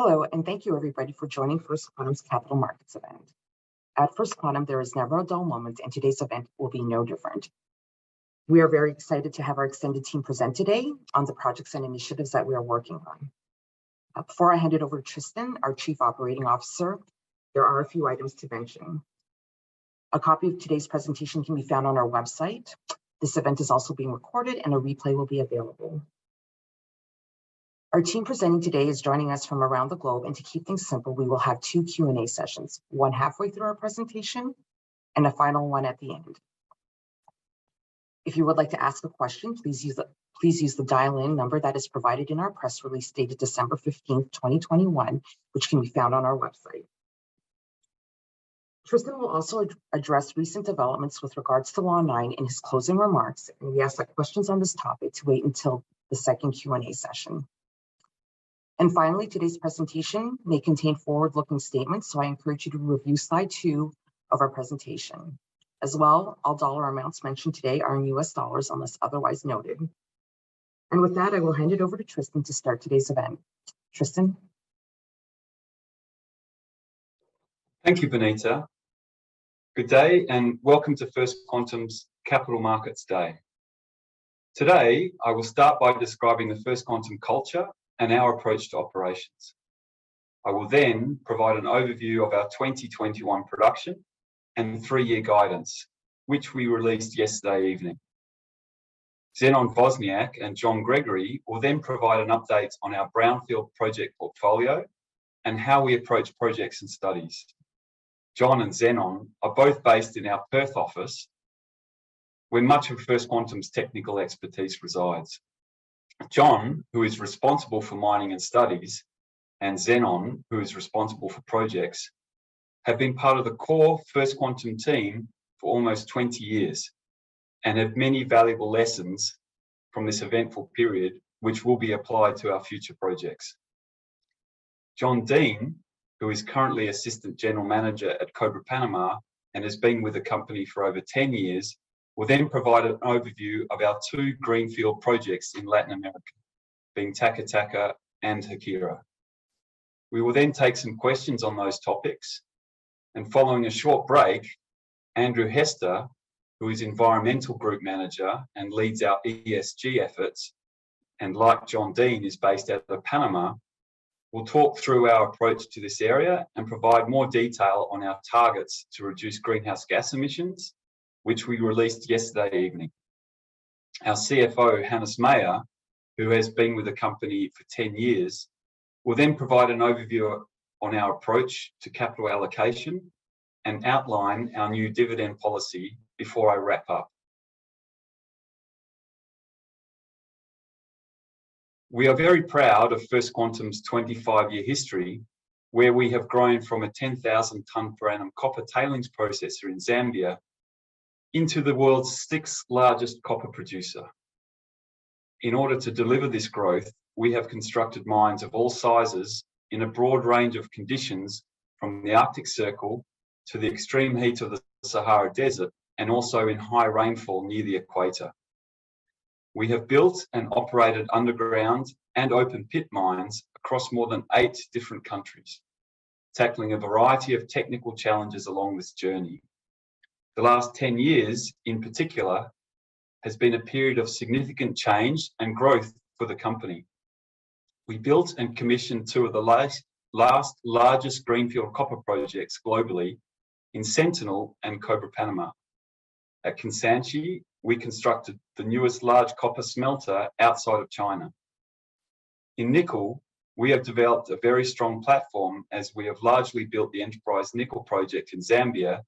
Hello, and thank you everybody for joining First Quantum's Capital Markets event. At First Quantum, there is never a dull moment, and today's event will be no different. We are very excited to have our extended team present today on the projects and initiatives that we are working on. Before I hand it over to Tristan, our Chief Operating Officer, there are a few items to mention. A copy of today's presentation can be found on our website. This event is also being recorded and a replay will be available. Our team presenting today is joining us from around the globe, and to keep things simple, we will have two Q&A sessions, one halfway through our presentation and a final one at the end. If you would like to ask a question, please use the dial-in number that is provided in our press release dated December 15th, 2021, which can be found on our website. Tristan will also address recent developments with regards to Lonmin in his closing remarks, and we ask that questions on this topic wait until the second Q&A session. Finally, today's presentation may contain forward-looking statements, so I encourage you to review slide two of our presentation. As well, all dollar amounts mentioned today are in U.S. dollars unless otherwise noted. With that, I will hand it over to Tristan to start today's event. Tristan? Thank you, Bonita. Good day, and welcome to First Quantum's Capital Markets Day. Today, I will start by describing the First Quantum culture and our approach to operations. I will then provide an overview of our 2021 production and the three-year guidance, which we released yesterday evening. Zenon Wozniak and John Gregory will then provide an update on our brownfield project portfolio and how we approach projects and studies. John and Zenon are both based in our Perth office, where much of First Quantum's technical expertise resides. John, who is responsible for mining and studies, and Zenon, who is responsible for projects, have been part of the core First Quantum team for almost 20 years and have many valuable lessons from this eventful period, which will be applied to our future projects. John Dean, who is currently Assistant General Manager at Cobre Panamá and has been with the company for over 10 years, will then provide an overview of our two greenfield projects in Latin America, being Taca Taca and Haquira. We will then take some questions on those topics, and following a short break, Andrew Hester, who is Environmental Group Manager and leads our ESG efforts, and like John Dean, is based out of Panama, will talk through our approach to this area and provide more detail on our targets to reduce greenhouse gas emissions, which we released yesterday evening. Our CFO, Hannes Meyer, who has been with the company for 10 years, will then provide an overview on our approach to capital allocation and outline our new dividend policy before I wrap up. We are very proud of First Quantum's 25-year history, where we have grown from a 10,000-ton per annum copper tailings processor in Zambia into the world's sixth-largest copper producer. In order to deliver this growth, we have constructed mines of all sizes in a broad range of conditions from the Arctic Circle to the extreme heat of the Sahara Desert, and also in high rainfall near the Equator. We have built and operated underground and open-pit mines across more than eight different countries, tackling a variety of technical challenges along this journey. The last 10 years, in particular, has been a period of significant change and growth for the company. We built and commissioned two of the last largest greenfield copper projects globally in Sentinel and Cobre Panamá. At Kansanshi, we constructed the newest large copper smelter outside of China. In nickel, we have developed a very strong platform as we have largely built the Enterprise nickel project in Zambia,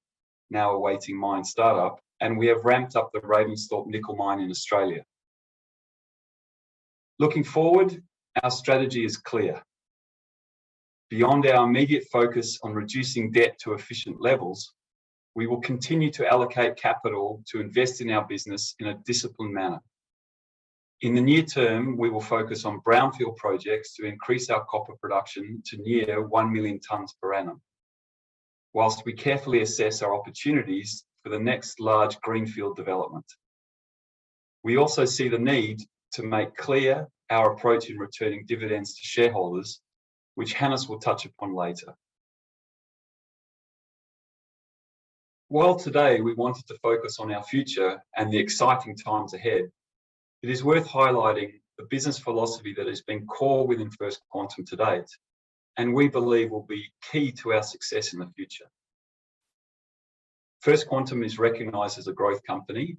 now awaiting mine startup, and we have ramped up the Ravensthorpe nickel mine in Australia. Looking forward, our strategy is clear. Beyond our immediate focus on reducing debt to efficient levels, we will continue to allocate capital to invest in our business in a disciplined manner. In the near term, we will focus on brownfield projects to increase our copper production to near 1 million tonnes per annum, whilst we carefully assess our opportunities for the next large greenfield development. We also see the need to make clear our approach in returning dividends to shareholders, which Hannes will touch upon later. While today we wanted to focus on our future and the exciting times ahead, it is worth highlighting the business philosophy that has been core within First Quantum to date, and we believe will be key to our success in the future. First Quantum is recognized as a growth company,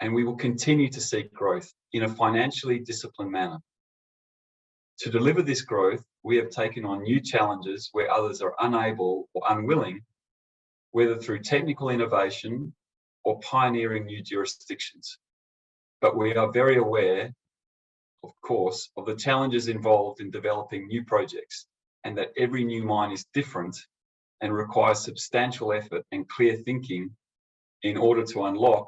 and we will continue to seek growth in a financially disciplined manner. To deliver this growth, we have taken on new challenges where others are unable or unwilling, whether through technical innovation or pioneering new jurisdictions. We are very aware, of course, of the challenges involved in developing new projects, and that every new mine is different and requires substantial effort and clear thinking in order to unlock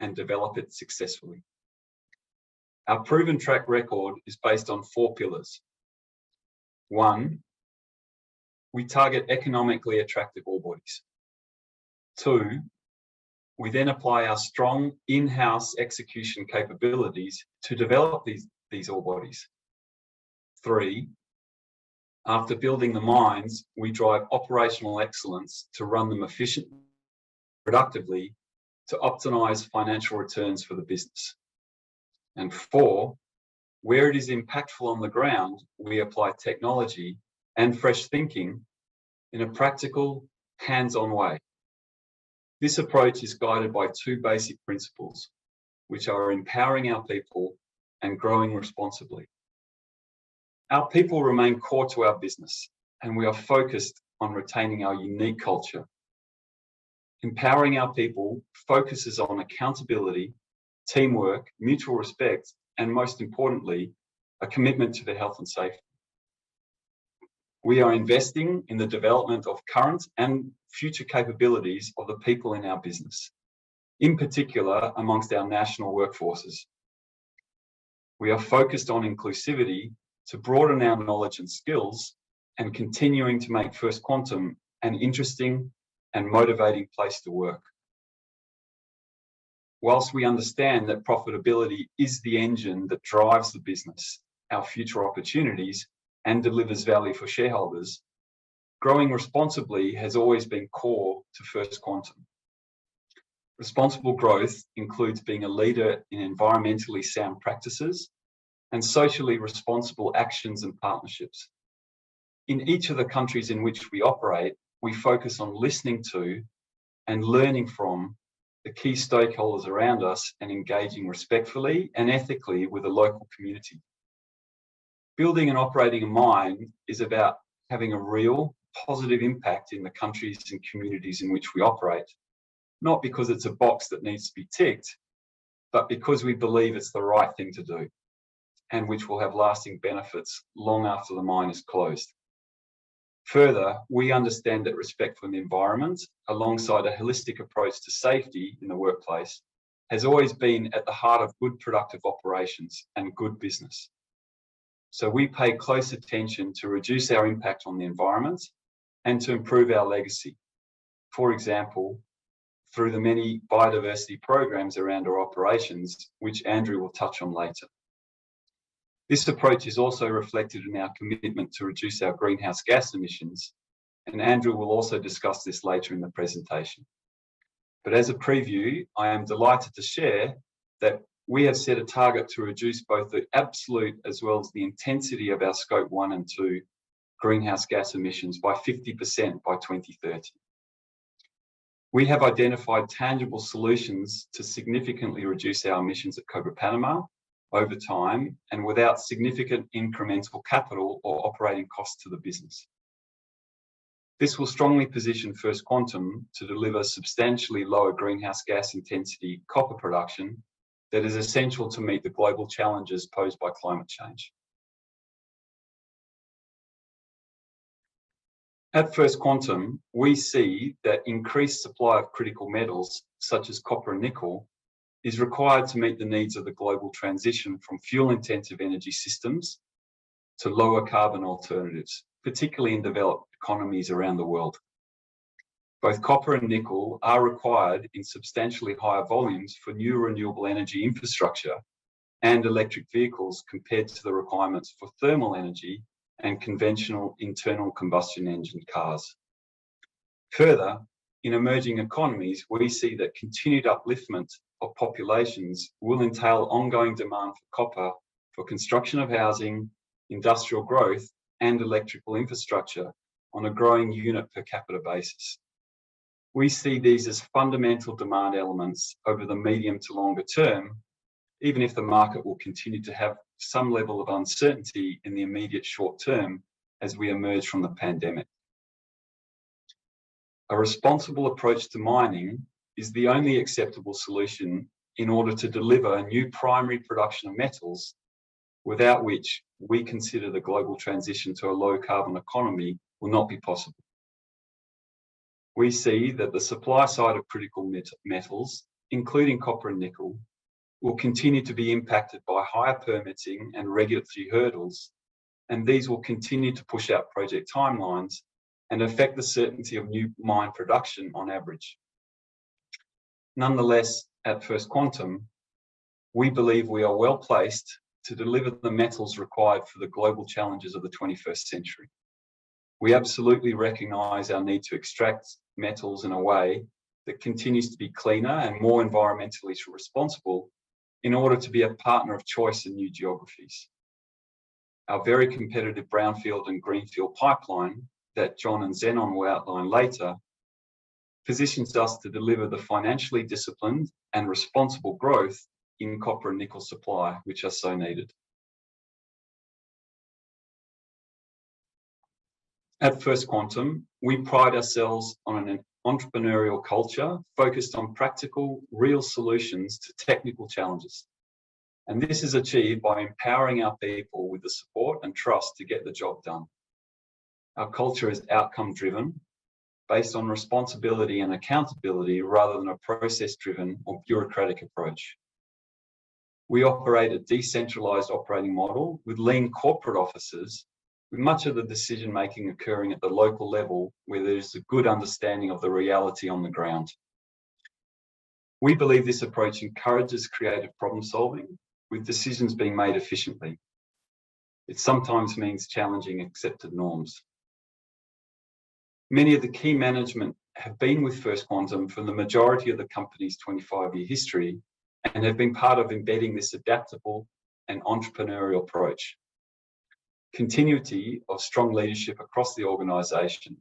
and develop it successfully. Our proven track record is based on four pillars. One, we target economically attractive ore bodies. Two, we then apply our strong in-house execution capabilities to develop these ore bodies. Three, after building the mines, we drive operational excellence to run them efficiently productively to optimize financial returns for the business. Four, where it is impactful on the ground, we apply technology and fresh thinking in a practical, hands-on way. This approach is guided by two basic principles, which are empowering our people and growing responsibly. Our people remain core to our business, and we are focused on retaining our unique culture. Empowering our people focuses on accountability, teamwork, mutual respect, and most importantly, a commitment to their health and safety. We are investing in the development of current and future capabilities of the people in our business, in particular amongst our national workforces. We are focused on inclusivity to broaden our knowledge and skills and continuing to make First Quantum an interesting and motivating place to work. While we understand that profitability is the engine that drives the business, our future opportunities, and delivers value for shareholders, growing responsibly has always been core to First Quantum. Responsible growth includes being a leader in environmentally sound practices and socially responsible actions and partnerships. In each of the countries in which we operate, we focus on listening to and learning from the key stakeholders around us and engaging respectfully and ethically with the local community. Building and operating a mine is about having a real positive impact in the countries and communities in which we operate, not because it's a box that needs to be ticked, but because we believe it's the right thing to do, and which will have lasting benefits long after the mine is closed. Further, we understand that respect for the environment, alongside a holistic approach to safety in the workplace, has always been at the heart of good, productive operations and good business. We pay close attention to reduce our impact on the environment and to improve our legacy. For example, through the many biodiversity programs around our operations, which Andrew will touch on later. This approach is also reflected in our commitment to reduce our greenhouse gas emissions, and Andrew will also discuss this later in the presentation. As a preview, I am delighted to share that we have set a target to reduce both the absolute as well as the intensity of our Scope 1 and Scope 2 greenhouse gas emissions by 50% by 2030. We have identified tangible solutions to significantly reduce our emissions at Cobre Panamá over time and without significant incremental capital or operating costs to the business. This will strongly position First Quantum to deliver substantially lower greenhouse gas intensity copper production that is essential to meet the global challenges posed by climate change. At First Quantum, we see that increased supply of critical metals, such as copper and nickel, is required to meet the needs of the global transition from fuel-intensive energy systems to lower carbon alternatives, particularly in developed economies around the world. Both copper and nickel are required in substantially higher volumes for new renewable energy infrastructure and electric vehicles compared to the requirements for thermal energy and conventional internal combustion engine cars. Further, in emerging economies, we see that continued upliftment of populations will entail ongoing demand for copper for construction of housing, industrial growth, and electrical infrastructure on a growing unit per capita basis. We see these as fundamental demand elements over the medium to longer term, even if the market will continue to have some level of uncertainty in the immediate short term as we emerge from the pandemic. A responsible approach to mining is the only acceptable solution in order to deliver new primary production of metals, without which we consider the global transition to a low-carbon economy will not be possible. We see that the supply side of critical metals, including copper and nickel, will continue to be impacted by higher permitting and regulatory hurdles, and these will continue to push out project timelines and affect the certainty of new mine production on average. Nonetheless, at First Quantum, we believe we are well-placed to deliver the metals required for the global challenges of the 21st century. We absolutely recognize our need to extract metals in a way that continues to be cleaner and more environmentally responsible in order to be a partner of choice in new geographies. Our very competitive brownfield and greenfield pipeline that John and Zenon will outline later positions us to deliver the financially disciplined and responsible growth in copper and nickel supply which are so needed. At First Quantum, we pride ourselves on an entrepreneurial culture focused on practical, real solutions to technical challenges, and this is achieved by empowering our people with the support and trust to get the job done. Our culture is outcome-driven, based on responsibility and accountability rather than a process-driven or bureaucratic approach. We operate a decentralized operating model with lean corporate offices, with much of the decision-making occurring at the local level where there's a good understanding of the reality on the ground. We believe this approach encourages creative problem-solving, with decisions being made efficiently. It sometimes means challenging accepted norms. Many of the key management have been with First Quantum for the majority of the company's 25-year history, and have been part of embedding this adaptable and entrepreneurial approach. Continuity of strong leadership across the organization,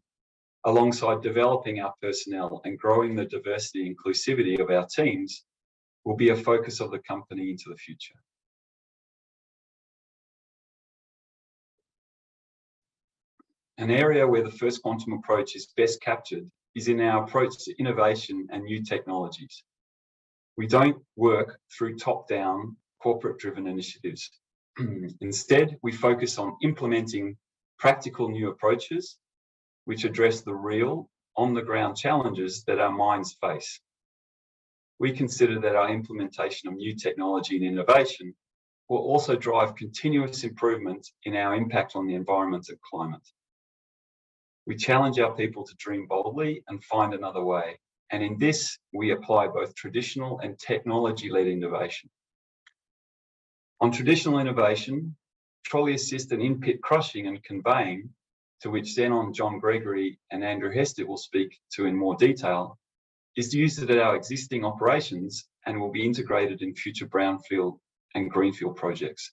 alongside developing our personnel and growing the diversity inclusivity of our teams, will be a focus of the company into the future. An area where the First Quantum approach is best captured is in our approach to innovation and new technologies. We don't work through top-down corporate driven initiatives. Instead, we focus on implementing practical new approaches which address the real on-the-ground challenges that our mines face. We consider that our implementation of new technology and innovation will also drive continuous improvement in our impact on the environment and climate. We challenge our people to dream boldly and find another way, and in this, we apply both traditional and technology-led innovation. On traditional innovation, trolley assist in-pit crushing and conveying, to which Zenon, John Gregory and Andrew Hester will speak to in more detail, is used at our existing operations and will be integrated in future brownfield and greenfield projects.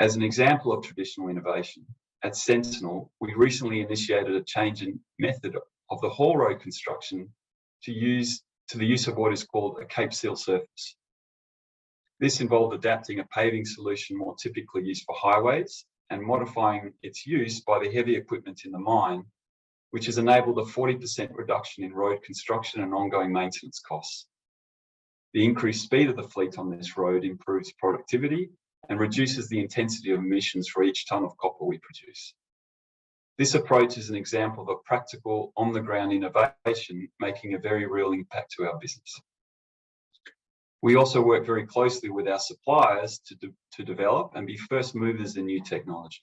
As an example of traditional innovation, at Sentinel, we recently initiated a change in method of the haul road construction to the use of what is called a cape seal surface. This involved adapting a paving solution more typically used for highways and modifying its use by the heavy equipment in the mine, which has enabled a 40% reduction in road construction and ongoing maintenance costs. The increased speed of the fleet on this road improves productivity and reduces the intensity of emissions for each ton of copper we produce. This approach is an example of a practical on-the-ground innovation making a very real impact to our business. We also work very closely with our suppliers to develop and be first movers in new technology.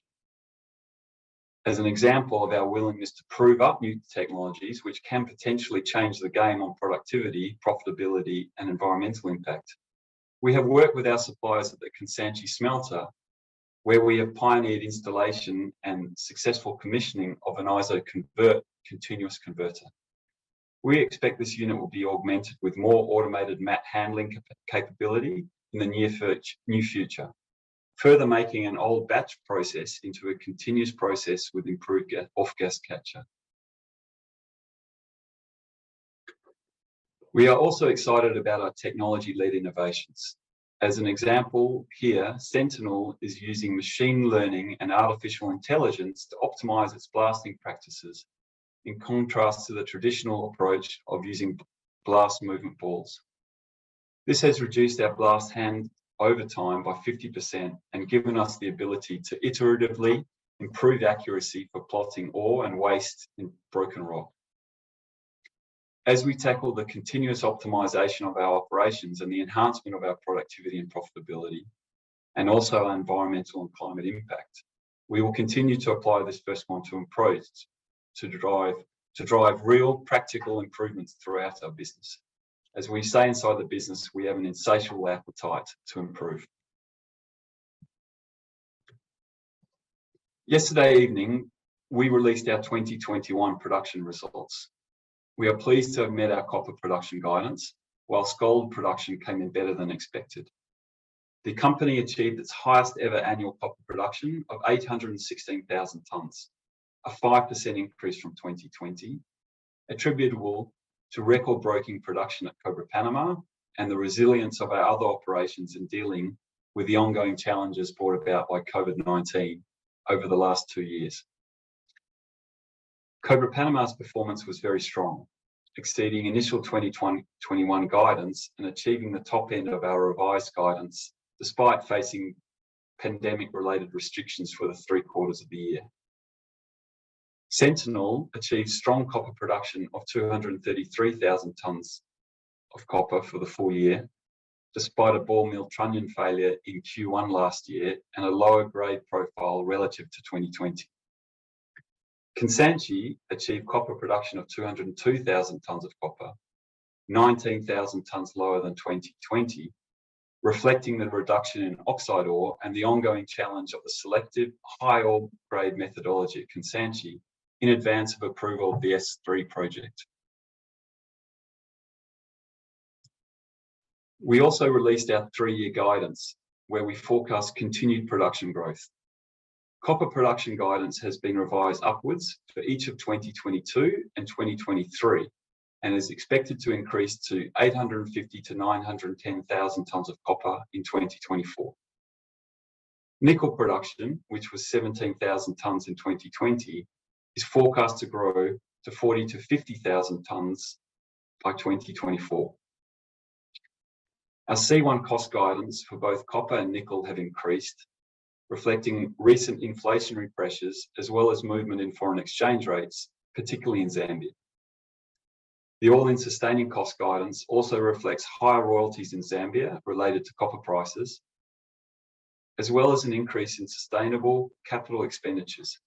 As an example of our willingness to prove up new technologies which can potentially change the game on productivity, profitability and environmental impact, we have worked with our suppliers at the Kansanshi smelter, where we have pioneered installation and successful commissioning of an ISACONVERT continuous converter. We expect this unit will be augmented with more automated matte handling capability in the near future, further making an old batch process into a continuous process with improved off-gas catcher. We are also excited about our technology-led innovations. As an example, here, Sentinel is using machine learning and artificial intelligence to optimize its blasting practices, in contrast to the traditional approach of using blast movement balls. This has reduced our blast hand over time by 50% and given us the ability to iteratively improve accuracy for plotting ore and waste in broken rock. As we tackle the continuous optimization of our operations and the enhancement of our productivity and profitability, and also our environmental and climate impact, we will continue to apply this First Quantum approach to drive real practical improvements throughout our business. As we say inside the business, we have an insatiable appetite to improve. Yesterday evening, we released our 2021 production results. We are pleased to have met our copper production guidance, while gold production came in better than expected. The company achieved its highest ever annual copper production of 816,000 tons, a 5% increase from 2020, attributable to record-breaking production at Cobre Panamá and the resilience of our other operations in dealing with the ongoing challenges brought about by COVID-19 over the last two years. Cobre Panamá's performance was very strong, exceeding initial 2021 guidance and achieving the top end of our revised guidance despite facing pandemic-related restrictions for the three quarters of the year. Sentinel achieved strong copper production of 233,000 tons of copper for the full year, despite a ball mill trunnion failure in Q1 last year and a lower grade profile relative to 2020. Kansanshi achieved copper production of 202,000 tons of copper, 19,000 tons lower than 2020, reflecting the reduction in oxide ore and the ongoing challenge of the selective high ore grade methodology at Kansanshi in advance of approval of the S3 project. We also released our three-year guidance where we forecast continued production growth. Copper production guidance has been revised upwards for each of 2022 and 2023, and is expected to increase to 850,000-910,000 tons of copper in 2024. Nickel production, which was 17,000 tons in 2020, is forecast to grow to 40,000-50,000 tons by 2024. Our C1 cost guidance for both copper and nickel have increased, reflecting recent inflationary pressures as well as movement in foreign exchange rates, particularly in Zambia. The all-in sustaining cost guidance also reflects higher royalties in Zambia related to copper prices, as well as an increase in sustainable capital expenditures.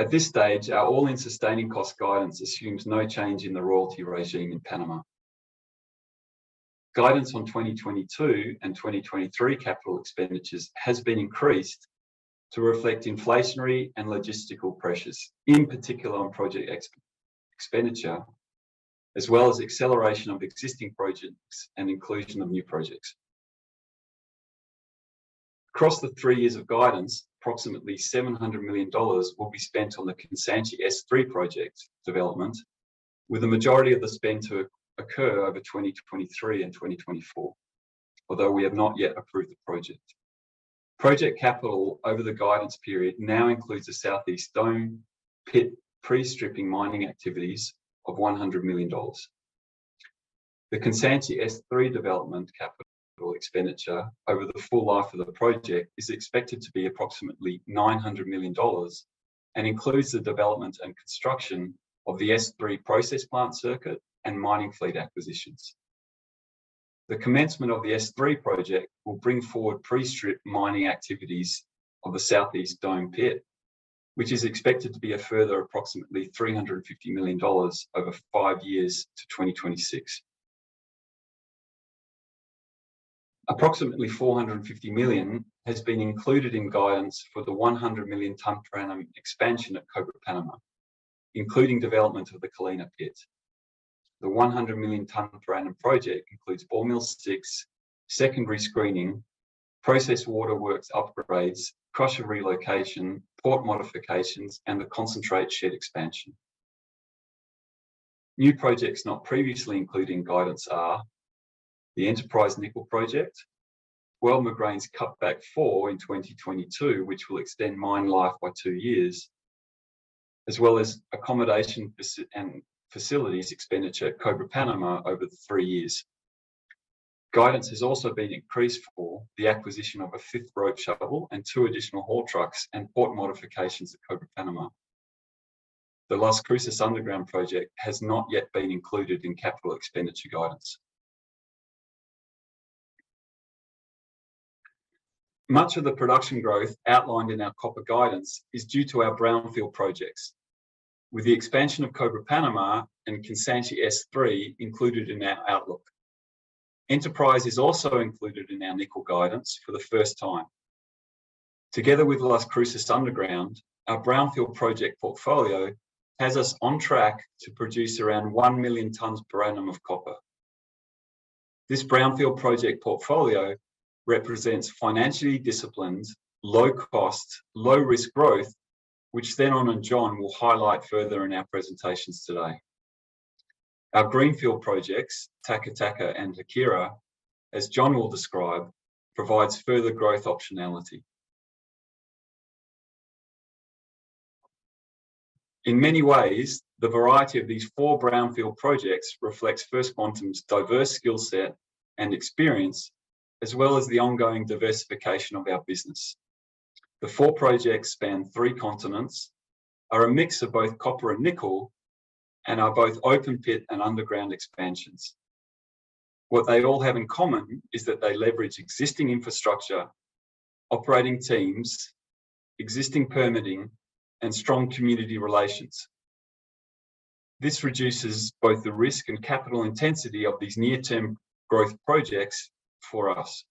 At this stage, our all-in sustaining cost guidance assumes no change in the royalty regime in Panama. Guidance on 2022 and 2023 capital expenditures has been increased to reflect inflationary and logistical pressures, in particular on project expenditure, as well as acceleration of existing projects and inclusion of new projects. Across the three years of guidance, approximately $700 million will be spent on the Kansanshi S3 project development, with the majority of the spend to occur over 2023 and 2024, although we have not yet approved the project. Project capital over the guidance period now includes a Southeast Dome pit pre-stripping mining activities of $100 million. The Kansanshi S3 development capital expenditure over the full life of the project is expected to be approximately $900 million and includes the development and construction of the S3 process plant circuit and mining fleet acquisitions. The commencement of the S3 project will bring forward pre-strip mining activities of the Southeast Dome pit, which is expected to be a further approximately $350 million over five years to 2026. Approximately $450 million has been included in guidance for the 100 million tonnes per annum expansion at Cobre Panamá, including development of the Colina pit. The 100 million tonne per annum project includes ball mill 6, secondary screening, process water works upgrades, crusher relocation, port modifications, and the concentrate shed expansion. New projects not previously included in guidance are the Enterprise Nickel Project, Guelb Moghrein's Cutback 4 in 2022, which will extend mine life by two years, as well as accommodation and facilities expenditure at Cobre Panamá over the three years. Guidance has also been increased for the acquisition of a fifth road shuttle and two additional haul trucks and port modifications at Cobre Panamá. The Las Cruces underground project has not yet been included in capital expenditure guidance. Much of the production growth outlined in our copper guidance is due to our brownfield projects, with the expansion of Cobre Panamá and Kansanshi S3 included in our outlook. Enterprise is also included in our nickel guidance for the first time. Together with Las Cruces underground, our brownfield project portfolio has us on track to produce around 1 million tons per annum of copper. This brownfield project portfolio represents financially disciplined, low cost, low risk growth, which Zenon and John will highlight further in our presentations today. Our greenfield projects, Taca Taca and Haquira, as John will describe, provides further growth optionality. In many ways, the variety of these four brownfield projects reflects First Quantum's diverse skill set and experience, as well as the ongoing diversification of our business. The four projects span three continents, are a mix of both copper and nickel, and are both open pit and underground expansions. What they all have in common is that they leverage existing infrastructure, operating teams, existing permitting, and strong community relations. This reduces both the risk and capital intensity of these near term growth projects for us.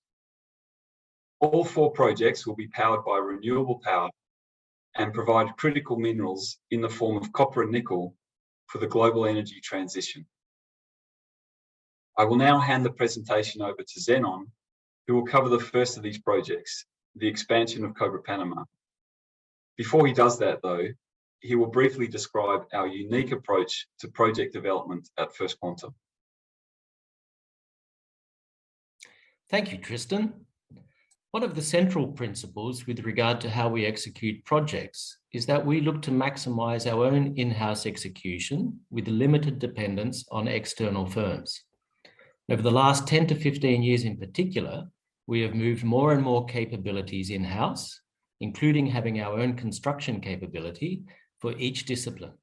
All four projects will be powered by renewable power and provide critical minerals in the form of copper and nickel for the global energy transition. I will now hand the presentation over to Zenon, who will cover the first of these projects, the expansion of Cobre Panamá. Before he does that, though, he will briefly describe our unique approach to project development at First Quantum. Thank you, Tristan. One of the central principles with regard to how we execute projects is that we look to maximize our own in-house execution with limited dependence on external firms. Over the last 10-15 years in particular, we have moved more and more capabilities in-house, including having our own construction capability for each discipline.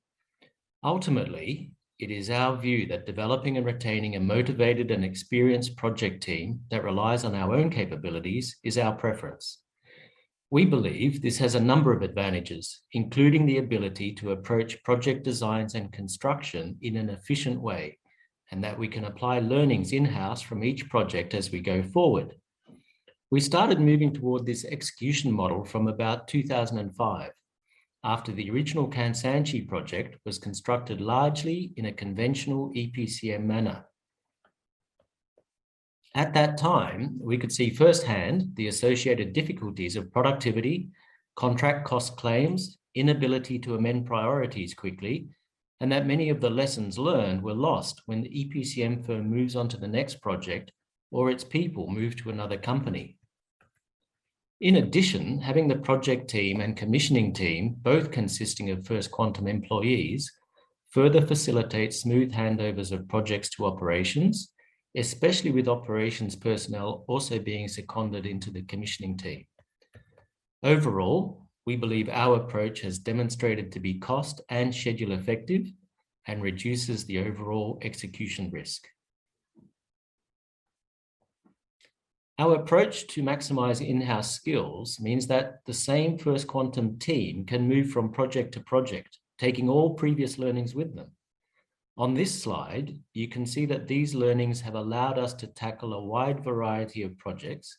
Ultimately, it is our view that developing and retaining a motivated and experienced project team that relies on our own capabilities is our preference. We believe this has a number of advantages, including the ability to approach project designs and construction in an efficient way, and that we can apply learnings in-house from each project as we go forward. We started moving toward this execution model from about 2005, after the original Kansanshi project was constructed largely in a conventional EPCM manner. At that time, we could see firsthand the associated difficulties of productivity, contract cost claims, inability to amend priorities quickly, and that many of the lessons learned were lost when the EPCM firm moves on to the next project or its people move to another company. In addition, having the project team and commissioning team, both consisting of First Quantum employees, further facilitates smooth handovers of projects to operations, especially with operations personnel also being seconded into the commissioning team. Overall, we believe our approach has demonstrated to be cost and schedule effective and reduces the overall execution risk. Our approach to maximize in-house skills means that the same First Quantum team can move from project to project, taking all previous learnings with them. On this slide, you can see that these learnings have allowed us to tackle a wide variety of projects,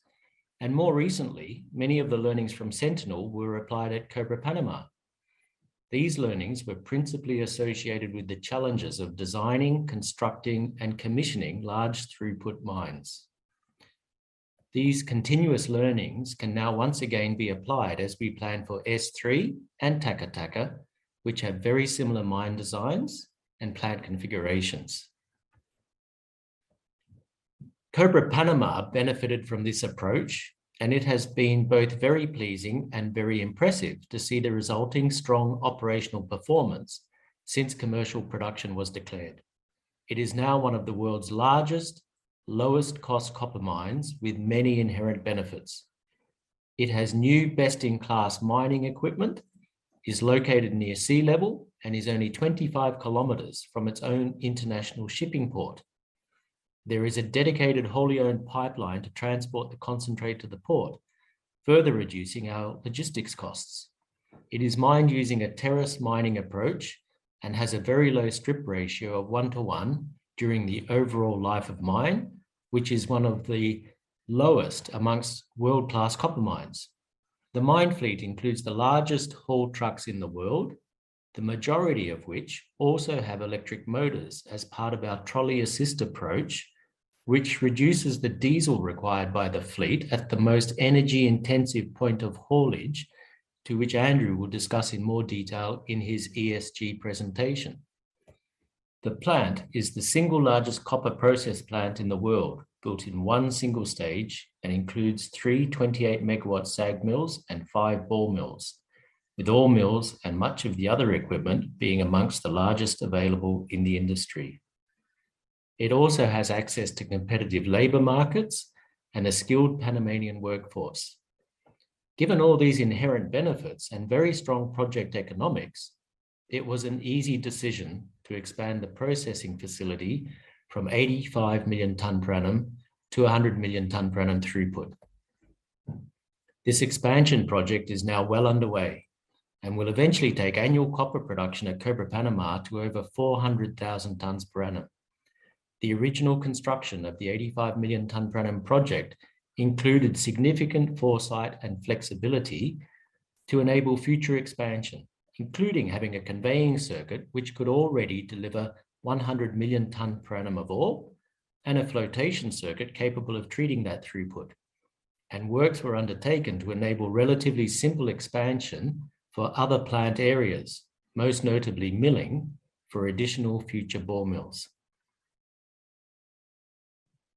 and more recently, many of the learnings from Sentinel were applied at Cobre Panamá. These learnings were principally associated with the challenges of designing, constructing, and commissioning large throughput mines. These continuous learnings can now once again be applied as we plan for S3 and Taca Taca, which have very similar mine designs and plant configurations. Cobre Panamá benefited from this approach, and it has been both very pleasing and very impressive to see the resulting strong operational performance since commercial production was declared. It is now one of the world's largest, lowest cost copper mines with many inherent benefits. It has new best-in-class mining equipment, is located near sea level, and is only 25 km from its own international shipping port. There is a dedicated wholly owned pipeline to transport the concentrate to the port, further reducing our logistics costs. It is mined using a terrace mining approach and has a very low strip ratio of 1:1 during the overall life of mine, which is one of the lowest among world-class copper mines. The mine fleet includes the largest haul trucks in the world, the majority of which also have electric motors as part of our trolley assist approach, which reduces the diesel required by the fleet at the most energy intensive point of haulage, to which Andrew will discuss in more detail in his ESG presentation. The plant is the single largest copper processing plant in the world, built in one single stage and includes three 28-MW SAG mills and five ball mills, with all mills and much of the other equipment being among the largest available in the industry. It also has access to competitive labor markets and a skilled Panamanian workforce. Given all these inherent benefits and very strong project economics, it was an easy decision to expand the processing facility from 85 million tons per annum to 100 million tons per annum throughput. This expansion project is now well underway and will eventually take annual copper production at Cobre Panamá to over 400,000 tons per annum. The original construction of the 85 million tonnes per annum project included significant foresight and flexibility to enable future expansion, including having a conveying circuit which could already deliver 100 million tonnes per annum of ore and a flotation circuit capable of treating that throughput. Works were undertaken to enable relatively simple expansion for other plant areas, most notably milling for additional future ball mills.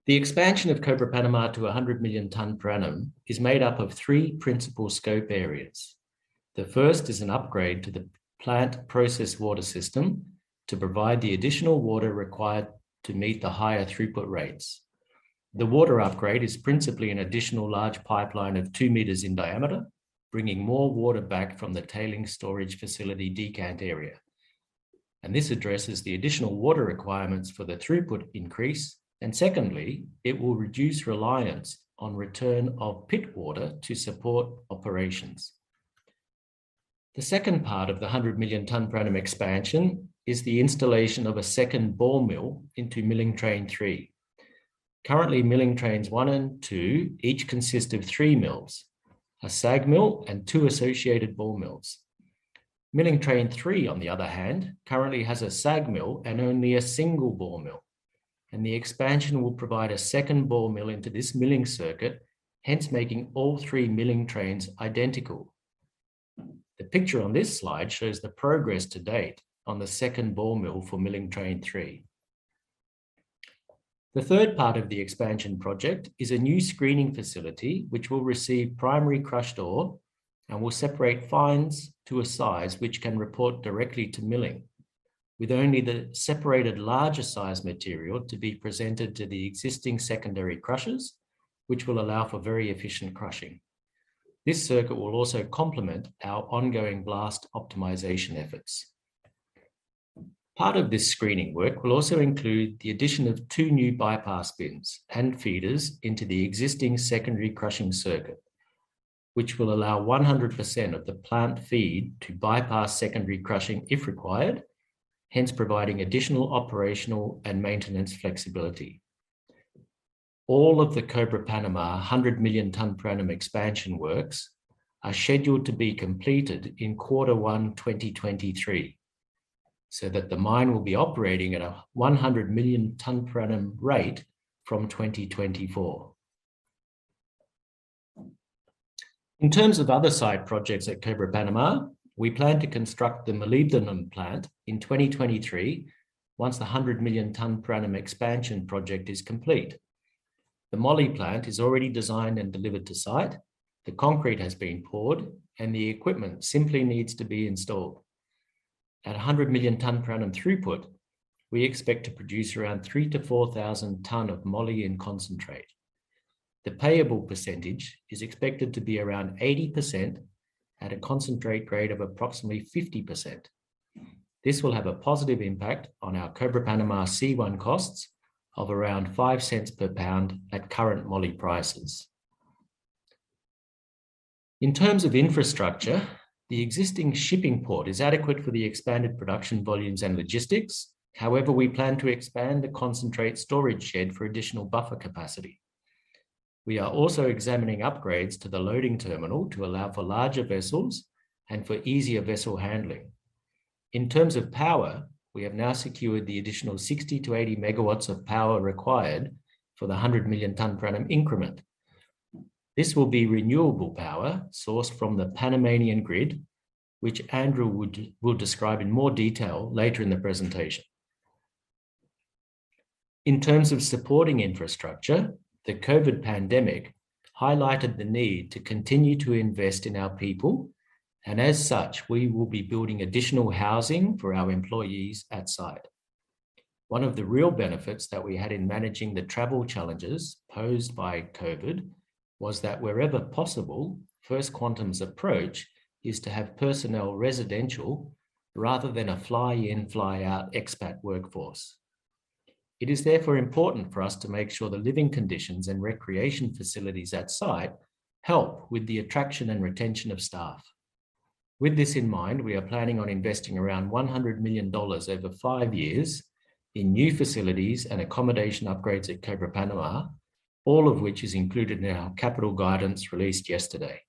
The expansion of Cobre Panamá to a 100 million tonnes per annum is made up of three principal scope areas. The first is an upgrade to the plant process water system to provide the additional water required to meet the higher throughput rates. The water upgrade is principally an additional large pipeline of 2 m in diameter, bringing more water back from the tailings storage facility decant area. This addresses the additional water requirements for the throughput increase, and secondly, it will reduce reliance on return of pit water to support operations. The second part of the 100 million tonnes per annum expansion is the installation of a second ball mill into Milling Train Three. Currently, Milling Trains One and Two each consist of three mills, a SAG mill and two associated ball mills. Milling Train Three, on the other hand, currently has a SAG mill and only a single ball mill, and the expansion will provide a second ball mill into this milling circuit, hence making all three milling trains identical. The picture on this slide shows the progress to date on the second ball mill for Milling Train Three. The third part of the expansion project is a new screening facility which will receive primary crushed ore and will separate fines to a size which can report directly to milling, with only the separated larger size material to be presented to the existing secondary crushers, which will allow for very efficient crushing. This circuit will also complement our ongoing blast optimization efforts. Part of this screening work will also include the addition of two new bypass bins and feeders into the existing secondary crushing circuit, which will allow 100% of the plant feed to bypass secondary crushing if required, hence providing additional operational and maintenance flexibility. All of the Cobre Panamá 100 million tonnes per annum expansion works are scheduled to be completed in Q1 2023 so that the mine will be operating at a 100 million tonnes per annum rate from 2024. In terms of other side projects at Cobre Panamá, we plan to construct the molybdenum plant in 2023 once the 100 million tonne per annum expansion project is complete. The moly plant is already designed and delivered to site. The concrete has been poured and the equipment simply needs to be installed. At a 100 million tonne per annum throughput, we expect to produce around 3,000-4,000 tonnes of moly in concentrate. The payable percentage is expected to be around 80% at a concentrate grade of approximately 50%. This will have a positive impact on our Cobre Panamá C1 costs of around $0.05 per pound at current moly prices. In terms of infrastructure, the existing shipping port is adequate for the expanded production volumes and logistics. However, we plan to expand the concentrate storage shed for additional buffer capacity. We are also examining upgrades to the loading terminal to allow for larger vessels and for easier vessel handling. In terms of power, we have now secured the additional 60-80 MW of power required for the 100 million tonne per annum increment. This will be renewable power sourced from the Panamanian grid, which Andrew will describe in more detail later in the presentation. In terms of supporting infrastructure, the COVID pandemic highlighted the need to continue to invest in our people, and as such, we will be building additional housing for our employees at site. One of the real benefits that we had in managing the travel challenges posed by COVID was that wherever possible, First Quantum's approach is to have personnel residential rather than a fly-in, fly-out expat workforce. It is therefore important for us to make sure the living conditions and recreation facilities at site help with the attraction and retention of staff. With this in mind, we are planning on investing around $100 million over five years in new facilities and accommodation upgrades at Cobre Panamá, all of which is included in our capital guidance released yesterday.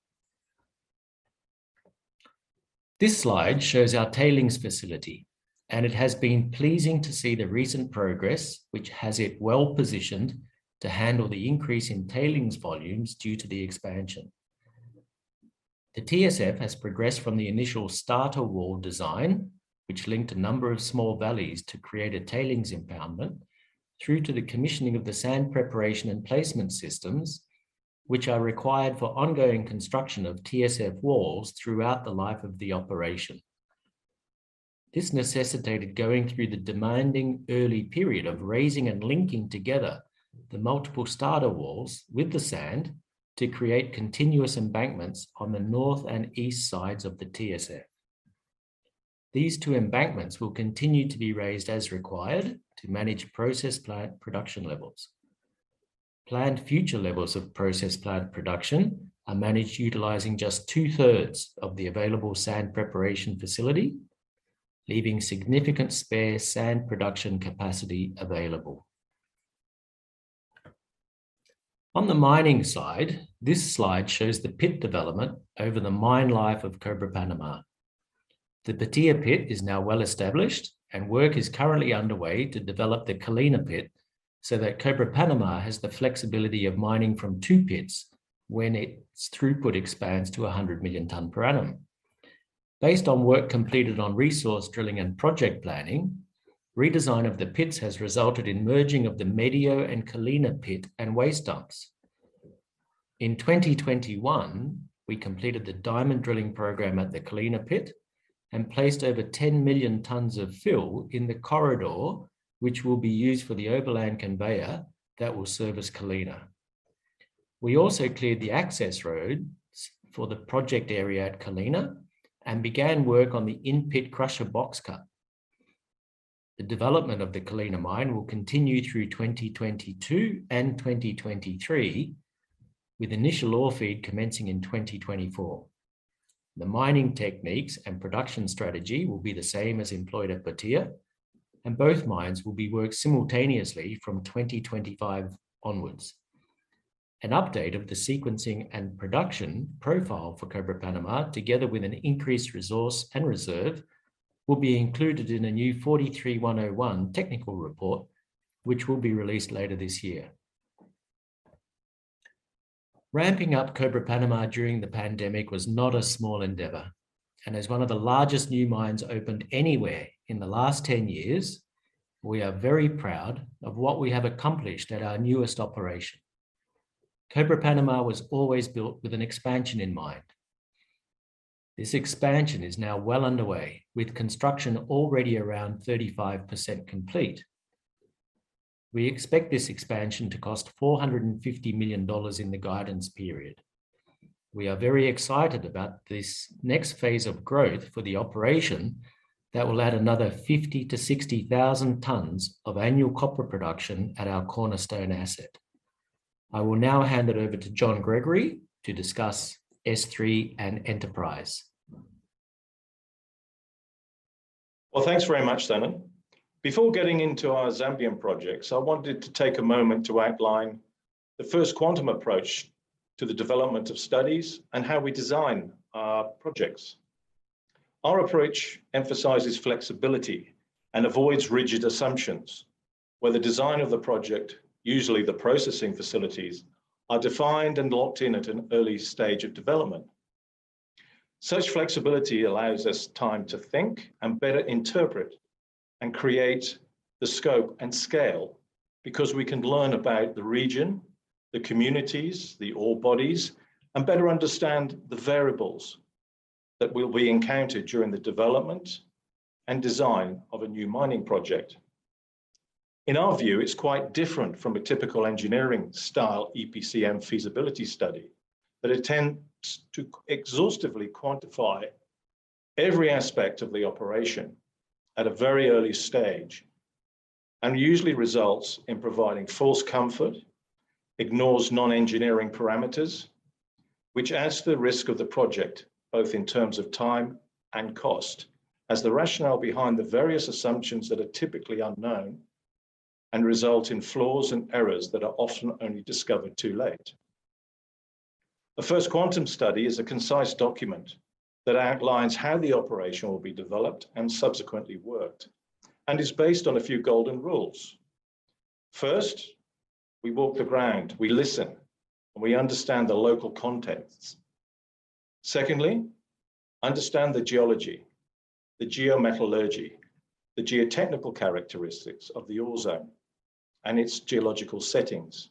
This slide shows our tailings facility, and it has been pleasing to see the recent progress, which has it well-positioned to handle the increase in tailings volumes due to the expansion. The TSF has progressed from the initial starter wall design, which linked a number of small valleys to create a tailings impoundment, through to the commissioning of the sand preparation and placement systems, which are required for ongoing construction of TSF walls throughout the life of the operation. This necessitated going through the demanding early period of raising and linking together the multiple starter walls with the sand to create continuous embankments on the north and east sides of the TSF. These two embankments will continue to be raised as required to manage process plant production levels. Planned future levels of process plant production are managed utilizing just 2/3 of the available sand preparation facility, leaving significant spare sand production capacity available. On the mining side, this slide shows the pit development over the mine life of Cobre Panamá. The Botija pit is now well established, and work is currently underway to develop the Colina pit so that Cobre Panamá has the flexibility of mining from two pits when its throughput expands to 100 million tonnes per annum. Based on work completed on resource drilling and project planning, redesign of the pits has resulted in merging of the Medio and Colina pit and waste dumps. In 2021, we completed the diamond drilling program at the Colina pit and placed over 10 million tonnes of fill in the corridor, which will be used for the overland conveyor that will service Colina. We also cleared the access roads for the project area at Colina and began work on the in-pit crusher box cut. The development of the Colina mine will continue through 2022 and 2023, with initial ore feed commencing in 2024. The mining techniques and production strategy will be the same as employed at Botija, and both mines will be worked simultaneously from 2025 onwards. An update of the sequencing and production profile for Cobre Panamá, together with an increased resource and reserve, will be included in a new NI 43-101 technical report, which will be released later this year. Ramping up Cobre Panamá during the pandemic was not a small endeavor, and as one of the largest new mines opened anywhere in the last 10 years, we are very proud of what we have accomplished at our newest operation. Cobre Panamá was always built with an expansion in mind. This expansion is now well underway, with construction already around 35% complete. We expect this expansion to cost $450 million in the guidance period. We are very excited about this next phase of growth for the operation that will add another 50,000-60,000 tonnes of annual copper production at our cornerstone asset. I will now hand it over to John Gregory to discuss S3 and Enterprise. Well, thanks very much, Zenon. Before getting into our Zambian projects, I wanted to take a moment to outline the First Quantum approach to the development of studies and how we design our projects. Our approach emphasizes flexibility and avoids rigid assumptions, where the design of the project, usually the processing facilities, are defined and locked in at an early stage of development. Such flexibility allows us time to think and better interpret and create the scope and scale, because we can learn about the region, the communities, the ore bodies, and better understand the variables that will be encountered during the development and design of a new mining project. In our view, it's quite different from a typical engineering style EPCM feasibility study that attempts to exhaustively quantify every aspect of the operation at a very early stage, and usually results in providing false comfort, ignores non-engineering parameters, which adds to the risk of the project, both in terms of time and cost, as the rationale behind the various assumptions that are typically unknown and result in flaws and errors that are often only discovered too late. A First Quantum study is a concise document that outlines how the operation will be developed and subsequently worked, and is based on a few golden rules. First, we walk the ground, we listen, and we understand the local context. Secondly, understand the geology, the geometallurgy, the geotechnical characteristics of the ore zone and its geological settings.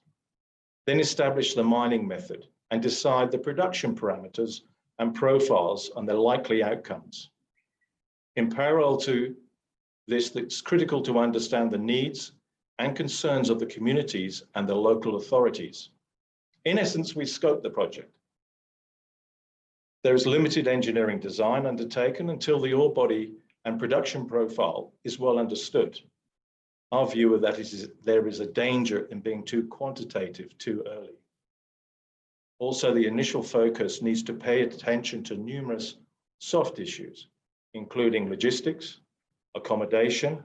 Establish the mining method and decide the production parameters and profiles and their likely outcomes. In parallel to this, it's critical to understand the needs and concerns of the communities and the local authorities. In essence, we scope the project. There is limited engineering design undertaken until the ore body and production profile is well understood. Our view of that is there is a danger in being too quantitative too early. Also, the initial focus needs to pay attention to numerous soft issues, including logistics, accommodation,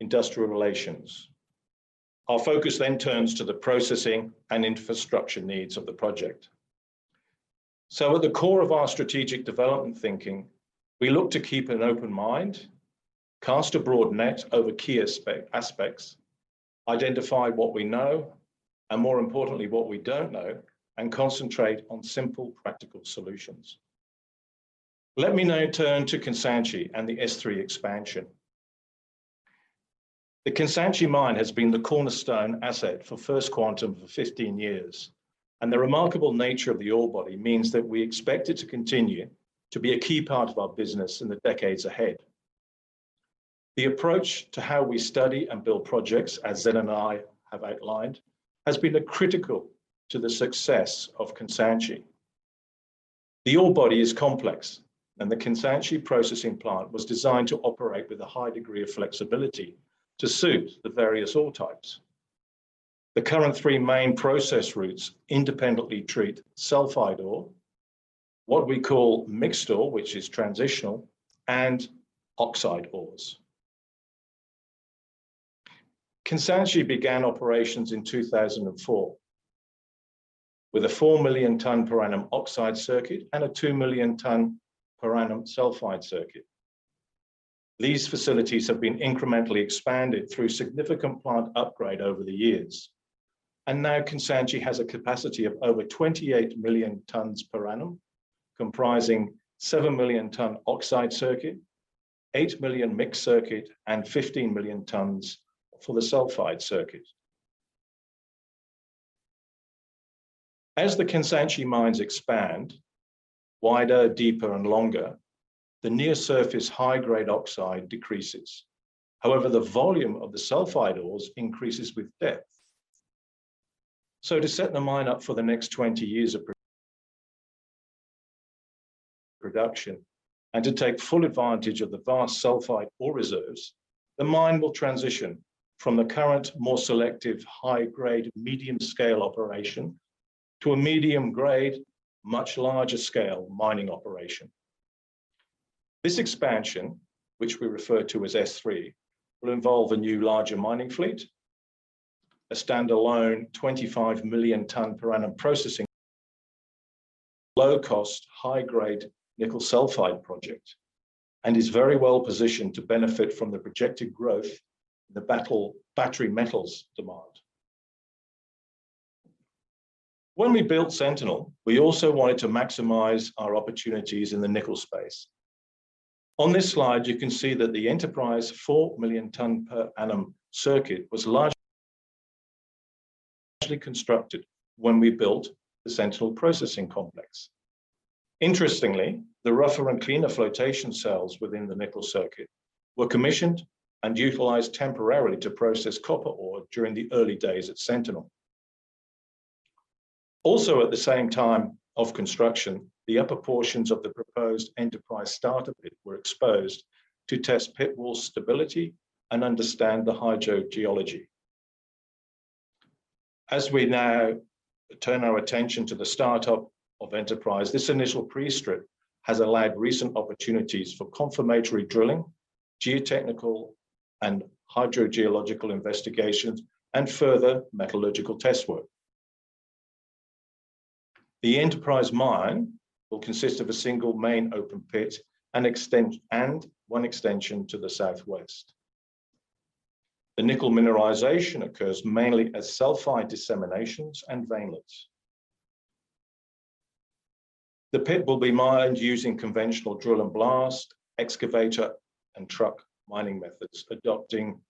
industrial relations. Our focus then turns to the processing and infrastructure needs of the project. At the core of our strategic development thinking, we look to keep an open mind, cast a broad net over key aspects, identify what we know, and more importantly, what we don't know, and concentrate on simple, practical solutions. Let me now turn to Kansanshi and the S3 expansion. The Kansanshi mine has been the cornerstone asset for First Quantum for 15 years, and the remarkable nature of the ore body means that we expect it to continue to be a key part of our business in the decades ahead. The approach to how we study and build projects, as Zen and I have outlined, has been critical to the success of Kansanshi. The ore body is complex, and the Kansanshi processing plant was designed to operate with a high degree of flexibility to suit the various ore types. The current three main process routes independently treat sulfide ore, what we call mixed ore, which is transitional, and oxide ores. Kansanshi began operations in 2004 with a 4 million tons per annum oxide circuit and a 2 million tons per annum sulfide circuit. These facilities have been incrementally expanded through significant plant upgrade over the years, and now Kansanshi has a capacity of over 28 million tons per annum, comprising 7 million ton oxide circuit, 8 million mixed circuit, and 15 million tons for the sulfide circuit. As the Kansanshi mines expand wider, deeper and longer, the near-surface high-grade oxide decreases. However, the volume of the sulfide ores increases with depth. To set the mine up for the next 20 years of production and to take full advantage of the vast sulfide ore reserves, the mine will transition from the current more selective high-grade medium scale operation to a medium grade, much larger scale mining operation. This expansion, which we refer to as S3, will involve a new larger mining fleet, a standalone 25 million ton per annum processing. Low-cost, high-grade nickel sulfide project, and is very well positioned to benefit from the projected growth in the battery metals demand. When we built Sentinel, we also wanted to maximize our opportunities in the nickel space. On this slide, you can see that the Enterprise 4 million ton per annum circuit was largely constructed when we built the Sentinel processing complex. Interestingly, the rougher and cleaner flotation cells within the nickel circuit were commissioned and utilized temporarily to process copper ore during the early days at Sentinel. Also, at the same time of construction, the upper portions of the proposed Enterprise starter pit were exposed to test pit wall stability and understand the hydrogeology. As we now turn our attention to the startup of Enterprise, this initial pre-strip has allowed recent opportunities for confirmatory drilling, geotechnical and hydrogeological investigations, and further metallurgical test work. The Enterprise mine will consist of a single main open pit and one extension to the southwest. The nickel mineralization occurs mainly as sulfide disseminations and veinlets. The pit will be mined using conventional drill and blast, excavator and truck mining methods, adopting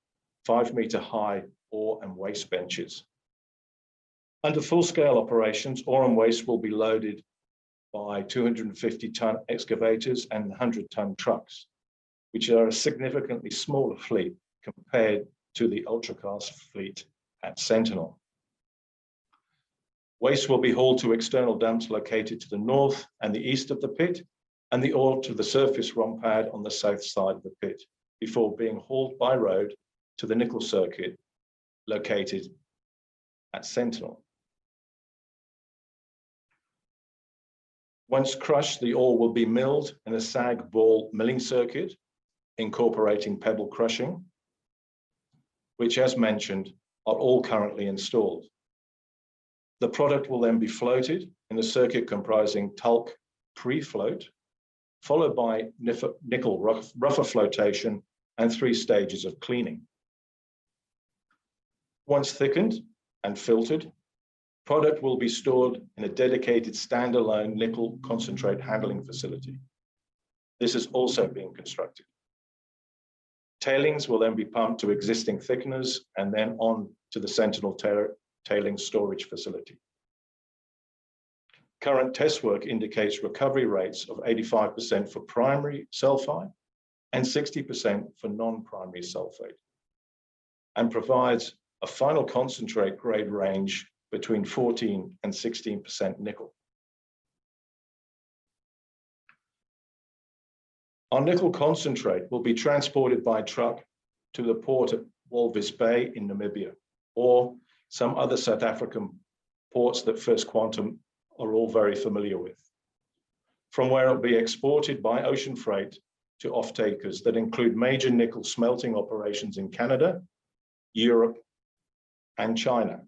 5 m high ore and waste benches. Under full scale operations, ore and waste will be loaded by 250-ton excavators and 100-ton trucks, which are a significantly smaller fleet compared to the ultra-class fleet at Sentinel. Waste will be hauled to external dumps located to the north and the east of the pit, and the ore to the surface ROM pad on the south side of the pit before being hauled by road to the nickel circuit located at Sentinel. Once crushed, the ore will be milled in a SAG ball milling circuit incorporating pebble crushing, which as mentioned, are all currently installed. The product will then be floated in a circuit comprising talc pre-float, followed by Nickel rougher flotation, and three stages of cleaning. Once thickened and filtered, product will be stored in a dedicated stand-alone nickel concentrate handling facility. This is also being constructed. Tailings will then be pumped to existing thickeners and then on to the Sentinel tailings storage facility. Current test work indicates recovery rates of 85% for primary sulfide and 60% for non-primary sulfide, and provides a final concentrate grade range between 14%-16% nickel. Our nickel concentrate will be transported by truck to the port at Walvis Bay in Namibia or some other South African ports that First Quantum are all very familiar with. From where it'll be exported by ocean freight to off-takers that include major nickel smelting operations in Canada, Europe, and China.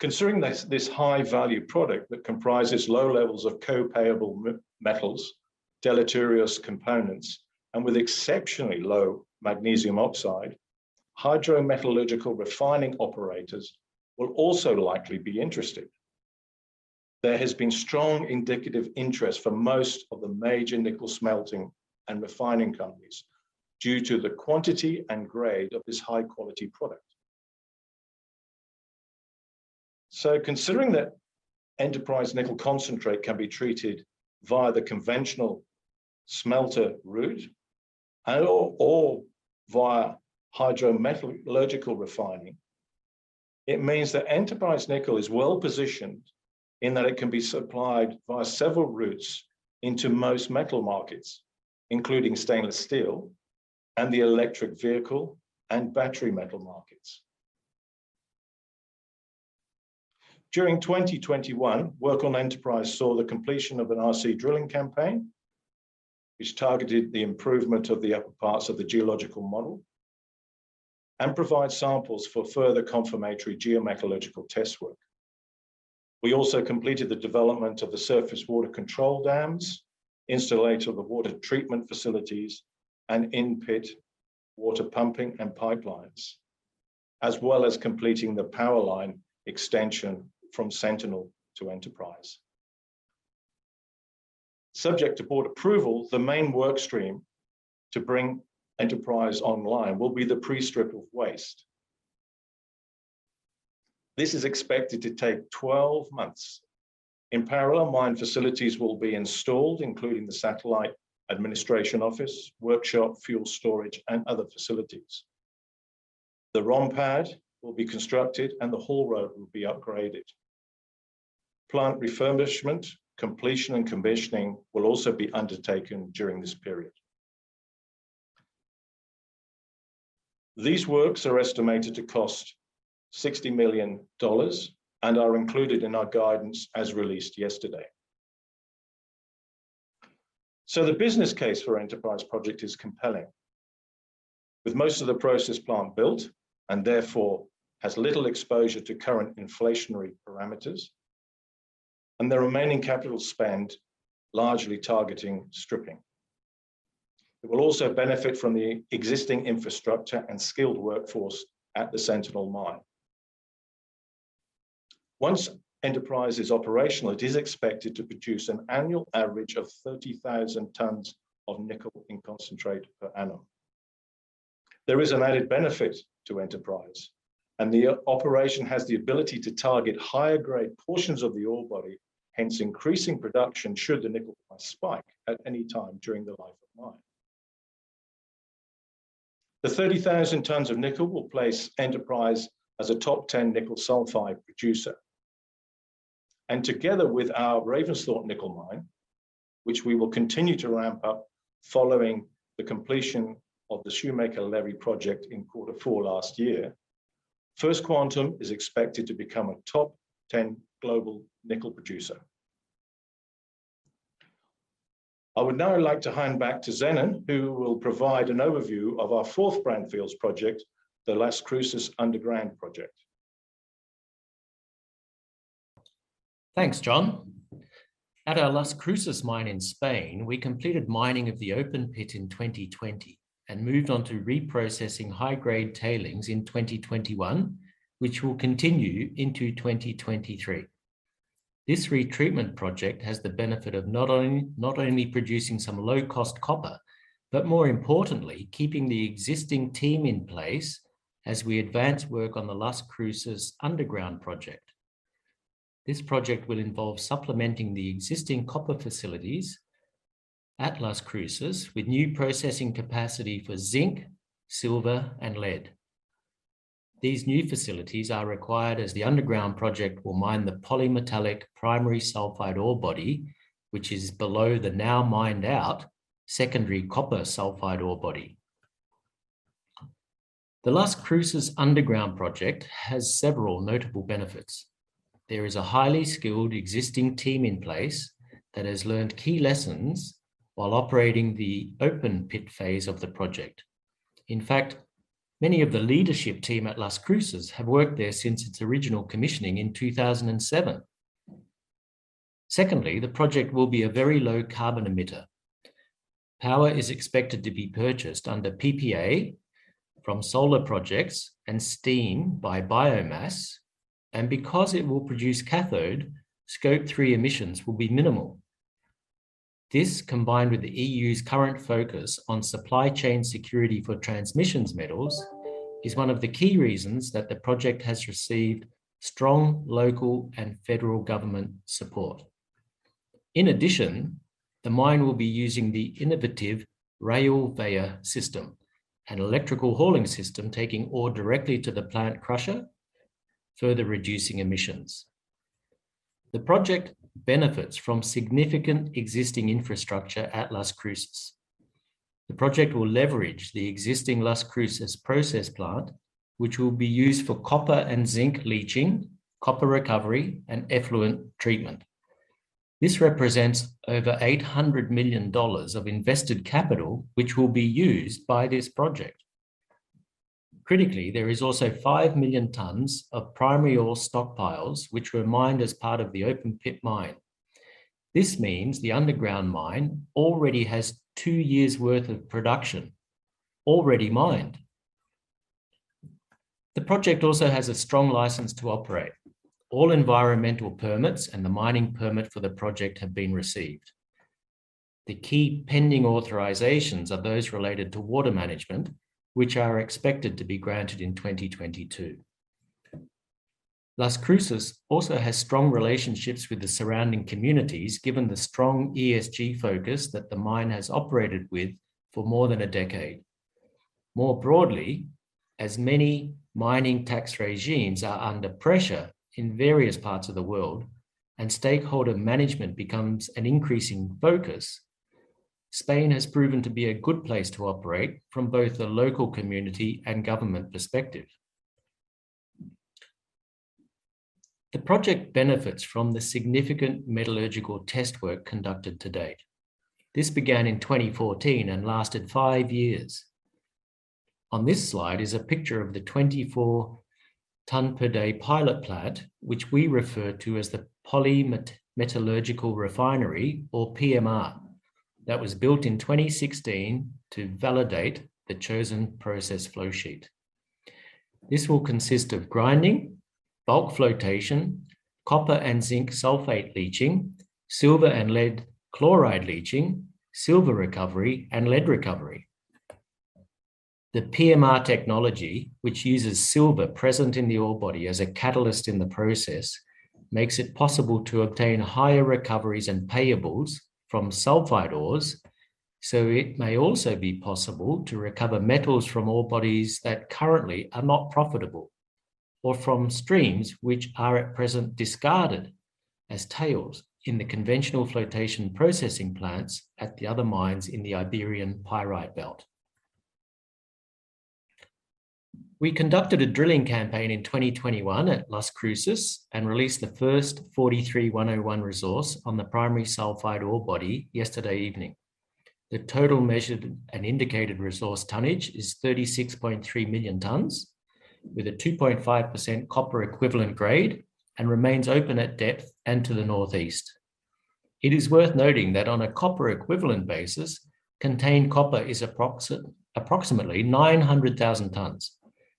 Considering this high value product that comprises low levels of co-payable metals, deleterious components, and with exceptionally low magnesium oxide, hydrometallurgical refining operators will also likely be interested. There has been strong indicative interest for most of the major nickel smelting and refining companies due to the quantity and grade of this high-quality product. Considering that Enterprise nickel concentrate can be treated via the conventional smelter route or via hydrometallurgical refining, it means that Enterprise Nickel is well-positioned in that it can be supplied via several routes into most metal markets, including stainless steel and the electric vehicle and battery metal markets. During 2021, work on Enterprise saw the completion of an RC drilling campaign, which targeted the improvement of the upper parts of the geological model and provide samples for further confirmatory geometallurgical test work. We also completed the development of the surface water control dams, installation of the water treatment facilities, and in-pit water pumping and pipelines, as well as completing the power line extension from Sentinel to Enterprise. Subject to board approval, the main work stream to bring Enterprise online will be the pre-strip of waste. This is expected to take 12 months. In parallel, mine facilities will be installed, including the satellite administration office, workshop, fuel storage, and other facilities. The ROM pad will be constructed and the haul road will be upgraded. Plant refurbishment, completion, and commissioning will also be undertaken during this period. These works are estimated to cost $60 million and are included in our guidance as released yesterday. The business case for Enterprise Project is compelling. With most of the process plant built and therefore has little exposure to current inflationary parameters, and the remaining capital spend largely targeting stripping. It will also benefit from the existing infrastructure and skilled workforce at the Sentinel mine. Once Enterprise is operational, it is expected to produce an annual average of 30,000 tons of nickel in concentrate per annum. There is an added benefit to Enterprise, and the operation has the ability to target higher grade portions of the ore body, hence increasing production should the nickel price spike at any time during the life of mine. The 30,000 tons of nickel will place Enterprise as a top 10 nickel sulfide producer. Together with our Ravensthorpe Nickel Mine, which we will continue to ramp up following the completion of the Shoemaker-Levy project in quarter four last year, First Quantum is expected to become a top 10 global nickel producer. I would now like to hand back to Zenon, who will provide an overview of our fourth greenfields project, the Las Cruces Underground Project. Thanks, John. At our Las Cruces mine in Spain, we completed mining of the open pit in 2020 and moved on to reprocessing high-grade tailings in 2021, which will continue into 2023. This retreatment project has the benefit of not only producing some low-cost copper, but more importantly, keeping the existing team in place as we advance work on the Las Cruces underground project. This project will involve supplementing the existing copper facilities at Las Cruces with new processing capacity for zinc, silver, and lead. These new facilities are required as the underground project will mine the polymetallic primary sulfide ore body, which is below the now mined out secondary copper sulfide ore body. The Las Cruces underground project has several notable benefits. There is a highly skilled existing team in place that has learned key lessons while operating the open pit phase of the project. In fact, many of the leadership team at Las Cruces have worked there since its original commissioning in 2007. Secondly, the project will be a very low carbon emitter. Power is expected to be purchased under PPA from solar projects and steam by biomass. Because it will produce cathode, Scope 3 emissions will be minimal. This, combined with the EU's current focus on supply chain security for transition metals, is one of the key reasons that the project has received strong local and federal government support. In addition, the mine will be using the innovative Railveyor system, an electrical hauling system taking ore directly to the plant crusher, further reducing emissions. The project benefits from significant existing infrastructure at Las Cruces. The project will leverage the existing Las Cruces process plant, which will be used for copper and zinc leaching, copper recovery, and effluent treatment. This represents over $800 million of invested capital, which will be used by this project. Critically, there is also 5 million tons of primary ore stockpiles which were mined as part of the open pit mine. This means the underground mine already has two years' worth of production already mined. The project also has a strong license to operate. All environmental permits and the mining permit for the project have been received. The key pending authorizations are those related to water management, which are expected to be granted in 2022. Las Cruces also has strong relationships with the surrounding communities, given the strong ESG focus that the mine has operated with for more than a decade. More broadly, as many mining tax regimes are under pressure in various parts of the world and stakeholder management becomes an increasing focus, Spain has proven to be a good place to operate from both a local community and government perspective. The project benefits from the significant metallurgical test work conducted to date. This began in 2014 and lasted five years. On this slide is a picture of the 24-ton per day pilot plant, which we refer to as the polymetallurgical refinery, or PMR, that was built in 2016 to validate the chosen process flow sheet. This will consist of grinding, bulk flotation, copper and zinc sulfate leaching, silver and lead chloride leaching, silver recovery, and lead recovery. The PMR technology, which uses silver present in the ore body as a catalyst in the process, makes it possible to obtain higher recoveries and payables from sulfide ores. It may also be possible to recover metals from ore bodies that currently are not profitable or from streams which are at present discarded as tails in the conventional flotation processing plants at the other mines in the Iberian Pyrite Belt. We conducted a drilling campaign in 2021 at Las Cruces and released the first NI 43-101 resource on the primary sulfide ore body yesterday evening. The total measured and indicated resource tonnage is 36.3 million tons with a 2.5% copper equivalent grade and remains open at depth and to the northeast. It is worth noting that on a copper equivalent basis, contained copper is approximately 900,000 tons,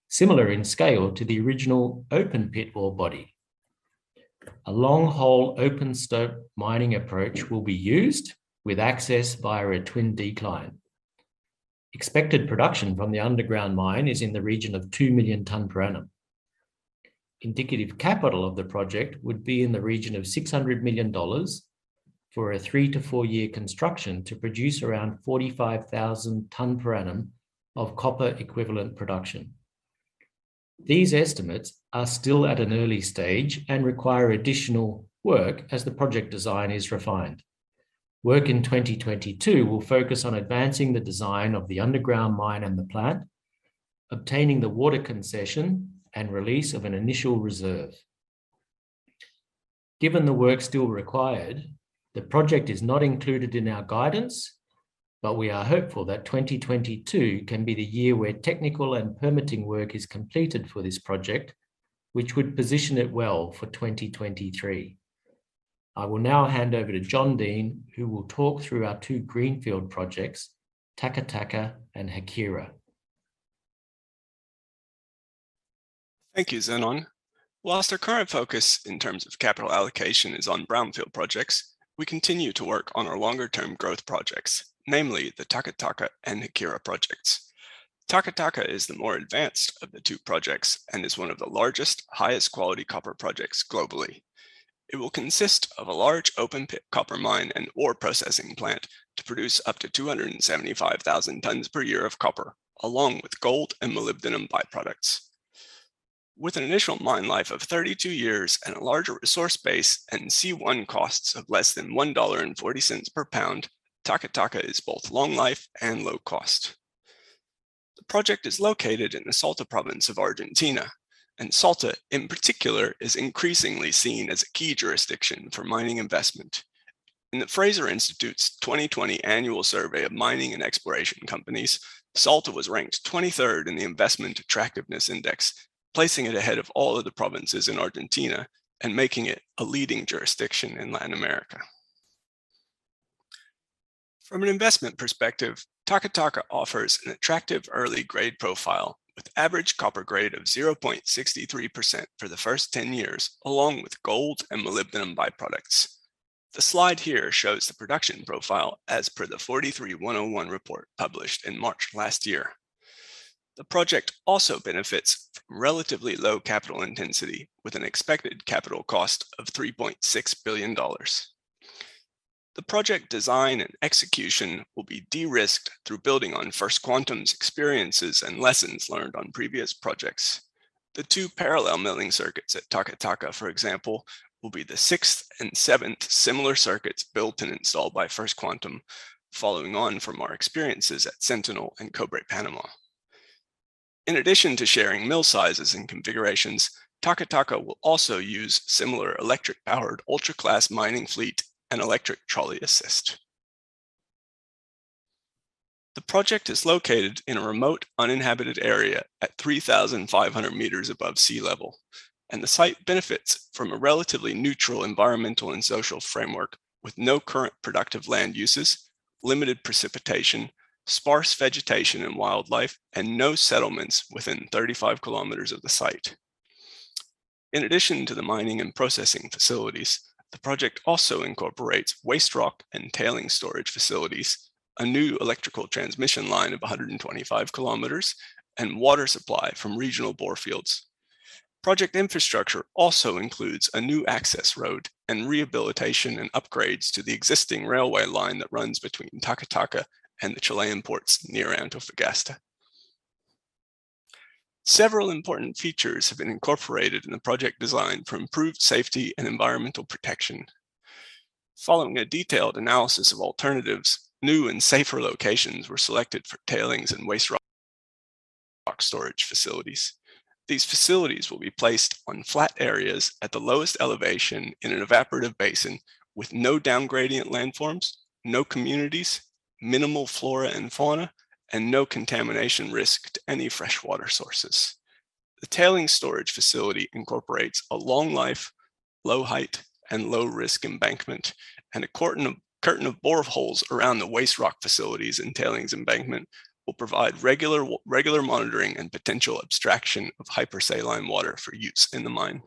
similar in scale to the original open pit ore body. A long-hole open stope mining approach will be used with access via a twin decline. Expected production from the underground mine is in the region of 2 million tons per annum. Indicative capital of the project would be in the region of $600 million for a three- to four-year construction to produce around 45,000 tons per annum of copper equivalent production. These estimates are still at an early stage and require additional work as the project design is refined. Work in 2022 will focus on advancing the design of the underground mine and the plant, obtaining the water concession, and release of an initial reserve. Given the work still required, the project is not included in our guidance, but we are hopeful that 2022 can be the year where technical and permitting work is completed for this project, which would position it well for 2023. I will now hand over to John Dean, who will talk through our two greenfield projects, Taca Taca and Haquira. Thank you, Zenon. While our current focus in terms of capital allocation is on brownfield projects, we continue to work on our longer term growth projects, namely the Taca Taca and Haquira projects. Taca Taca is the more advanced of the two projects and is one of the largest, highest quality copper projects globally. It will consist of a large open pit copper mine and ore processing plant to produce up to 275,000 tons per year of copper, along with gold and molybdenum byproducts. With an initial mine life of 32 years and a larger resource base and C1 costs of less than $1.40 per pound, Taca Taca is both long life and low cost. The project is located in the Salta province of Argentina, and Salta in particular is increasingly seen as a key jurisdiction for mining investment. In the Fraser Institute's 2020 annual survey of mining and exploration companies, Salta was ranked 23rd in the investment attractiveness index, placing it ahead of all other provinces in Argentina and making it a leading jurisdiction in Latin America. From an investment perspective, Taca Taca offers an attractive early grade profile with average copper grade of 0.63% for the first 10 years, along with gold and molybdenum byproducts. The slide here shows the production profile as per the NI 43-101 report published in March last year. The project also benefits from relatively low capital intensity with an expected capital cost of $3.6 billion. The project design and execution will be de-risked through building on First Quantum's experiences and lessons learned on previous projects. The two parallel milling circuits at Taca Taca, for example, will be the sixth and seventh similar circuits built and installed by First Quantum following on from our experiences at Sentinel and Cobre Panamá. In addition to sharing mill sizes and configurations, Taca Taca will also use similar electric-powered ultra-class mining fleet and electric trolley assist. The project is located in a remote, uninhabited area at 3,500 m above sea level, and the site benefits from a relatively neutral environmental and social framework with no current productive land uses, limited precipitation, sparse vegetation and wildlife, and no settlements within 35 km of the site. In addition to the mining and processing facilities, the project also incorporates waste rock and tailings storage facilities, a new electrical transmission line of 125 km, and water supply from regional bore fields. Project infrastructure also includes a new access road and rehabilitation and upgrades to the existing railway line that runs between Taca Taca and the Chilean ports near Antofagasta. Several important features have been incorporated in the project design for improved safety and environmental protection. Following a detailed analysis of alternatives, new and safer locations were selected for tailings and waste rock storage facilities. These facilities will be placed on flat areas at the lowest elevation in an evaporative basin with no downgradient landforms, no communities, minimal flora and fauna, and no contamination risk to any freshwater sources. The tailings storage facility incorporates a long life, low height, and low risk embankment, and a curtain of boreholes around the waste rock facilities and tailings embankment will provide regular monitoring and potential abstraction of hypersaline water for use in the mine.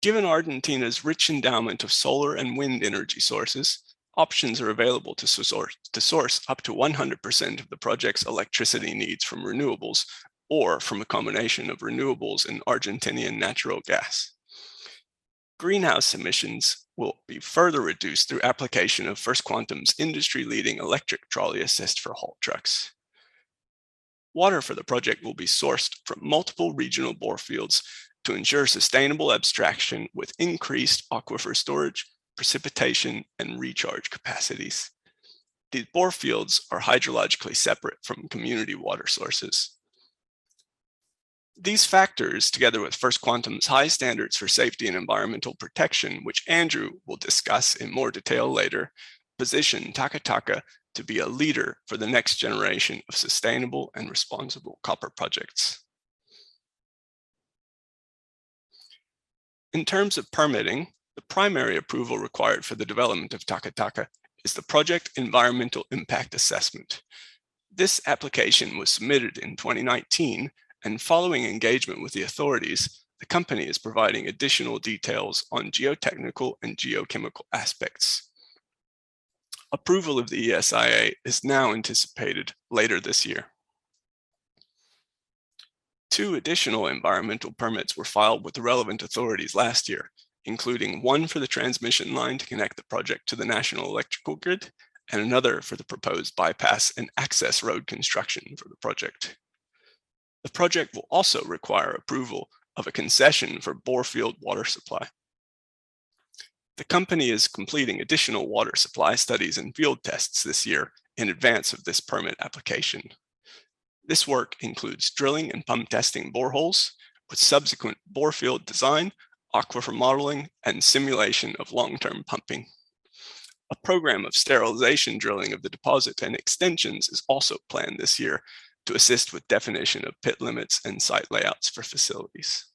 Given Argentina's rich endowment of solar and wind energy sources, options are available to source up to 100% of the project's electricity needs from renewables or from a combination of renewables and Argentine natural gas. Greenhouse emissions will be further reduced through application of First Quantum's industry-leading electric trolley assist for haul trucks. Water for the project will be sourced from multiple regional bore fields to ensure sustainable abstraction with increased aquifer storage, precipitation, and recharge capacities. These bore fields are hydrologically separate from community water sources. These factors, together with First Quantum's high standards for safety and environmental protection, which Andrew will discuss in more detail later, position Taca Taca to be a leader for the next generation of sustainable and responsible copper projects. In terms of permitting, the primary approval required for the development of Taca Taca is the Project Environmental Impact Assessment. This application was submitted in 2019, and following engagement with the authorities, the company is providing additional details on geotechnical and geochemical aspects. Approval of the ESIA is now anticipated later this year. Two additional environmental permits were filed with the relevant authorities last year, including one for the transmission line to connect the project to the national electrical grid, and another for the proposed bypass and access road construction for the project. The project will also require approval of a concession for bore field water supply. The company is completing additional water supply studies and field tests this year in advance of this permit application. This work includes drilling and pump testing boreholes with subsequent bore field design, aquifer modeling, and simulation of long-term pumping. A program of sterilization drilling of the deposit and extensions is also planned this year to assist with definition of pit limits and site layouts for facilities.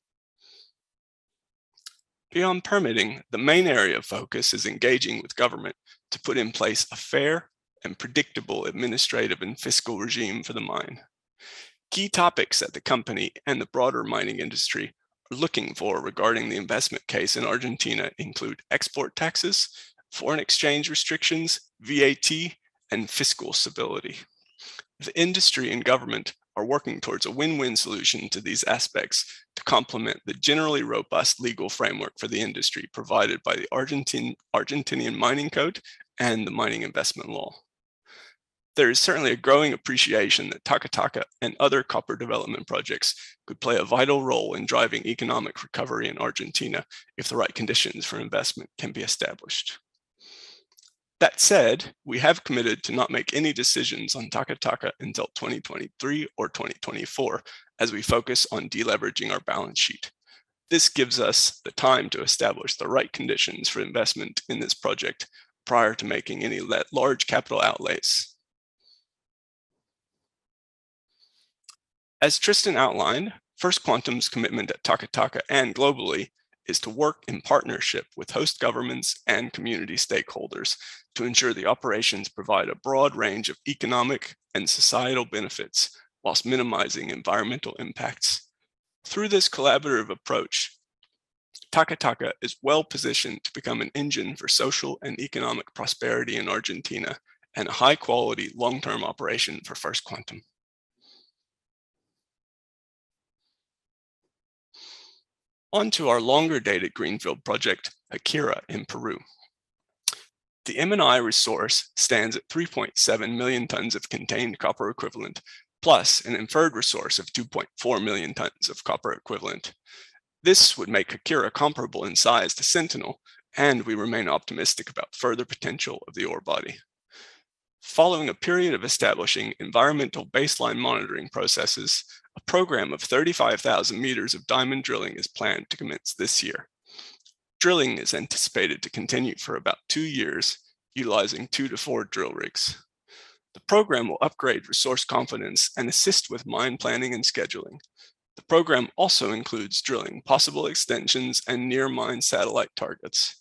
Beyond permitting, the main area of focus is engaging with government to put in place a fair and predictable administrative and fiscal regime for the mine. Key topics that the company and the broader mining industry are looking for regarding the investment case in Argentina include export taxes, foreign exchange restrictions, VAT, and fiscal stability. The industry and government are working towards a win-win solution to these aspects to complement the generally robust legal framework for the industry provided by the Argentine Mining Code and the Mining Investment Law. There is certainly a growing appreciation that Taca Taca and other copper development projects could play a vital role in driving economic recovery in Argentina if the right conditions for investment can be established. That said, we have committed to not make any decisions on Taca Taca until 2023 or 2024 as we focus on de-leveraging our balance sheet. This gives us the time to establish the right conditions for investment in this project prior to making any large capital outlays. As Tristan outlined, First Quantum's commitment at Taca Taca and globally is to work in partnership with host governments and community stakeholders to ensure the operations provide a broad range of economic and societal benefits while minimizing environmental impacts. Through this collaborative approach, Taca Taca is well-positioned to become an engine for social and economic prosperity in Argentina and a high-quality long-term operation for First Quantum. On to our longer-dated greenfield project, Haquira in Peru. The M&I resource stands at 3.7 million tons of contained copper equivalent, plus an inferred resource of 2.4 million tons of copper equivalent. This would make Haquira comparable in size to Sentinel, and we remain optimistic about further potential of the ore body. Following a period of establishing environmental baseline monitoring processes, a program of 35,000 m of diamond drilling is planned to commence this year. Drilling is anticipated to continue for about two years, utilizing two to four drill rigs. The program will upgrade resource confidence and assist with mine planning and scheduling. The program also includes drilling possible extensions and near mine satellite targets.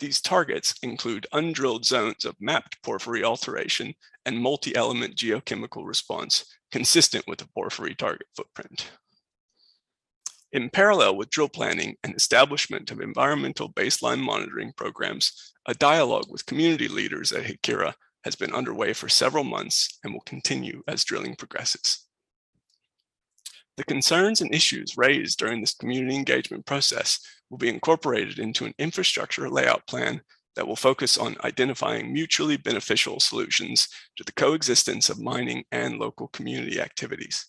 These targets include undrilled zones of mapped porphyry alteration and multi-element geochemical response consistent with the porphyry target footprint. In parallel with drill planning and establishment of environmental baseline monitoring programs, a dialogue with community leaders at Haquira has been underway for several months and will continue as drilling progresses. The concerns and issues raised during this community engagement process will be incorporated into an infrastructure layout plan that will focus on identifying mutually beneficial solutions to the coexistence of mining and local community activities.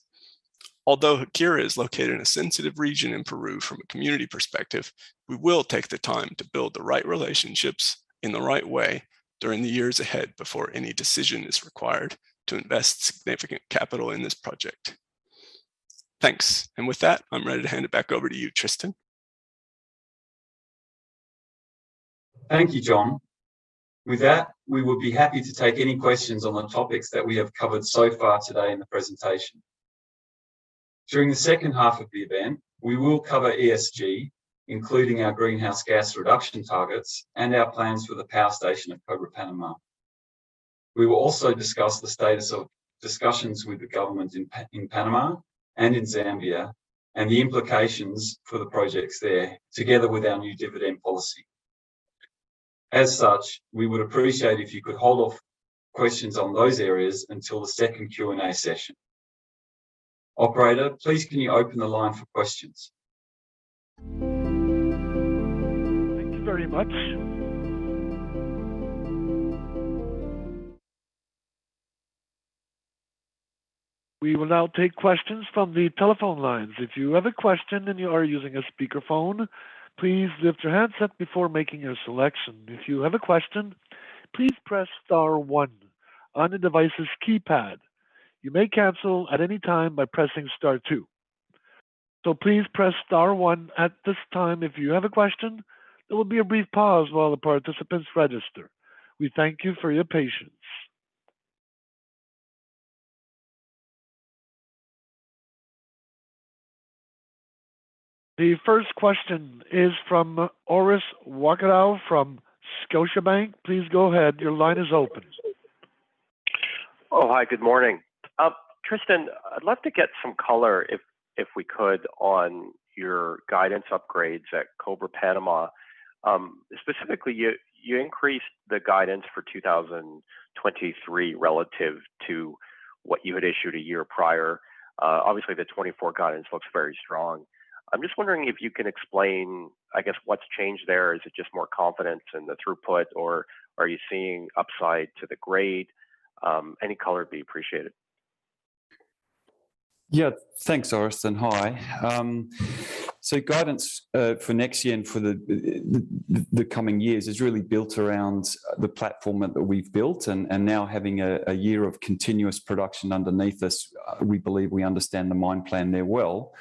Although Haquira is located in a sensitive region in Peru from a community perspective, we will take the time to build the right relationships in the right way during the years ahead before any decision is required to invest significant capital in this project. Thanks. With that, I'm ready to hand it back over to you, Tristan. Thank you, John. With that, we would be happy to take any questions on the topics that we have covered so far today in the presentation. During the second half of the event, we will cover ESG, including our greenhouse gas reduction targets and our plans for the power station at Cobre Panamá. We will also discuss the status of discussions with the government in Panama and in Zambia, and the implications for the projects there together with our new dividend policy. As such, we would appreciate if you could hold off questions on those areas until the second Q&A session. Operator, please can you open the line for questions? Thank you very much. We will now take questions from the telephone lines. If you have a question and you are using a speakerphone, please lift your handset before making your selection. If you have a question, please press star one on the device's keypad. You may cancel at any time by pressing star two. Please press star one at this time if you have a question. There will be a brief pause while the participants register. We thank you for your patience. The first question is from Orest Wowkodaw from Scotiabank. Please go ahead. Your line is open. Oh, hi. Good morning. Tristan, I'd love to get some color if we could on your guidance upgrades at Cobre Panamá. Specifically, you increased the guidance for 2023 relative to what you had issued a year prior. Obviously the 2024 guidance looks very strong. I'm just wondering if you can explain, I guess, what's changed there. Is it just more confidence in the throughput, or are you seeing upside to the grade? Any color would be appreciated. Yeah. Thanks, Orest, and hi. Guidance for next year and for the coming years is really built around the platform that we've built and now having a year of continuous production underneath us, we believe we understand the mine plan there well.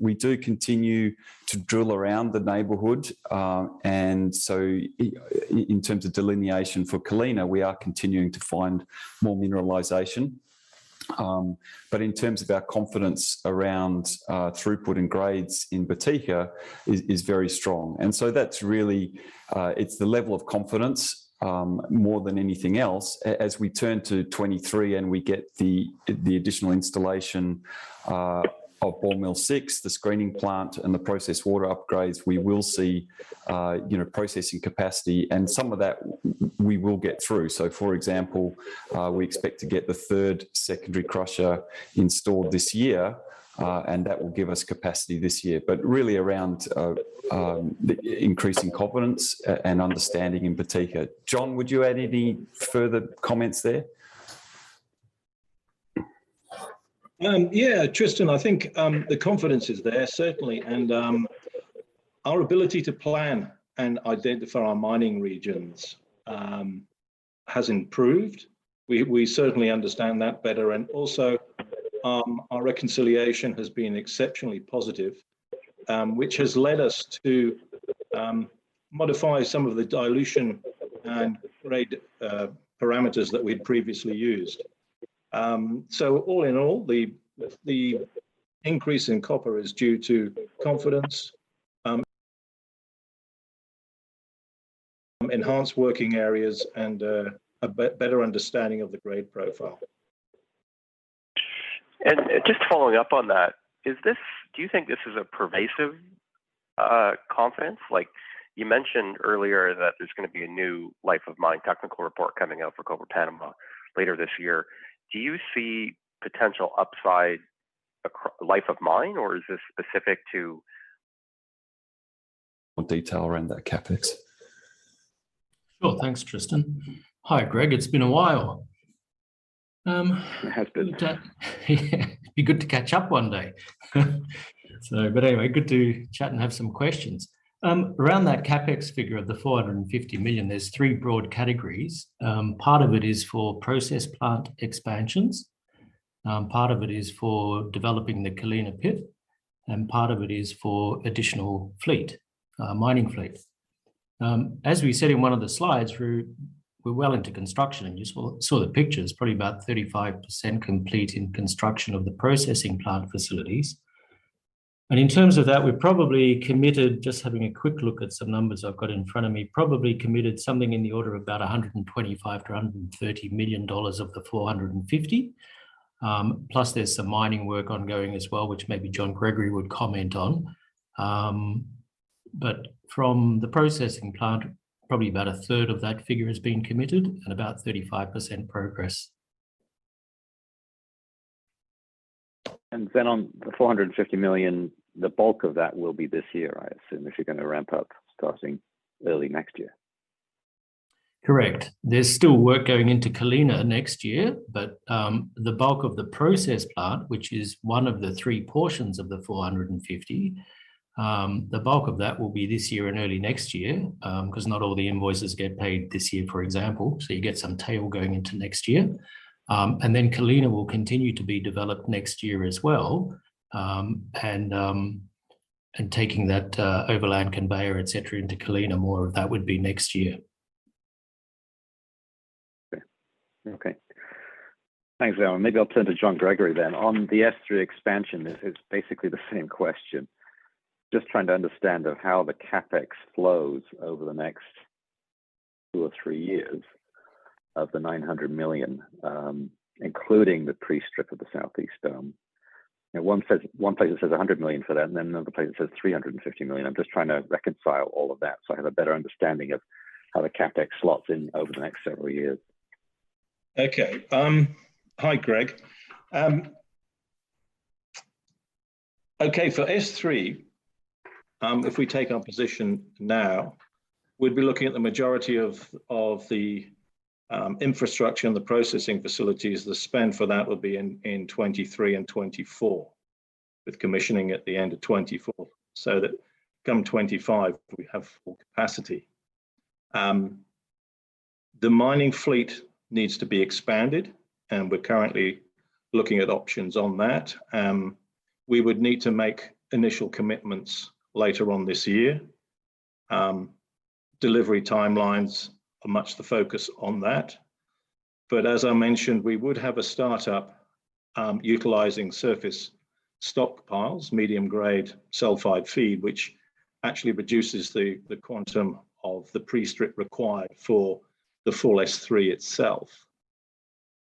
We do continue to drill around the neighborhood. In terms of delineation for Colina, we are continuing to find more mineralization. In terms of our confidence around throughput and grades in Botija is very strong. That's really. It's the level of confidence more than anything else. As we turn to 2023 and we get the additional installation of ball mill 6, the screening plant, and the process water upgrades, we will see processing capacity and some of that we will get through. For example, we expect to get the third secondary crusher installed this year, and that will give us capacity this year. Really around the increasing confidence and understanding in Botija. John, would you add any further comments there? Yeah. Tristan, I think the confidence is there certainly, and our ability to plan and identify our mining regions has improved. We certainly understand that better. Our reconciliation has been exceptionally positive, which has led us to modify some of the dilution and grade parameters that we'd previously used. All in all, the increase in copper is due to confidence, enhanced working areas and a better understanding of the grade profile. Just following up on that, do you think this is a pervasive confidence? Like, you mentioned earlier that there's gonna be a new life of mine technical report coming out for Cobre Panamá later this year. Do you see potential upside life of mine, or is this specific to- More detail around that CapEx. Sure. Thanks, Tristan. Hi, Orest[Greg]. It's been a while. It has been. It'd be good to catch up one day. Anyway, good to chat and have some questions. Around that CapEx figure of the $450 million, there's three broad categories. Part of it is for process plant expansions. Part of it is for developing the Colina pit, and part of it is for additional fleet, mining fleet. As we said in one of the slides, we're well into construction, and you saw the pictures, probably about 35% complete in construction of the processing plant facilities. In terms of that, we've probably committed, just having a quick look at some numbers I've got in front of me, probably committed something in the order of about $125 million-$130 million of the $450. There's some mining work ongoing as well, which maybe John Gregory would comment on. From the processing plant, probably about a third of that figure has been committed and about 35% progress. On the $450 million, the bulk of that will be this year, I assume, if you're gonna ramp up starting early next year. Correct. There's still work going into Colina next year, but the bulk of the process plant, which is one of the three portions of the $450, the bulk of that will be this year and early next year, 'cause not all the invoices get paid this year, for example. You get some tail going into next year. Colina will continue to be developed next year as well, and taking that overland conveyor, et cetera, into Colina, more of that would be next year. Okay. Thanks, Zenon. Maybe I'll turn to John Gregory. On the S3 expansion, it's basically the same question. Just trying to understand how the CapEx flows over the next two or three years of the $900 million, including the pre-strip of the Southeast Dome. One place it says $100 million for that, and then another place it says $350 million. I'm just trying to reconcile all of that so I have a better understanding of how the CapEx slots in over the next several years. Okay. Hi, Orest[Greg]. Okay. For S3, if we take our position now, we'd be looking at the majority of the infrastructure and the processing facilities. The spend for that would be in 2023 and 2024, with commissioning at the end of 2024, so that come 2025, we have full capacity. The mining fleet needs to be expanded, and we're currently looking at options on that. We would need to make initial commitments later on this year. Delivery timelines are much the focus on that. But as I mentioned, we would have a startup utilizing surface stockpiles, medium-grade sulfide feed, which actually reduces the quantum of the pre-strip required for the full S3 itself.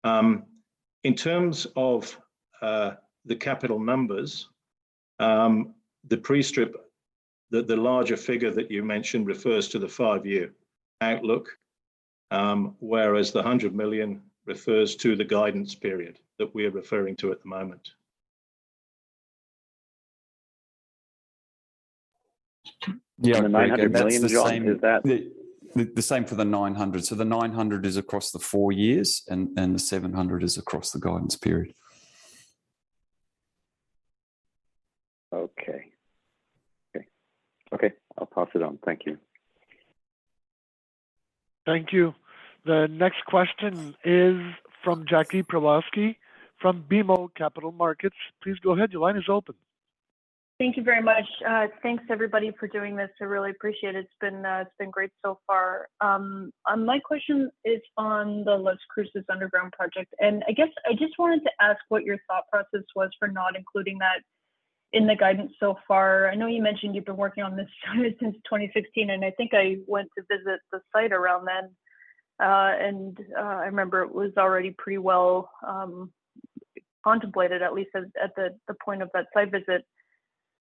In terms of the capital numbers, the pre-strip, the larger figure that you mentioned refers to the five-year outlook, whereas the $100 million refers to the guidance period that we're referring to at the moment. Yeah, Greg, that's the same- The $900 million, John, is that- The same for the $900. The $900 is across the four years and the $700 is across the guidance period. Okay, I'll pass it on. Thank you. Thank you. The next question is from Jackie Przybylowski from BMO Capital Markets. Please go ahead. Your line is open. Thank you very much. Thanks everybody for doing this. I really appreciate it. It's been great so far. My question is on the Las Cruces underground project. I guess I just wanted to ask what your thought process was for not including that in the guidance so far. I know you mentioned you've been working on this since 2016, and I think I went to visit the site around then. I remember it was already pretty well contemplated, at least at the point of that site visit.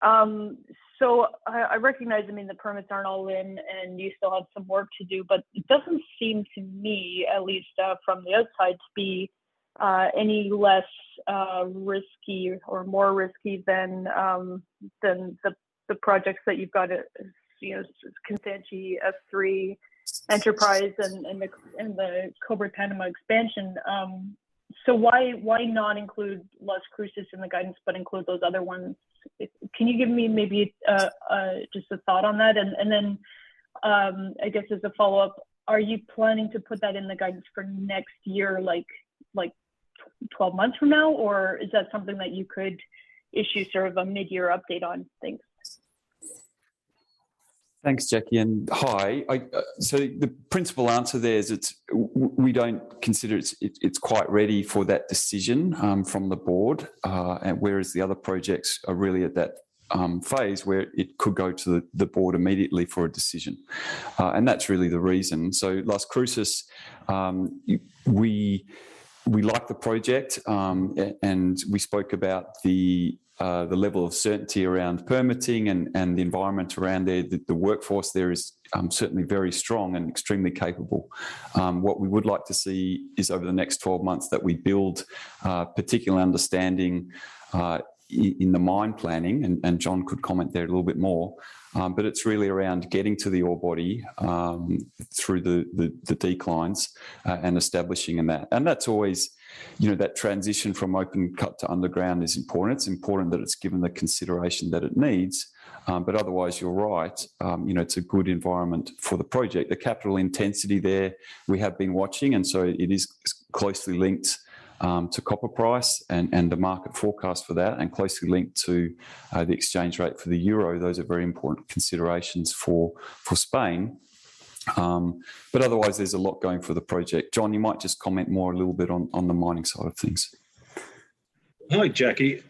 I recognize, I mean, the permits aren't all in, and you still have some work to do, but it doesn't seem to me, at least, from the outside, to be any less risky or more risky than the projects that you've got at you know, Kansanshi, S3, Enterprise and the Cobre Panamá expansion. Why not include Las Cruces in the guidance but include those other ones? Can you give me maybe just a thought on that? I guess as a follow-up, are you planning to put that in the guidance for next year, like 12 months from now, or is that something that you could issue sort of a mid-year update on things? Thanks, Jackie, and hi. The principal answer there is it's we don't consider it's quite ready for that decision from the board. Whereas the other projects are really at that phase where it could go to the board immediately for a decision. That's really the reason. Las Cruces, we like the project, and we spoke about the level of certainty around permitting and the environment around there. The workforce there is certainly very strong and extremely capable. What we would like to see is over the next 12 months that we build particular understanding in the mine planning, and John could comment there a little bit more. It's really around getting to the ore body, through the declines, and establishing in that. That's always, you know, that transition from open cut to underground is important. It's important that it's given the consideration that it needs. Otherwise, you're right. You know, it's a good environment for the project. The capital intensity there, we have been watching, and so it is closely linked to copper price and the market forecast for that, and closely linked to the exchange rate for the euro. Those are very important considerations for Spain. Otherwise, there's a lot going for the project. John, you might just comment more a little bit on the mining side of things. Hi, Jackie.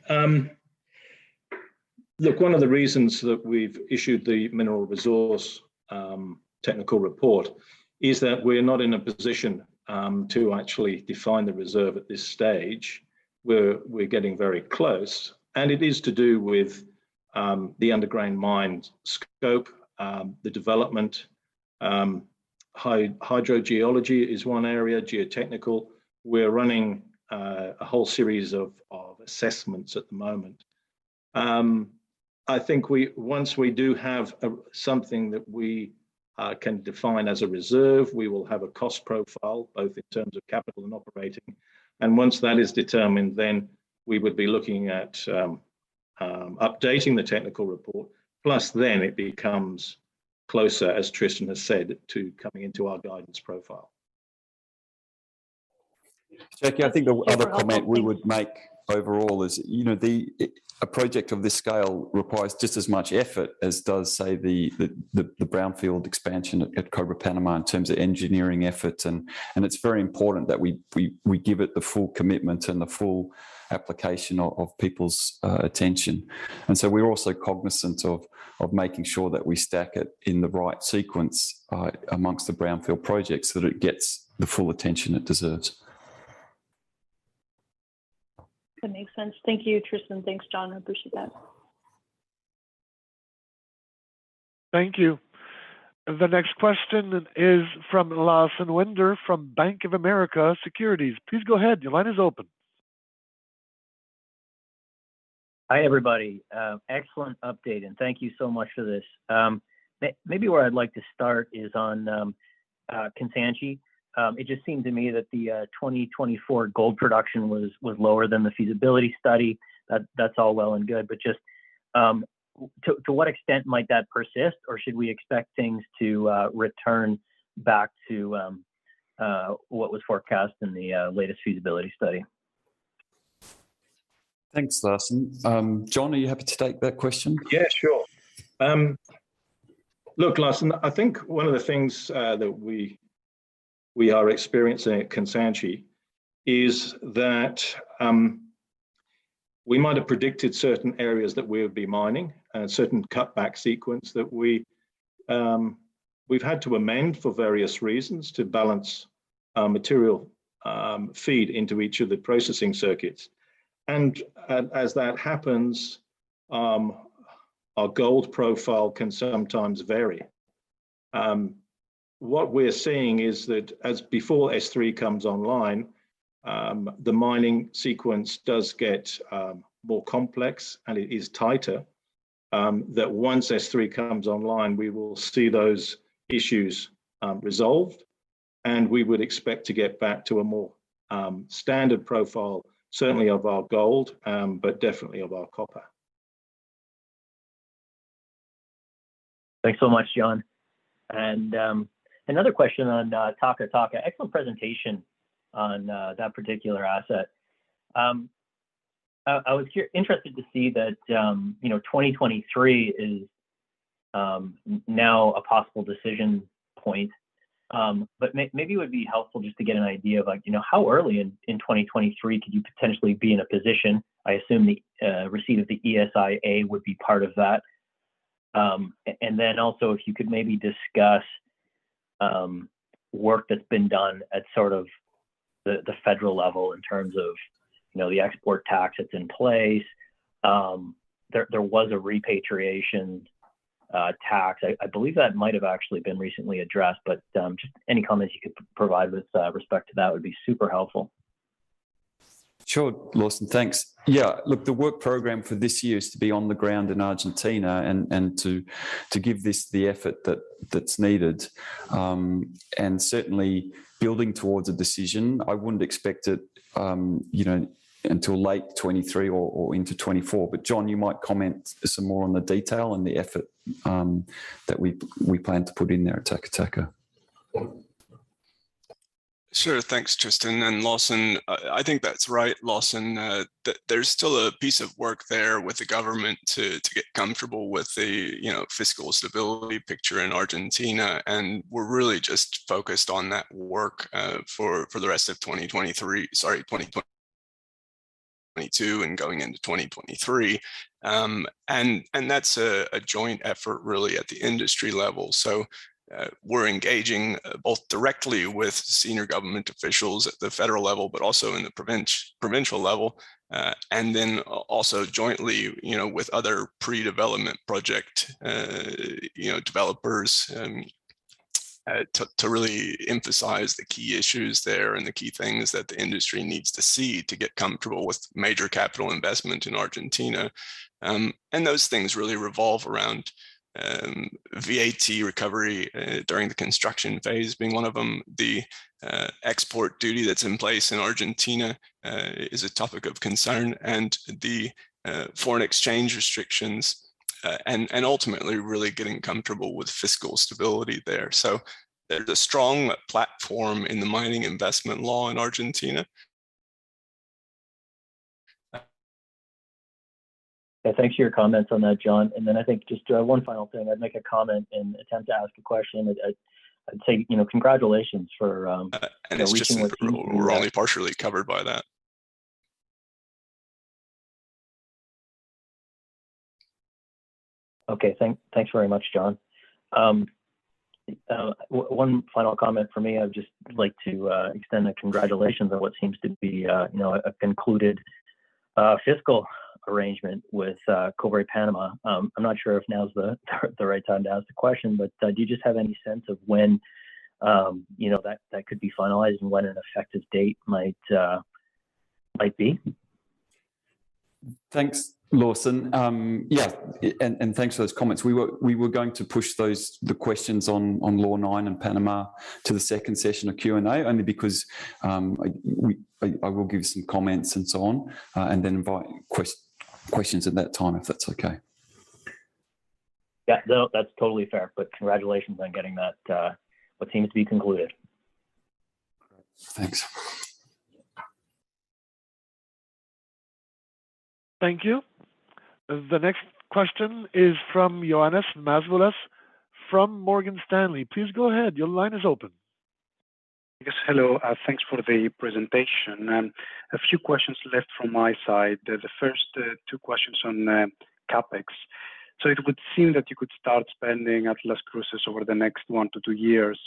Look, one of the reasons that we've issued the mineral resource technical report is that we're not in a position to actually define the reserve at this stage. We're getting very close, and it is to do with the underground mine scope, the development. Hydrogeology is one area, geotechnical. We're running a whole series of assessments at the moment. I think once we do have something that we can define as a reserve, we will have a cost profile, both in terms of capital and operating. Once that is determined, then we would be looking at updating the technical report. Plus then it becomes closer, as Tristan has said, to coming into our guidance profile. Jackie, I think the other comment we would make overall is, you know, a project of this scale requires just as much effort as does, say, the brownfield expansion at Cobre Panamá in terms of engineering effort and it's very important that we give it the full commitment and the full application of people's attention. We're also cognizant of making sure that we stack it in the right sequence among the brownfield projects so that it gets the full attention it deserves. That makes sense. Thank you, Tristan. Thanks, John. I appreciate that. Thank you. The next question is from Lawson Winder from Bank of America Securities. Please go ahead. Your line is open. Hi, everybody. Excellent update, and thank you so much for this. Maybe where I'd like to start is on Kansanshi. It just seemed to me that the 2024 gold production was lower than the feasibility study. That's all well and good, but just to what extent might that persist, or should we expect things to return back to what was forecast in the latest feasibility study? Thanks, Lawson. John, are you happy to take that question? Yeah, sure. Look, Lawson, I think one of the things that we are experiencing at Kansanshi is that we might have predicted certain areas that we would be mining and certain cutback sequence that we've had to amend for various reasons to balance our material feed into each of the processing circuits. As that happens, our gold profile can sometimes vary. What we're seeing is that before S3 comes online, the mining sequence does get more complex, and it is tighter than once S3 comes online, we will see those issues resolved, and we would expect to get back to a more standard profile, certainly of our gold, but definitely of our copper. Thanks so much, John. Another question on Taca Taca. Excellent presentation on that particular asset. I was interested to see that, you know, 2023 is now a possible decision point. Maybe it would be helpful just to get an idea of, like, you know, how early in 2023 could you potentially be in a position? I assume the receipt of the ESIA would be part of that. And then also if you could maybe discuss work that's been done at sort of the federal level in terms of, you know, the export tax that's in place. There was a repatriation tax. I believe that might have actually been recently addressed, but just any comments you could provide with respect to that would be super helpful. Sure, Lawson. Thanks. Yeah, look, the work program for this year is to be on the ground in Argentina and to give this the effort that's needed. Certainly building towards a decision, I wouldn't expect it, you know, until late 2023 or into 2024. John, you might comment some more on the detail and the effort that we plan to put in there at Taca Taca. Sure. Thanks, Tristan and Lawson. I think that's right, Lawson. There's still a piece of work there with the government to get comfortable with the, you know, fiscal stability picture in Argentina, and we're really just focused on that work for the rest of 2022 and going into 2023. That's a joint effort really at the industry level. We're engaging both directly with senior government officials at the federal level, but also in the provincial level. Also jointly, you know, with other pre-development project developers to really emphasize the key issues there and the key things that the industry needs to see to get comfortable with major capital investment in Argentina. Those things really revolve around VAT recovery during the construction phase being one of them. The export duty that's in place in Argentina is a topic of concern and the foreign exchange restrictions and ultimately really getting comfortable with fiscal stability there. There's a strong platform in the Mining Investment Law in Argentina. Yeah. Thanks for your comments on that, John. I think just one final thing. I'd make a comment and attempt to ask a question. I'd say, you know, congratulations for, you know, we can- It's just we're only partially covered by that. Okay. Thanks very much, John. One final comment from me. I'd just like to extend a congratulations on what seems to be a you know concluded fiscal arrangement with Cobre Panamá. I'm not sure if now is the right time to ask the question, but do you just have any sense of when you know that could be finalized and when an effective date might be? Thanks, Lawson. Thanks for those comments. We were going to push those questions on Law 9 and Panama to the second session of Q&A, only because we will give some comments and so on, and then invite questions at that time, if that's okay. Yeah. No, that's totally fair. Congratulations on getting that, what seems to be concluded. Thanks. Thank you. The next question is from Ioannis Masvoulas from Morgan Stanley. Please go ahead. Your line is open. Yes, hello. Thanks for the presentation, and a few questions left from my side. The first two questions on CapEx. It would seem that you could start spending at Las Cruces over the next one to two years.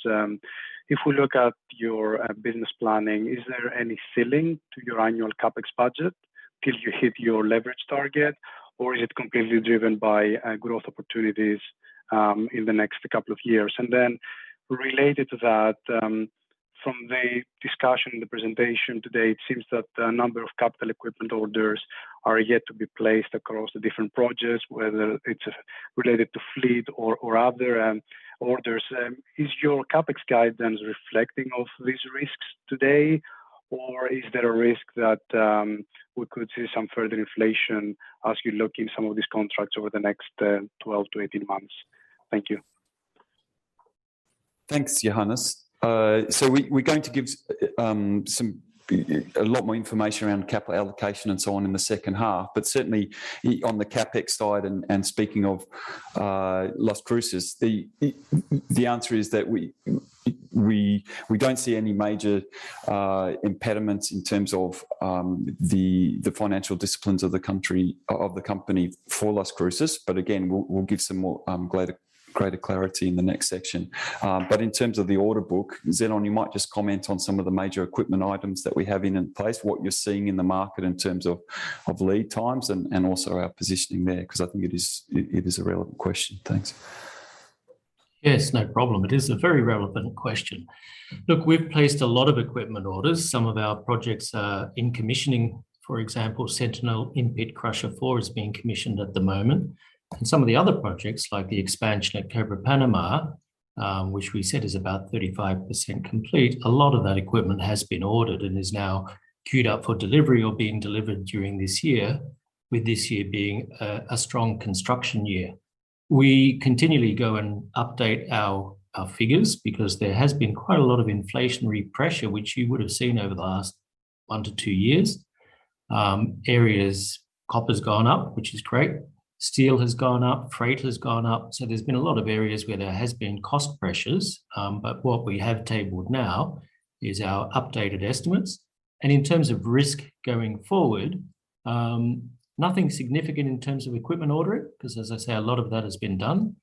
If we look at your business planning, is there any ceiling to your annual CapEx budget till you hit your leverage target? Or is it completely driven by growth opportunities in the next couple of years? Related to that, from the discussion in the presentation today, it seems that a number of capital equipment orders are yet to be placed across the different projects, whether it's related to fleet or other orders. Is your CapEx guidance reflective of these risks today? Is there a risk that we could see some further inflation as you lock in some of these contracts over the next 12-18 months? Thank you. Thanks, Ioannis. So we're going to give a lot more information around capital allocation and so on in the second half. Certainly on the CapEx side and speaking of Las Cruces, the answer is that we don't see any major impediments in terms of the financial disciplines of the company for Las Cruces. Again, we'll give some more greater clarity in the next section. In terms of the order book, Zenon, you might just comment on some of the major equipment items that we have in place, what you're seeing in the market in terms of lead times and also our positioning there, because I think it is a relevant question. Thanks. Yes, no problem. It is a very relevant question. Look, we've placed a lot of equipment orders. Some of our projects are in commissioning. For example, Sentinel In-Pit Crusher 4 is being commissioned at the moment. Some of the other projects, like the expansion at Cobre Panamá, which we said is about 35% complete. A lot of that equipment has been ordered and is now queued up for delivery or being delivered during this year, with this year being a strong construction year. We continually go and update our figures because there has been quite a lot of inflationary pressure which you would've seen over the last one to two years. Copper's gone up, which is great. Steel has gone up, freight has gone up. There's been a lot of areas where there has been cost pressures. What we have tabled now is our updated estimates. In terms of risk going forward, nothing significant in terms of equipment ordering, 'cause as I say, a lot of that has been done.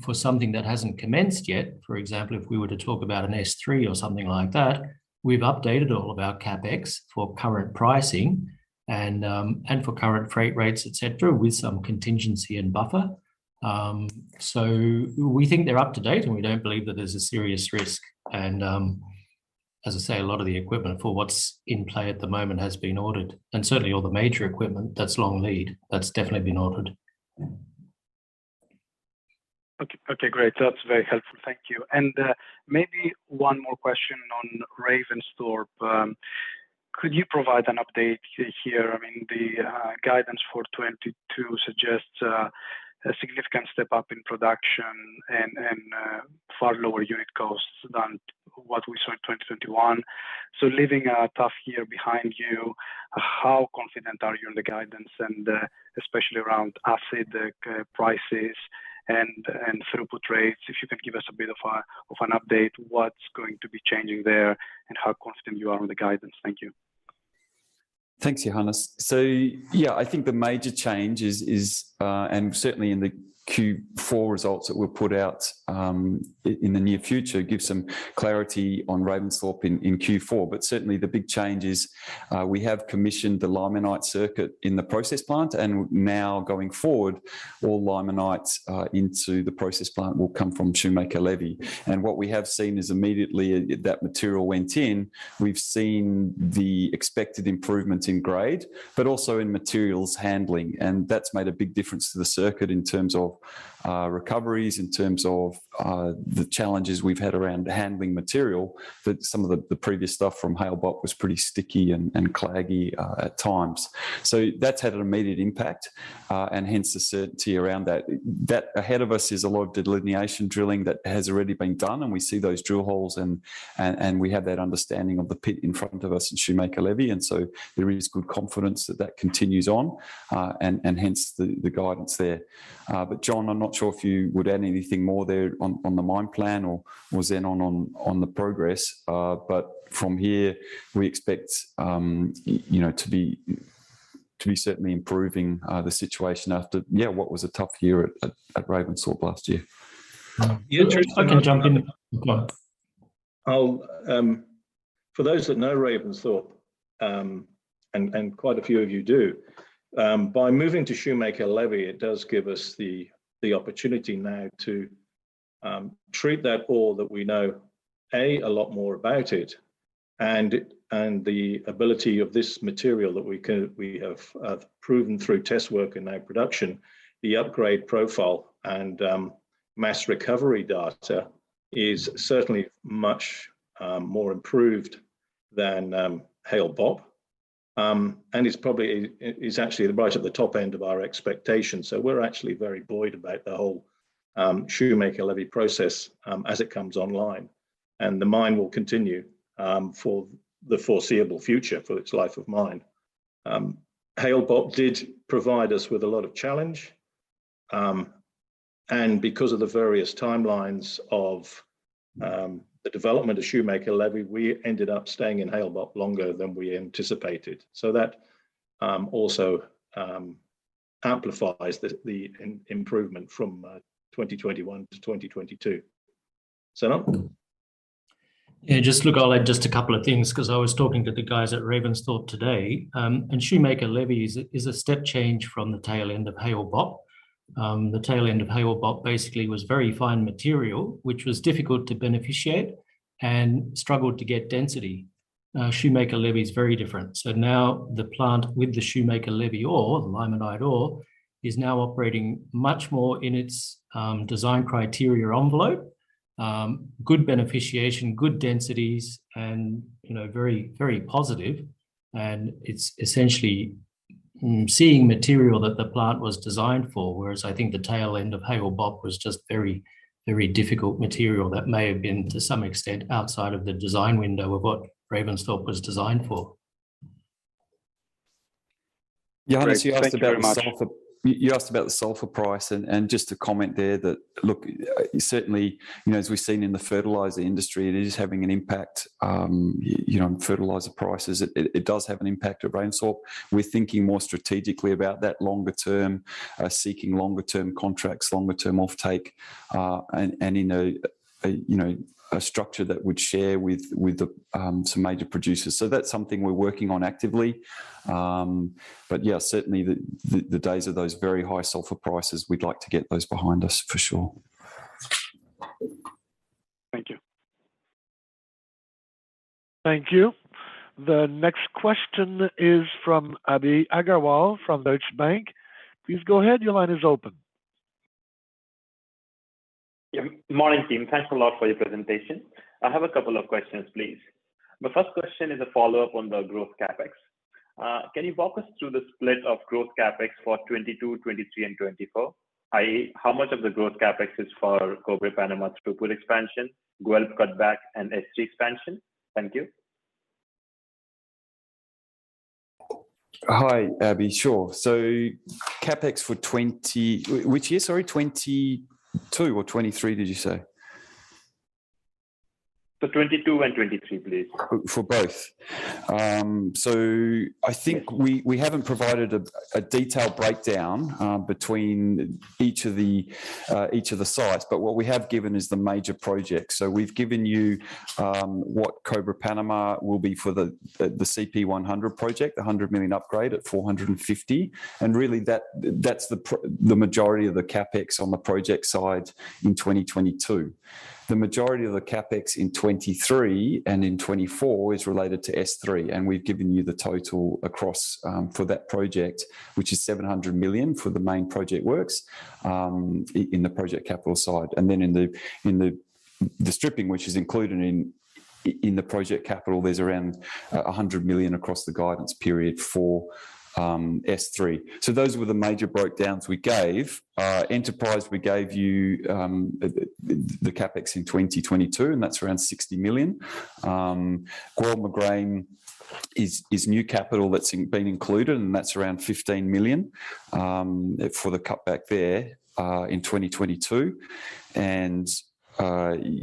For something that hasn't commenced yet, for example, if we were to talk about an S3 or something like that, we've updated all of our CapEx for current pricing and for current freight rates, et cetera, with some contingency and buffer. We think they're up to date, and we don't believe that there's a serious risk. As I say, a lot of the equipment for what's in play at the moment has been ordered, and certainly all the major equipment that's long lead, that's definitely been ordered. Okay. Great. That's very helpful, thank you. Maybe one more question on Ravensthorpe. Could you provide an update here? I mean, the guidance for 2022 suggests a significant step up in production and far lower unit costs than what we saw in 2021. Leaving a tough year behind you, how confident are you in the guidance and especially around asset prices and throughput rates? If you could give us a bit of an update, what's going to be changing there, and how confident you are on the guidance. Thank you. Thanks, Ioannis. I think the major change is certainly in the Q4 results that we'll put out in the near future give some clarity on Ravensthorpe in Q4. Certainly the big change is we have commissioned the limonite circuit in the process plant, and now going forward, all limonite into the process plant will come from Shoemaker-Levy. What we have seen is immediately that material went in, we've seen the expected improvements in grade, but also in materials handling. That's made a big difference to the circuit in terms of recoveries, in terms of the challenges we've had around handling material, that some of the previous stuff from Hale-Bopp was pretty sticky and claggy at times. That's had an immediate impact and hence the certainty around that. Ahead of us is a lot of delineation drilling that has already been done, and we see those drill holes and we have that understanding of the pit in front of us in Shoemaker-Levy. There is good confidence that that continues on, and hence the guidance there. John, I'm not sure if you would add anything more there on the mine plan or Zenon on the progress. From here we expect you know to be certainly improving the situation after yeah what was a tough year at Ravensthorpe last year. I can jump in. For those that know Ravensthorpe, and quite a few of you do, by moving to Shoemaker-Levy, it does give us the opportunity now to treat that ore that we know a lot more about and the ability of this material that we have proven through test work and now production, the upgrade profile and mass recovery data is certainly much more improved than Hale-Bopp. It is actually right at the top end of our expectations. We're actually very buoyed about the whole Shoemaker-Levy process as it comes online. The mine will continue for the foreseeable future for its life of mine. Hale-Bopp did provide us with a lot of challenge, and because of the various timelines of the development of Shoemaker-Levy, we ended up staying in Hale-Bopp longer than we anticipated. That also amplifies the improvement from 2021-2022. Zenon? Yeah, just look, I'll add just a couple of things 'cause I was talking to the guys at Ravensthorpe today. Shoemaker-Levy is a step change from the tail end of Hale-Bopp. The tail end of Hale-Bopp basically was very fine material, which was difficult to beneficiate and struggled to get density. Shoemaker-Levy is very different. Now the plant with the Shoemaker-Levy ore, the limonite ore, is now operating much more in its design criteria envelope. Good beneficiation, good densities and, you know, very, very positive and it's essentially seeing material that the plant was designed for, whereas I think the tail end of Hale-Bopp was just very, very difficult material that may have been to some extent outside of the design window of what Ravensthorpe was designed for. Ioannis, you asked about the sulfur. Great. Thank you very much. You asked about the sulfur price and just to comment there that, look, certainly, you know, as we've seen in the fertilizer industry, it is having an impact, you know, on fertilizer prices. It does have an impact at Ravensthorpe. We're thinking more strategically about that longer term, seeking longer term contracts, longer term offtake, and in a structure that we'd share with some major producers. That's something we're working on actively. Yeah, certainly the days of those very high sulfur prices, we'd like to get those behind us for sure. Thank you. Thank you. The next question is from Abhi Agarwal from Deutsche Bank. Please go ahead. Your line is open. Yeah. Morning, team. Thanks a lot for your presentation. I have a couple of questions, please. The first question is a follow-up on the growth CapEx. Can you walk us through the split of growth CapEx for 2022, 2023 and 2024? How much of the growth CapEx is for Cobre Panamá through full expansion, Guelb Moghrein cutback, and S3 expansion? Thank you. Hi, Abhi. Sure. CapEx for which year, sorry? 2022 or 2023, did you say? For 2022 and 2023, please. For both? I think we haven't provided a detailed breakdown between each of the sites, but what we have given is the major projects. We've given you what Cobre Panamá will be for the CP100 project, the $100 million upgrade at $450. Really that's the majority of the CapEx on the project side in 2022. The majority of the CapEx in 2023 and in 2024 is related to S3, and we've given you the total across for that project, which is $700 million for the main project works in the project capital side. Then in the stripping which is included in the project capital, there's around $100 million across the guidance period for S3. Those were the major breakdowns we gave. Enterprise, we gave you the CapEx in 2022, and that's around $60 million. Guelb Moghrein is new capital that's been included, and that's around $15 million for the cutback there in 2022.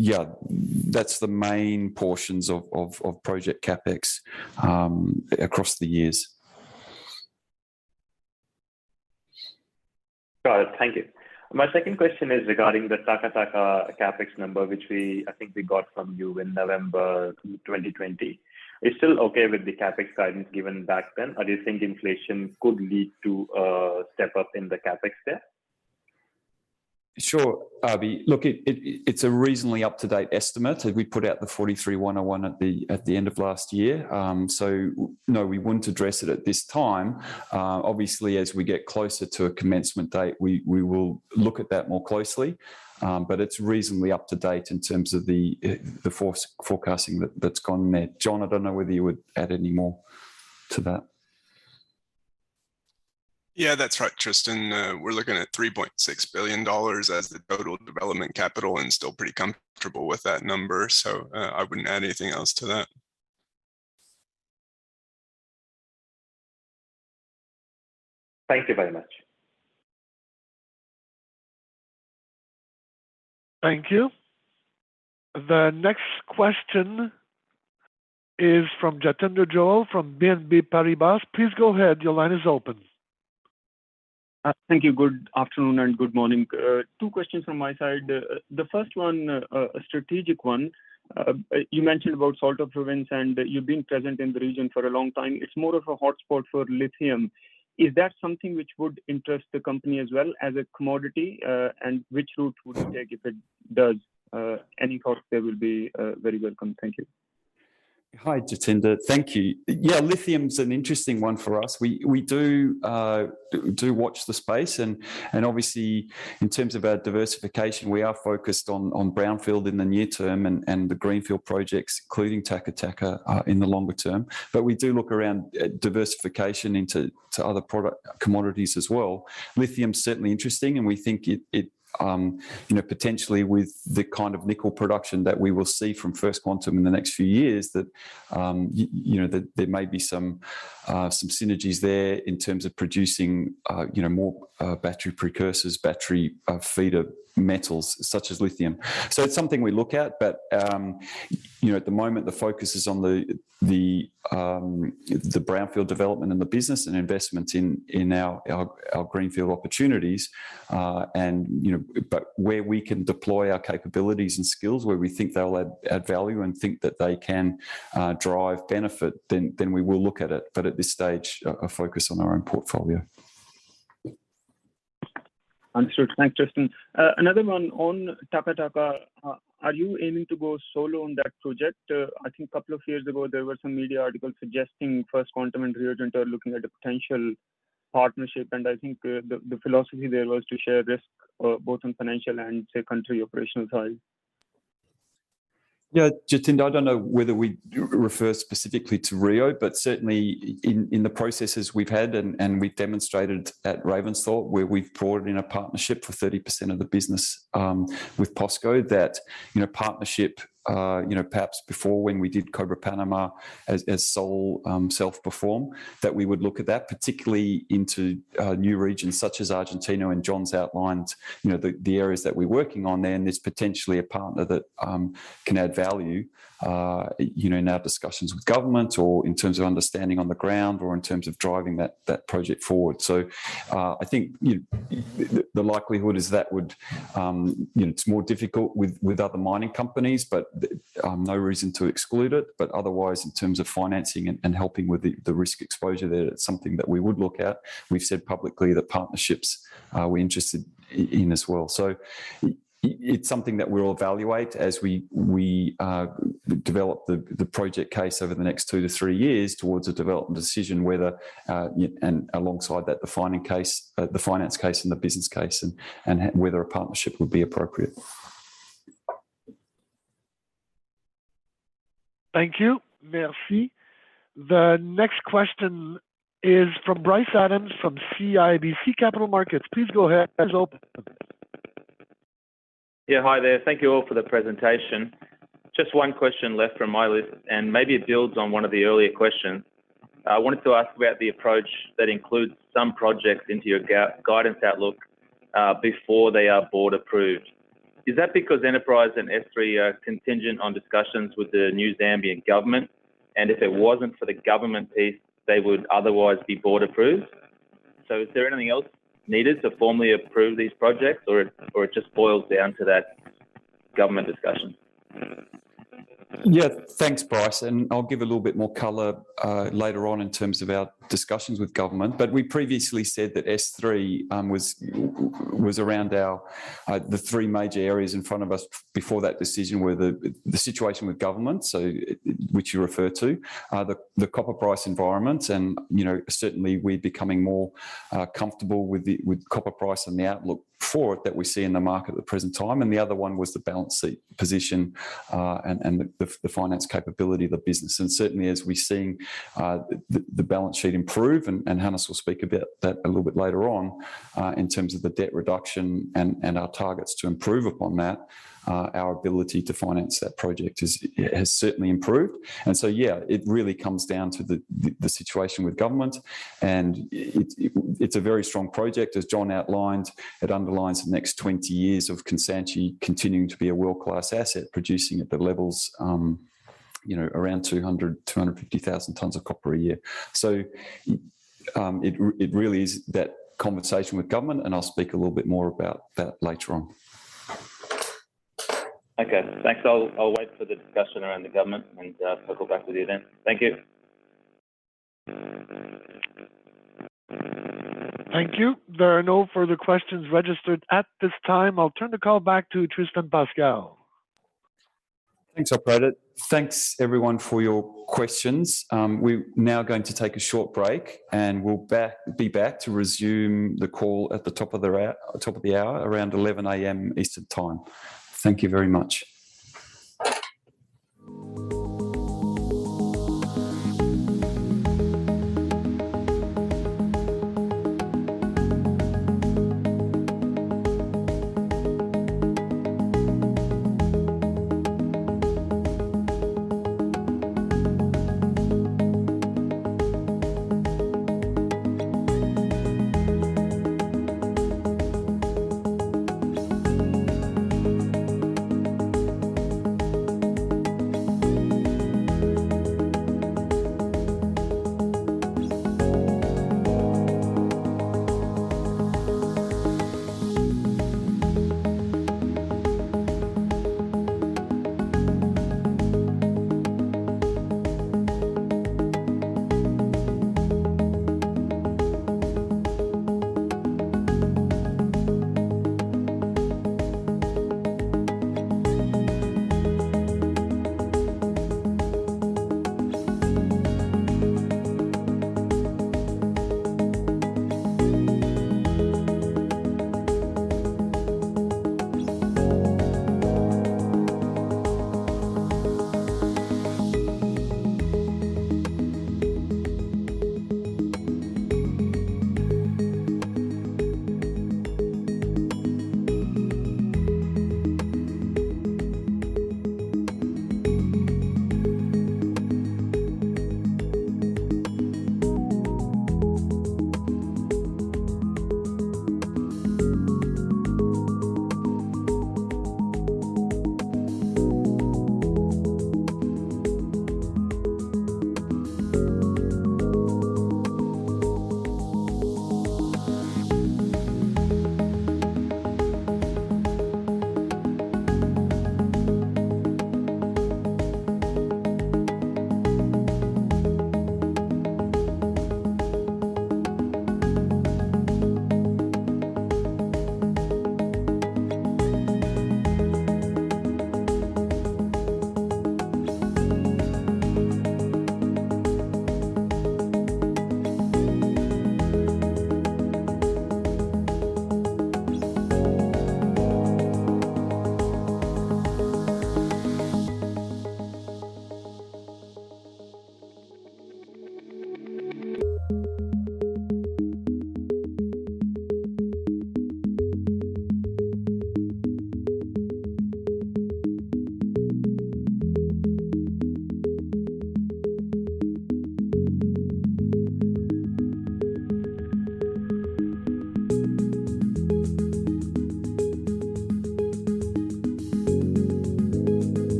Yeah, that's the main portions of project CapEx across the years. Got it. Thank you. My second question is regarding the Taca Taca CapEx number, which we, I think we got from you in November 2020. Are you still okay with the CapEx guidance given back then, or do you think inflation could lead to a step up in the CapEx there? Sure, Abhi. Look, it's a reasonably up-to-date estimate. We put out the 43-101 at the end of last year. No, we wouldn't address it at this time. Obviously, as we get closer to a commencement date, we will look at that more closely. It's reasonably up to date in terms of the forecasting that's gone there. John, I don't know whether you would add any more to that. Yeah. That's right, Tristan. We're looking at $3.6 billion as the total development capital and still pretty comfortable with that number. I wouldn't add anything else to that. Thank you very much. Thank you. The next question is from Jatinder Goel from BNP Paribas. Please go ahead. Your line is open. Thank you. Good afternoon and good morning. Two questions from my side. The first one, a strategic one. You mentioned about Salta Province, and you've been present in the region for a long time. It's more of a hotspot for lithium. Is that something which would interest the company as well as a commodity, and which route would it take if it does? Any thoughts there will be very welcome. Thank you. Hi, Jatinder. Thank you. Yeah, lithium's an interesting one for us. We do watch the space and obviously in terms of our diversification, we are focused on brownfield in the near term and the greenfield projects, including Taca Taca, in the longer term. But we do look around diversification into other product commodities as well. Lithium's certainly interesting, and we think it, you know, potentially with the kind of nickel production that we will see from First Quantum in the next few years, that, you know, there may be some synergies there in terms of producing, you know, more, battery precursors, battery feeder metals such as lithium. It's something we look at, but you know, at the moment the focus is on the brownfield development and the business and investments in our greenfield opportunities. You know, but where we can deploy our capabilities and skills, where we think they'll add value and think that they can drive benefit, then we will look at it. At this stage, a focus on our own portfolio. Understood. Thanks, Tristan. Another one on Taca Taca. Are you aiming to go solo on that project? I think a couple of years ago, there were some media articles suggesting First Quantum and Rio Tinto are looking at a potential partnership, and I think the philosophy there was to share risk, both on financial and say country operational side. Yeah. Jatinder, I don't know whether we refer specifically to Rio, but certainly in the processes we've had and we've demonstrated at Ravensthorpe where we've brought in a partnership for 30% of the business with POSCO, that you know partnership you know perhaps before when we did Cobre Panamá as sole self-perform, that we would look at that, particularly into new regions such as Argentina and John's outlined you know the areas that we're working on there, and there's potentially a partner that can add value you know in our discussions with government or in terms of understanding on the ground or in terms of driving that project forward. I think the likelihood is that would you know it's more difficult with other mining companies, but no reason to exclude it. Otherwise, in terms of financing and helping with the risk exposure there, it's something that we would look at. We've said publicly that partnerships, we're interested in as well. It's something that we'll evaluate as we develop the project case over the next two to three years towards a development decision whether and alongside that, the finance case and the business case and whether a partnership would be appropriate. Thank you. Merci. The next question is from Bryce Adams from CIBC Capital Markets. Please go ahead. Yeah, hi there. Thank you all for the presentation. Just one question left from my list, and maybe it builds on one of the earlier questions. I wanted to ask about the approach that includes some projects into your guidance outlook before they are board approved. Is that because Enterprise and S3 are contingent on discussions with the new Zambian government? And if it wasn't for the government piece, they would otherwise be board approved? Is there anything else needed to formally approve these projects or it just boils down to that government discussion? Yeah. Thanks, Bryce, and I'll give a little bit more color later on in terms of our discussions with government. We previously said that S3 was around the three major areas in front of us before that decision, where the situation with government, so which you refer to, the copper price environment. You know, certainly we're becoming more comfortable with the copper price and the outlook for it that we see in the market at the present time. The other one was the balance sheet position and the finance capability of the business. Certainly as we're seeing, the balance sheet improve, and Hannes will speak a bit to that a little bit later on, in terms of the debt reduction and our targets to improve upon that, our ability to finance that project has certainly improved. Yeah, it really comes down to the situation with government. It is a very strong project, as John outlined. It underlines the next twenty years of Kansanshi continuing to be a world-class asset, producing at the levels, you know, around 200,000-250,000 tons of copper a year. It really is that conversation with government, and I'll speak a little bit more about that later on. Okay, thanks. I'll wait for the discussion around the government, and I'll go back to the event. Thank you. Thank you. There are no further questions registered at this time. I'll turn the call back to Tristan Pascall. Thanks, operator. Thanks everyone for your questions. We're now going to take a short break, and we'll be back to resume the call at the top of the hour, around 11:00 A.M. Eastern Time. Thank you very much.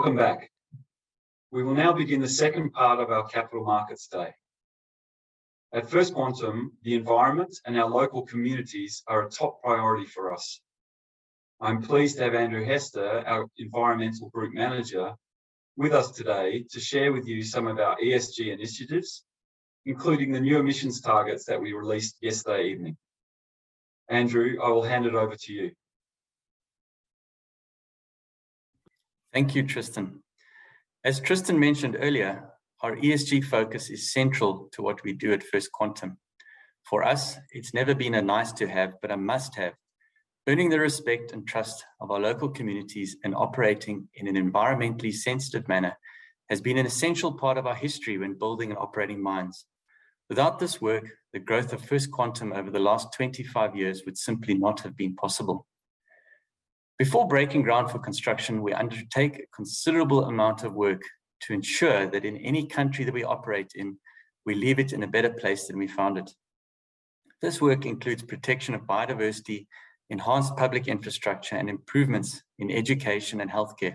Welcome back. We will now begin the second part of our Capital Markets Day. At First Quantum, the environment and our local communities are a top priority for us. I'm pleased to have Andrew Hester, our Environmental Group Manager, with us today to share with you some of our ESG initiatives, including the new emissions targets that we released yesterday evening. Andrew, I will hand it over to you. Thank you, Tristan. As Tristan mentioned earlier, our ESG focus is central to what we do at First Quantum. For us, it's never been a nice to have, but a must-have. Earning the respect and trust of our local communities and operating in an environmentally sensitive manner has been an essential part of our history when building and operating mines. Without this work, the growth of First Quantum over the last 25 years would simply not have been possible. Before breaking ground for construction, we undertake a considerable amount of work to ensure that in any country that we operate in, we leave it in a better place than we found it. This work includes protection of biodiversity, enhanced public infrastructure, and improvements in education and healthcare.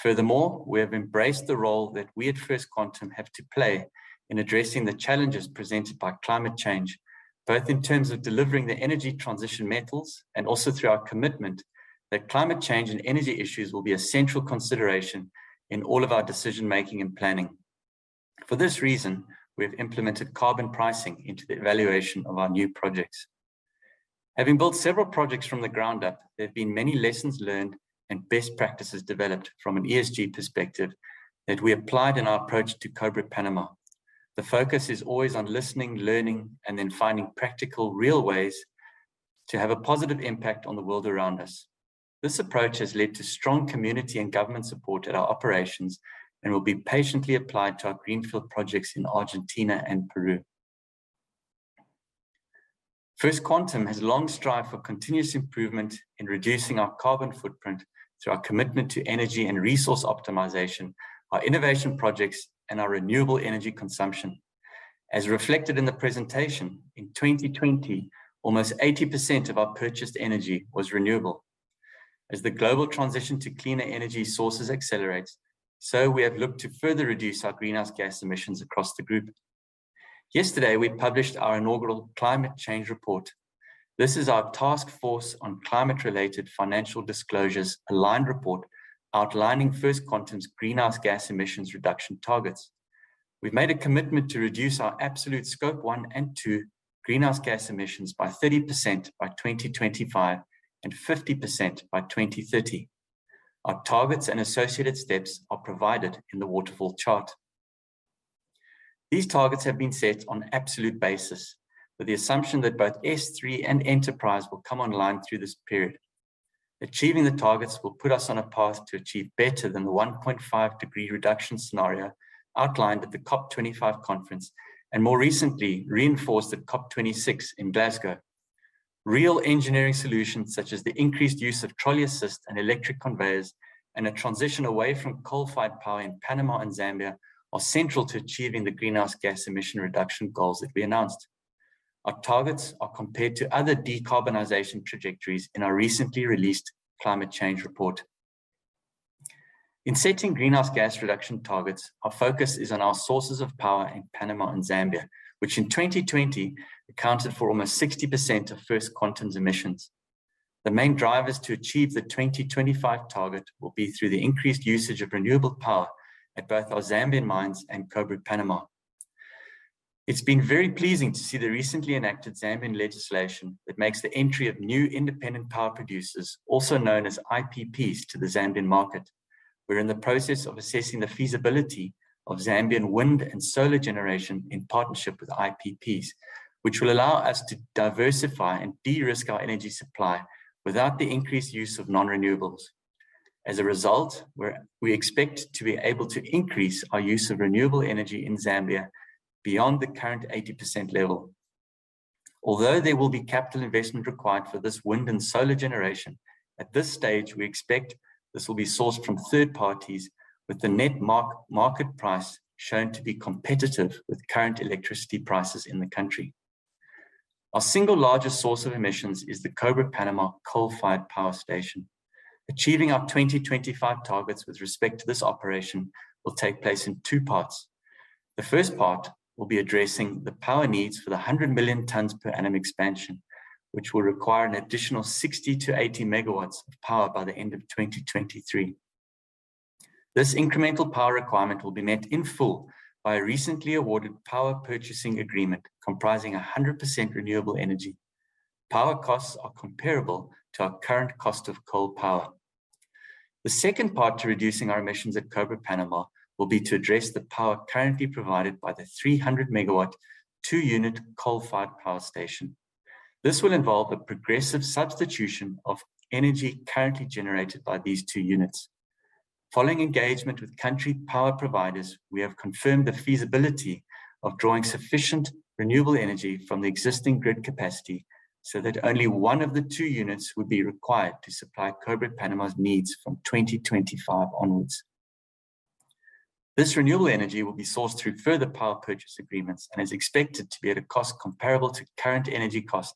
Furthermore, we have embraced the role that we at First Quantum have to play in addressing the challenges presented by climate change, both in terms of delivering the energy transition metals and also through our commitment that climate change and energy issues will be a central consideration in all of our decision-making and planning. For this reason, we have implemented carbon pricing into the evaluation of our new projects. Having built several projects from the ground up, there have been many lessons learned and best practices developed from an ESG perspective that we applied in our approach to Cobre Panamá. The focus is always on listening, learning, and then finding practical, real ways to have a positive impact on the world around us. This approach has led to strong community and government support at our operations and will be patiently applied to our greenfield projects in Argentina and Peru. First Quantum has long strived for continuous improvement in reducing our carbon footprint through our commitment to energy and resource optimization, our innovation projects, and our renewable energy consumption. As reflected in the presentation, in 2020, almost 80% of our purchased energy was renewable. As the global transition to cleaner energy sources accelerates, we have looked to further reduce our greenhouse gas emissions across the group. Yesterday, we published our inaugural climate change report. This is our Task Force on Climate-related Financial Disclosures-aligned report outlining First Quantum's greenhouse gas emissions reduction targets. We've made a commitment to reduce our absolute Scope 1 and 2 greenhouse gas emissions by 30% by 2025 and 50% by 2030. Our targets and associated steps are provided in the waterfall chart. These targets have been set on absolute basis with the assumption that both S3 and Enterprise will come online through this period. Achieving the targets will put us on a path to achieve better than the 1.5 degree reduction scenario outlined at the COP25 conference, and more recently reinforced at COP26 in Glasgow. Real engineering solutions such as the increased use of trolley assist and electric conveyors and a transition away from coal-fired power in Panama and Zambia are central to achieving the greenhouse gas emission reduction goals that we announced. Our targets are compared to other decarbonization trajectories in our recently released climate change report. In setting greenhouse gas reduction targets, our focus is on our sources of power in Panama and Zambia, which in 2020 accounted for almost 60% of First Quantum's emissions. The main drivers to achieve the 2025 target will be through the increased usage of renewable power at both our Zambian mines and Cobre Panamá. It's been very pleasing to see the recently enacted Zambian legislation that makes the entry of new independent power producers, also known as IPPs, to the Zambian market. We're in the process of assessing the feasibility of Zambian wind and solar generation in partnership with IPPs, which will allow us to diversify and de-risk our energy supply without the increased use of non-renewables. As a result, we expect to be able to increase our use of renewable energy in Zambia beyond the current 80% level. Although there will be capital investment required for this wind and solar generation, at this stage, we expect this will be sourced from third parties with the net market price shown to be competitive with current electricity prices in the country. Our single largest source of emissions is the Cobre Panamá coal-fired power station. Achieving our 2025 targets with respect to this operation will take place in two parts. The first part will be addressing the power needs for the 100 million tons per annum expansion, which will require an additional 60-80 MW of power by the end of 2023. This incremental power requirement will be met in full by a recently awarded power purchasing agreement comprising 100% renewable energy. Power costs are comparable to our current cost of coal power. The second part to reducing our emissions at Cobre Panamá will be to address the power currently provided by the 300 MW, two-unit coal-fired power station. This will involve a progressive substitution of energy currently generated by these two units. Following engagement with country power providers, we have confirmed the feasibility of drawing sufficient renewable energy from the existing grid capacity so that only one of the two units would be required to supply Cobre Panamá's needs from 2025 onwards. This renewable energy will be sourced through further power purchase agreements and is expected to be at a cost comparable to current energy cost,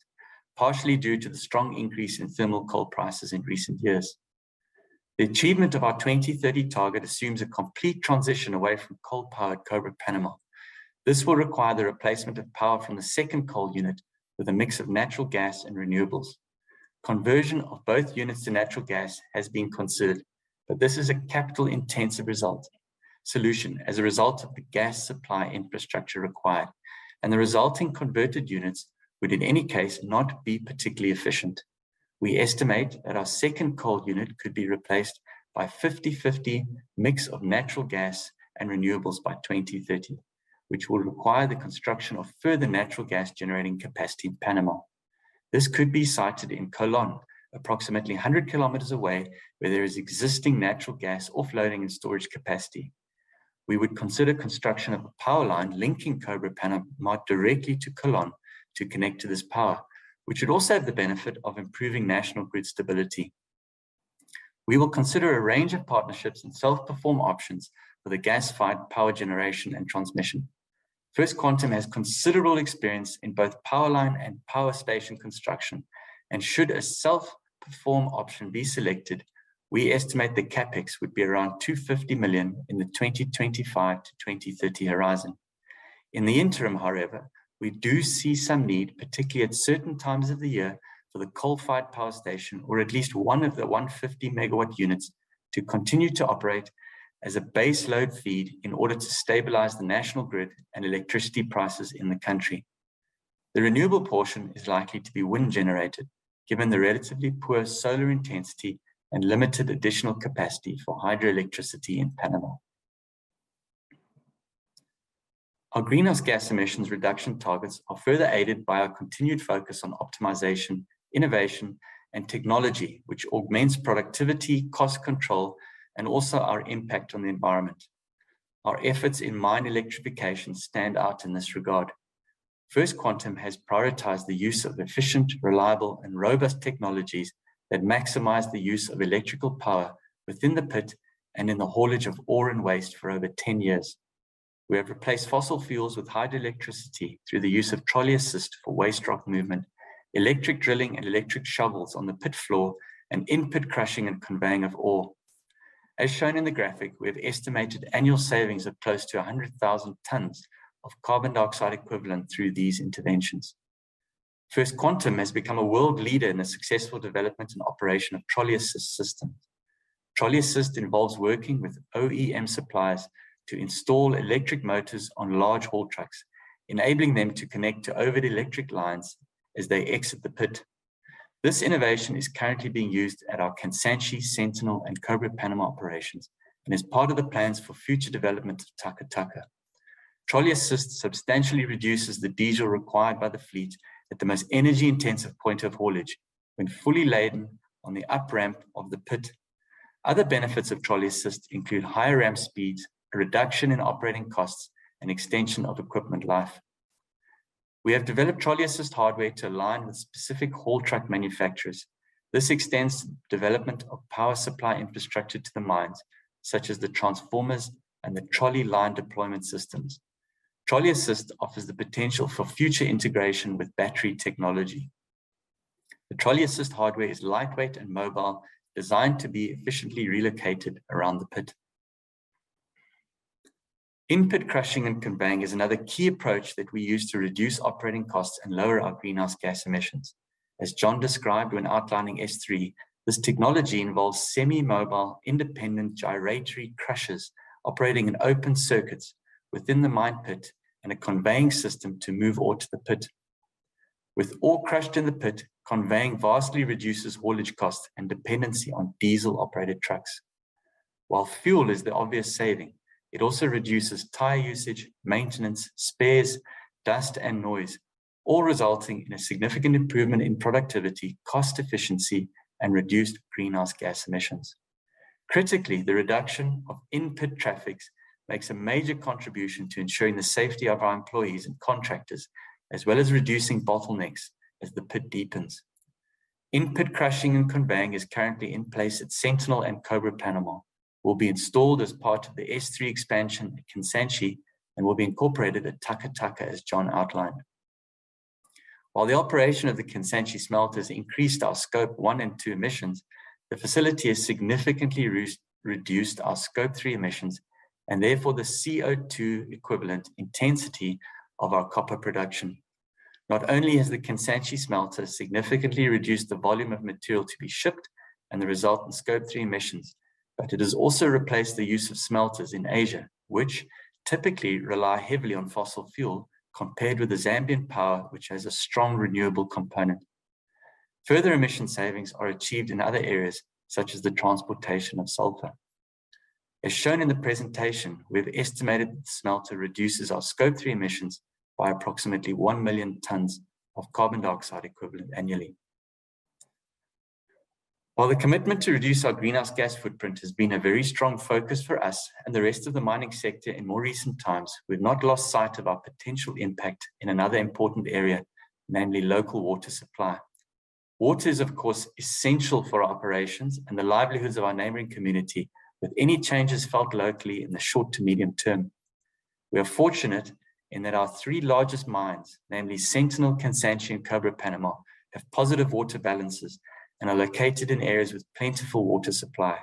partially due to the strong increase in thermal coal prices in recent years. The achievement of our 2030 target assumes a complete transition away from coal power at Cobre Panamá. This will require the replacement of power from the second coal unit with a mix of natural gas and renewables. Conversion of both units to natural gas has been considered, but this is a capital-intensive solution as a result of the gas supply infrastructure required, and the resulting converted units would in any case not be particularly efficient. We estimate that our second coal unit could be replaced by 50/50 mix of natural gas and renewables by 2030, which will require the construction of further natural gas generating capacity in Panamá. This could be sited in Colón, approximately 100 km away, where there is existing natural gas offloading and storage capacity. We would consider construction of a power line linking Cobre Panamá directly to Colón to connect to this power, which would also have the benefit of improving national grid stability. We will consider a range of partnerships and self-perform options for the gas-fired power generation and transmission. First Quantum has considerable experience in both power line and power station construction, and should a self-perform option be selected, we estimate the CapEx would be around $250 million in the 2025-2030 horizon. In the interim, however, we do see some need, particularly at certain times of the year, for the coal-fired power station or at least one of the 150 MW units to continue to operate as a base load feed in order to stabilize the national grid and electricity prices in the country. The renewable portion is likely to be wind-generated, given the relatively poor solar intensity and limited additional capacity for hydroelectricity in Panama. Our greenhouse gas emissions reduction targets are further aided by our continued focus on optimization, innovation, and technology, which augments productivity, cost control, and also our impact on the environment. Our efforts in mine electrification stand out in this regard. First Quantum has prioritized the use of efficient, reliable, and robust technologies that maximize the use of electrical power within the pit and in the haulage of ore and waste for over 10 years. We have replaced fossil fuels with hydroelectricity through the use of trolley assist for waste rock movement, electric drilling and electric shovels on the pit floor, and in-pit crushing and conveying of ore. As shown in the graphic, we have estimated annual savings of close to 100,000 tons of carbon dioxide equivalent through these interventions. First Quantum has become a world leader in the successful development and operation of trolley assist systems. Trolley assist involves working with OEM suppliers to install electric motors on large haul trucks, enabling them to connect to overhead electric lines as they exit the pit. This innovation is currently being used at our Kansanshi, Sentinel and Cobre Panamá operations and is part of the plans for future development of Taca Taca. Trolley assist substantially reduces the diesel required by the fleet at the most energy-intensive point of haulage when fully laden on the up-ramp of the pit. Other benefits of trolley assist include higher ramp speeds, a reduction in operating costs and extension of equipment life. We have developed trolley assist hardware to align with specific haul truck manufacturers. This extends development of power supply infrastructure to the mines, such as the transformers and the trolley line deployment systems. Trolley assist offers the potential for future integration with battery technology. The trolley assist hardware is lightweight and mobile, designed to be efficiently relocated around the pit. In-pit crushing and conveying is another key approach that we use to reduce operating costs and lower our greenhouse gas emissions. As John described when outlining S3, this technology involves semi-mobile independent gyratory crushers operating in open circuits within the mine pit and a conveying system to move ore to the pit. With ore crushed in the pit, conveying vastly reduces haulage cost and dependency on diesel-operated trucks. While fuel is the obvious saving, it also reduces tire usage, maintenance, spares, dust and noise, all resulting in a significant improvement in productivity, cost efficiency and reduced greenhouse gas emissions. Critically, the reduction of in-pit traffic makes a major contribution to ensuring the safety of our employees and contractors, as well as reducing bottlenecks as the pit deepens. In-pit crushing and conveying is currently in place at Sentinel and Cobre Panamá, will be installed as part of the S3 expansion at Kansanshi, and will be incorporated at Taca Taca, as John outlined. While the operation of the Kansanshi smelter has increased our Scope 1 and 2 emissions, the facility has significantly reduced our Scope 3 emissions and therefore the CO2 equivalent intensity of our copper production. Not only has the Kansanshi smelter significantly reduced the volume of material to be shipped and the resultant Scope 3 emissions, but it has also replaced the use of smelters in Asia, which typically rely heavily on fossil fuel compared with the Zambian power, which has a strong renewable component. Further emission savings are achieved in other areas, such as the transportation of sulfur. As shown in the presentation, we have estimated the smelter reduces our Scope 3 emissions by approximately 1 million tons of carbon dioxide equivalent annually. While the commitment to reduce our greenhouse gas footprint has been a very strong focus for us and the rest of the mining sector in more recent times, we've not lost sight of our potential impact in another important area, namely local water supply. Water is, of course, essential for our operations and the livelihoods of our neighboring community, with any changes felt locally in the short to medium term. We are fortunate in that our three largest mines, namely Sentinel, Kansanshi and Cobre Panamá, have positive water balances and are located in areas with plentiful water supply.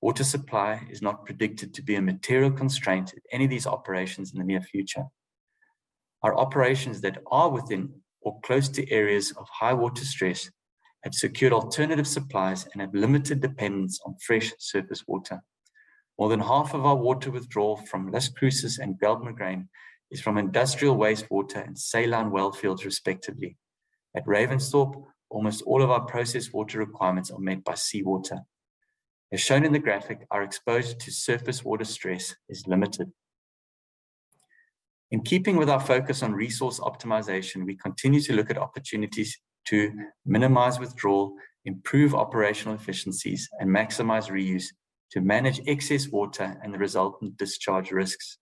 Water supply is not predicted to be a material constraint at any of these operations in the near future. Our operations that are within or close to areas of high water stress have secured alternative supplies and have limited depends on fresh surface water. More than half of our water withdrawal from Las Cruces and Guelb Moghrein is from industrial wastewater and saline well fields respectively. At Ravensthorpe, almost all of our processed water requirements are met by seawater. As shown in the graphic, our exposure to surface water stress is limited. In keeping with our focus on resource optimization, we continue to look at opportunities to minimize withdrawal, improve operational efficiencies and maximize reuse to manage excess water and the resultant discharge risks.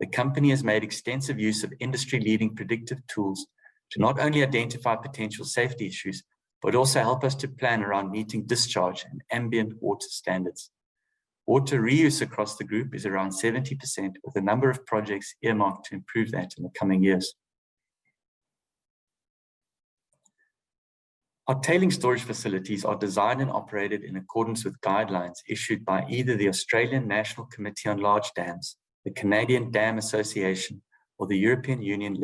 The company has made extensive use of industry-leading predictive tools to not only identify potential safety issues, but also help us to plan around meeting discharge and ambient water standards. Water reuse across the group is around 70%, with a number of projects earmarked to improve that in the coming years. Our tailings storage facilities are designed and operated in accordance with guidelines issued by either the Australian National Committee on Large Dams, the Canadian Dam Association or the European Union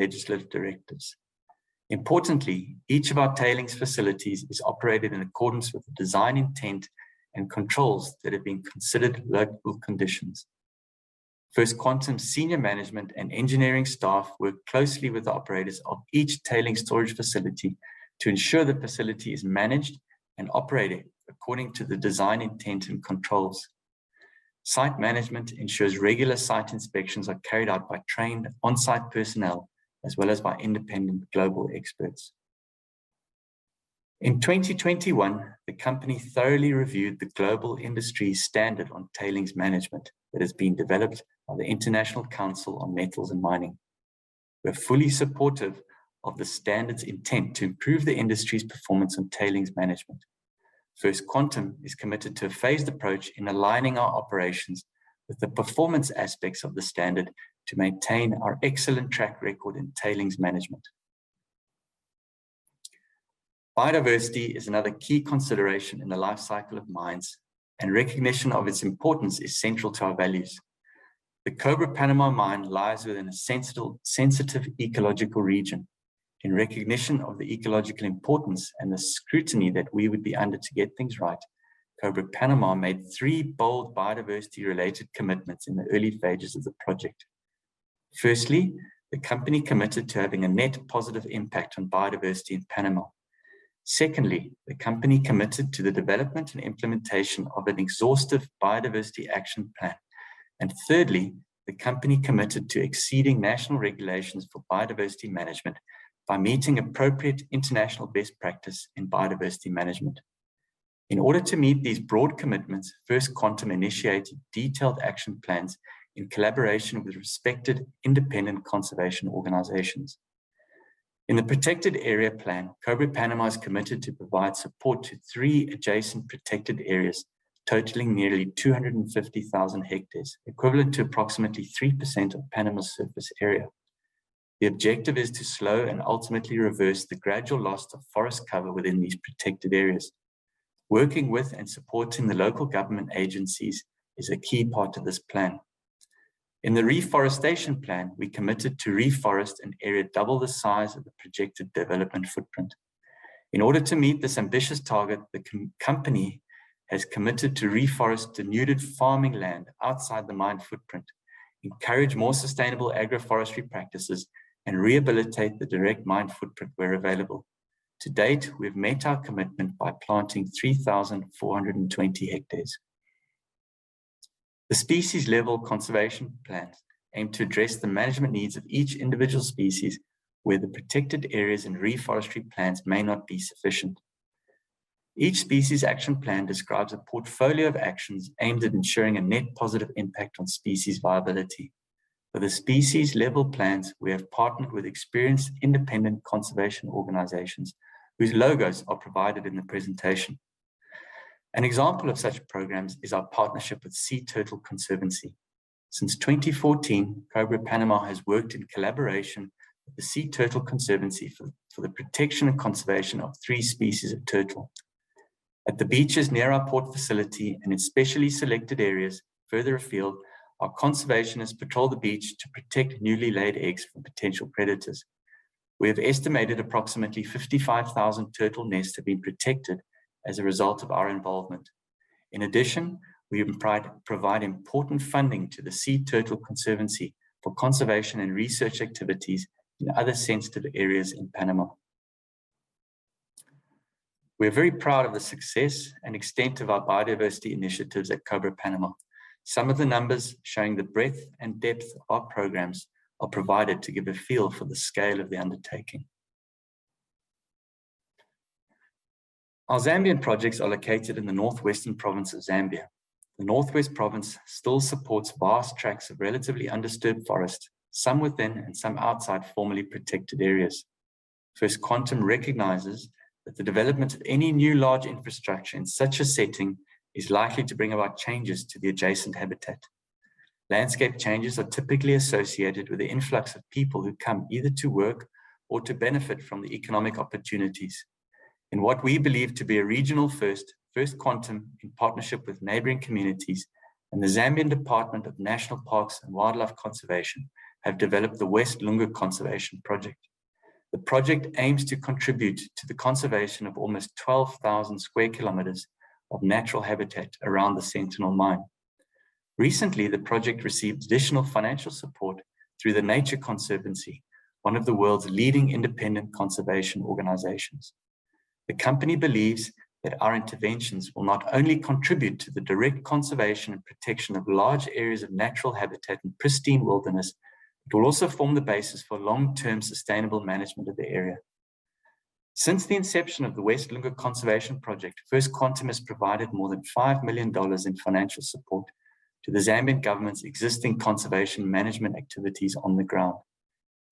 legislative directives. Importantly, each of our tailings facilities is operated in accordance with the design intent and controls that have been considered local conditions. First Quantum senior management and engineering staff work closely with the operators of each tailings storage facility to ensure the facility is managed and operating according to the design intent and controls. Site management ensures regular site inspections are carried out by trained on-site personnel as well as by independent global experts. In 2021, the company thoroughly reviewed the Global Industry Standard on Tailings Management that has been developed by the International Council on Mining and Metals. We're fully supportive of the standard's intent to improve the industry's performance on tailings management. First Quantum is committed to a phased approach in aligning our operations with the performance aspects of the standard to maintain our excellent track record in tailings management. Biodiversity is another key consideration in the life cycle of mines, and recognition of its importance is central to our values. The Cobre Panamá mine lies within a sensitive ecological region. In recognition of the ecological importance and the scrutiny that we would be under to get things right, Cobre Panamá made three bold biodiversity-related commitments in the early phases of the project. Firstly, the company committed to having a net positive impact on biodiversity in Panama. Secondly, the company committed to the development and implementation of an exhaustive biodiversity action plan. Thirdly, the company committed to exceeding national regulations for biodiversity management by meeting appropriate international best practice in biodiversity management. In order to meet these broad commitments, First Quantum initiated detailed action plans in collaboration with respected independent conservation organizations. In the protected area plan, Cobre Panamá is committed to provide support to three adjacent protected areas totaling nearly 250,000 hectares, equivalent to approximately 3% of Panama's surface area. The objective is to slow and ultimately reverse the gradual loss of forest cover within these protected areas. Working with and supporting the local government agencies is a key part of this plan. In the reforestation plan, we committed to reforest an area double the size of the projected development footprint. In order to meet this ambitious target, the company has committed to reforest denuded farming land outside the mine footprint, encourage more sustainable agroforestry practices, and rehabilitate the direct mine footprint where available. To date, we've met our commitment by planting 3,420 hectares. The species-level conservation plans aim to address the management needs of each individual species where the protected areas and reforestry plans may not be sufficient. Each species action plan describes a portfolio of actions aimed at ensuring a net positive impact on species viability. For the species-level plans, we have partnered with experienced independent conservation organizations whose logos are provided in the presentation. An example of such programs is our partnership with Sea Turtle Conservancy. Since 2014, Cobre Panamá has worked in collaboration with the Sea Turtle Conservancy for the protection and conservation of three species of turtles. At the beaches near our port facility and in specially selected areas further afield, our conservationists patrol the beach to protect newly laid eggs from potential predators. We have estimated approximately 55,000 turtle nests have been protected as a result of our involvement. In addition, we have provided important funding to the Sea Turtle Conservancy for conservation and research activities in other sensitive areas in Panama. We're very proud of the success and extent of our biodiversity initiatives at Cobre Panamá. Some of the numbers showing the breadth and depth of our programs are provided to give a feel for the scale of the undertaking. Our Zambian projects are located in the North-Western Province of Zambia. The North-Western Province still supports vast tracts of relatively undisturbed forest, some within and some outside formerly protected areas. First Quantum recognizes that the development of any new large infrastructure in such a setting is likely to bring about changes to the adjacent habitat. Landscape changes are typically associated with the influx of people who come either to work or to benefit from the economic opportunities. In what we believe to be a regional first, First Quantum, in partnership with neighboring communities and the Zambian Department of National Parks and Wildlife, have developed the West Lunga Conservation Project. The project aims to contribute to the conservation of almost 12,000 sq km of natural habitat around the Sentinel Mine. Recently, the project received additional financial support through The Nature Conservancy, one of the world's leading independent conservation organizations. The company believes that our interventions will not only contribute to the direct conservation and protection of large areas of natural habitat and pristine wilderness. It will also form the basis for long-term sustainable management of the area. Since the inception of the West Lunga Conservation Project, First Quantum has provided more than $5 million in financial support to the Zambian government's existing conservation management activities on the ground.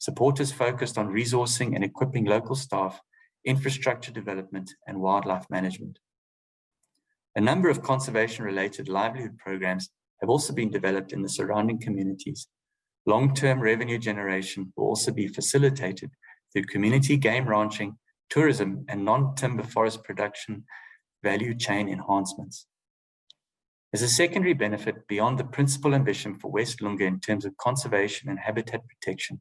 Support is focused on resourcing and equipping local staff, infrastructure development, and wildlife management. A number of conservation-related livelihood programs have also been developed in the surrounding communities. Long-term revenue generation will also be facilitated through community game ranching, tourism, and non-timber forest production value chain enhancements. As a secondary benefit beyond the principal ambition for West Lunga in terms of conservation and habitat protection,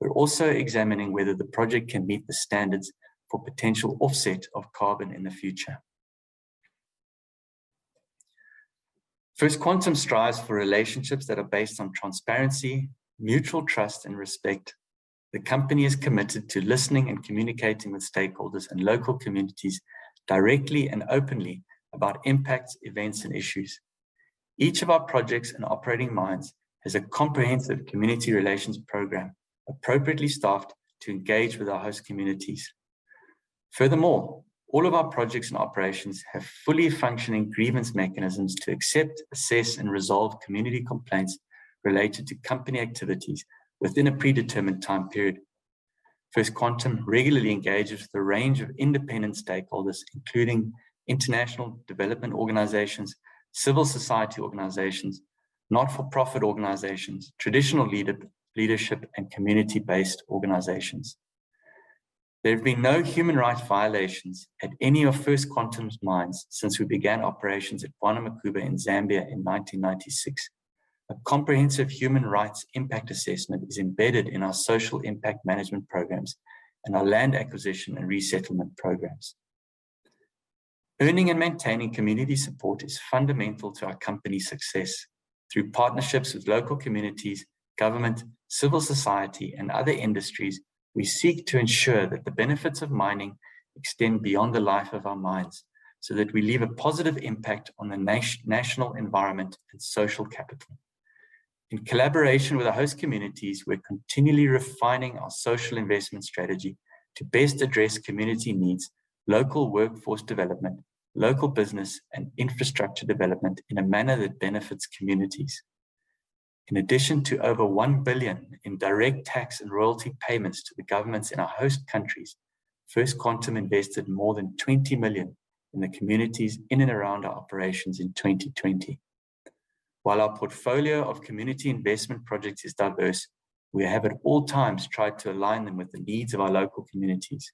we're also examining whether the project can meet the standards for potential offset of carbon in the future. First Quantum strives for relationships that are based on transparency, mutual trust and respect. The company is committed to listening and communicating with stakeholders and local communities directly and openly about impacts, events and issues. Each of our projects and operating mines has a comprehensive community relations program appropriately staffed to engage with our host communities. Furthermore, all of our projects and operations have fully functioning grievance mechanisms to accept, assess and resolve community complaints related to company activities within a predetermined time period. First Quantum regularly engages with a range of independent stakeholders, including international development organizations, civil society organizations, not-for-profit organizations, traditional leadership and community-based organizations. There have been no human rights violations at any of First Quantum's mines since we began operations at Kansanshi in Zambia in 1996. A comprehensive human rights impact assessment is embedded in our social impact management programs and our land acquisition and resettlement programs. Earning and maintaining community support is fundamental to our company's success. Through partnerships with local communities, government, civil society and other industries, we seek to ensure that the benefits of mining extend beyond the life of our mines, so that we leave a positive impact on the national environment and social capital. In collaboration with our host communities, we're continually refining our social investment strategy to best address community needs, local workforce development, local business and infrastructure development in a manner that benefits communities. In addition to over $1 billion in direct tax and royalty payments to the governments in our host countries, First Quantum invested more than $20 million in the communities in and around our operations in 2020. While our portfolio of community investment projects is diverse, we have at all times tried to align them with the needs of our local communities.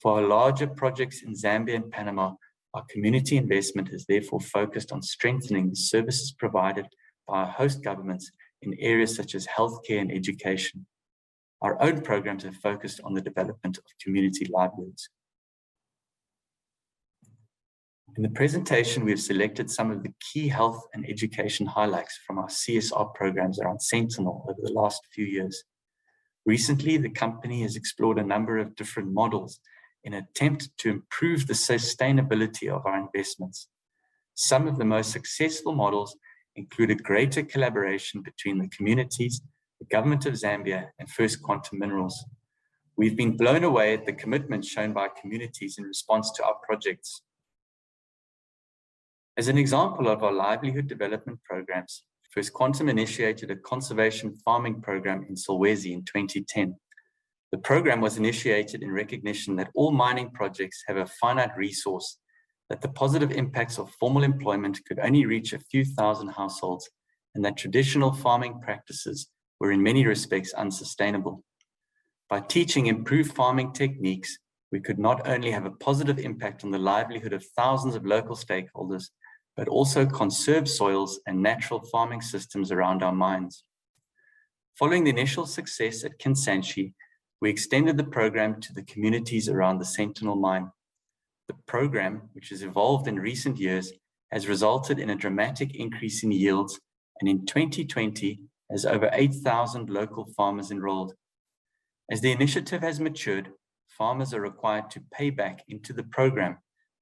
For our larger projects in Zambia and Panama, our community investment is therefore focused on strengthening the services provided by our host governments in areas such as healthcare and education. Our own programs have focused on the development of community livelihoods. In the presentation, we have selected some of the key health and education highlights from our CSR programs around Sentinel over the last few years. Recently, the company has explored a number of different models in an attempt to improve the sustainability of our investments. Some of the most successful models included greater collaboration between the communities, the Government of Zambia and First Quantum Minerals. We've been blown away at the commitment shown by communities in response to our projects. As an example of our livelihood development programs, First Quantum initiated a conservation farming program in Solwezi in 2010. The program was initiated in recognition that all mining projects have a finite resource, that the positive impacts of formal employment could only reach a few thousand households, and that traditional farming practices were in many respects unsustainable. By teaching improved farming techniques, we could not only have a positive impact on the livelihood of thousands of local stakeholders, but also conserve soils and natural farming systems around our mines. Following the initial success at Kansanshi, we extended the program to the communities around the Sentinel mine. The program, which has evolved in recent years, has resulted in a dramatic increase in yields, and in 2020 has over 8,000 local farmers enrolled. As the initiative has matured, farmers are required to pay back into the program,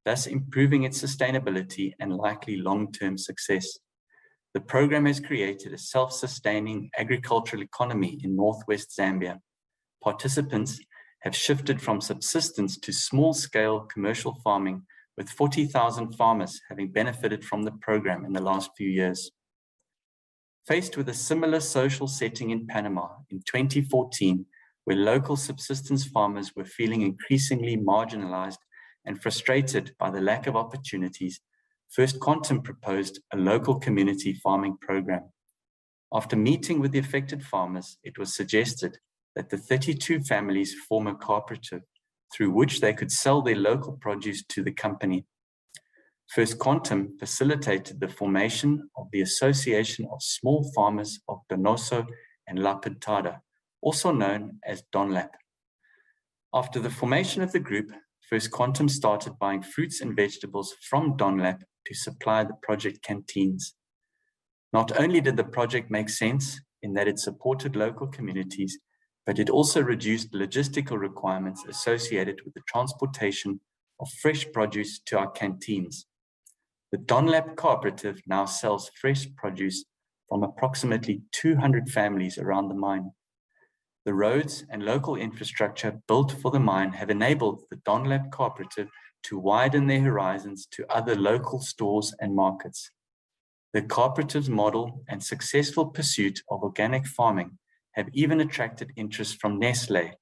thus improving its sustainability and likely long-term success. The program has created a self-sustaining agricultural economy in northwest Zambia. Participants have shifted from subsistence to small-scale commercial farming, with 40,000 farmers having benefited from the program in the last few years. Faced with a similar social setting in Panama in 2014, where local subsistence farmers were feeling increasingly marginalized and frustrated by the lack of opportunities, First Quantum proposed a local community farming program. After meeting with the affected farmers, it was suggested that the 32 families form a cooperative through which they could sell their local produce to the company. First Quantum facilitated the formation of the Association of Small Farmers of Donoso and La Pintada, also known as DONLAP. After the formation of the group, First Quantum started buying fruits and vegetables from DONLAP to supply the project canteens. Not only did the project make sense in that it supported local communities, but it also reduced logistical requirements associated with the transportation of fresh produce to our canteens. The DONLAP cooperative now sells fresh produce from approximately 200 families around the mine. The roads and local infrastructure built for the mine have enabled the DONLAP cooperative to widen their horizons to other local stores and markets. The cooperative's model and successful pursuit of organic farming have even attracted interest from Nestlé,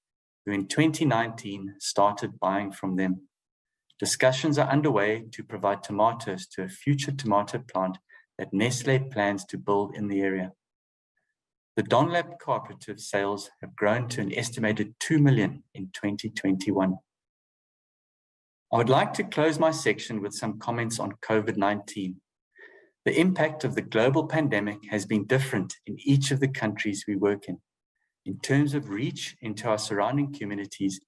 who in 2019 started buying from them. Discussions are underway to provide tomatoes to a future tomato plant that Nestlé plans to build in the area. The DONLAP cooperative sales have grown to an estimated $2 million in 2021. I would like to close my section with some comments on COVID-19. The impact of the global pandemic has been different in each of the countries we work in. In terms of reach into our surrounding communities,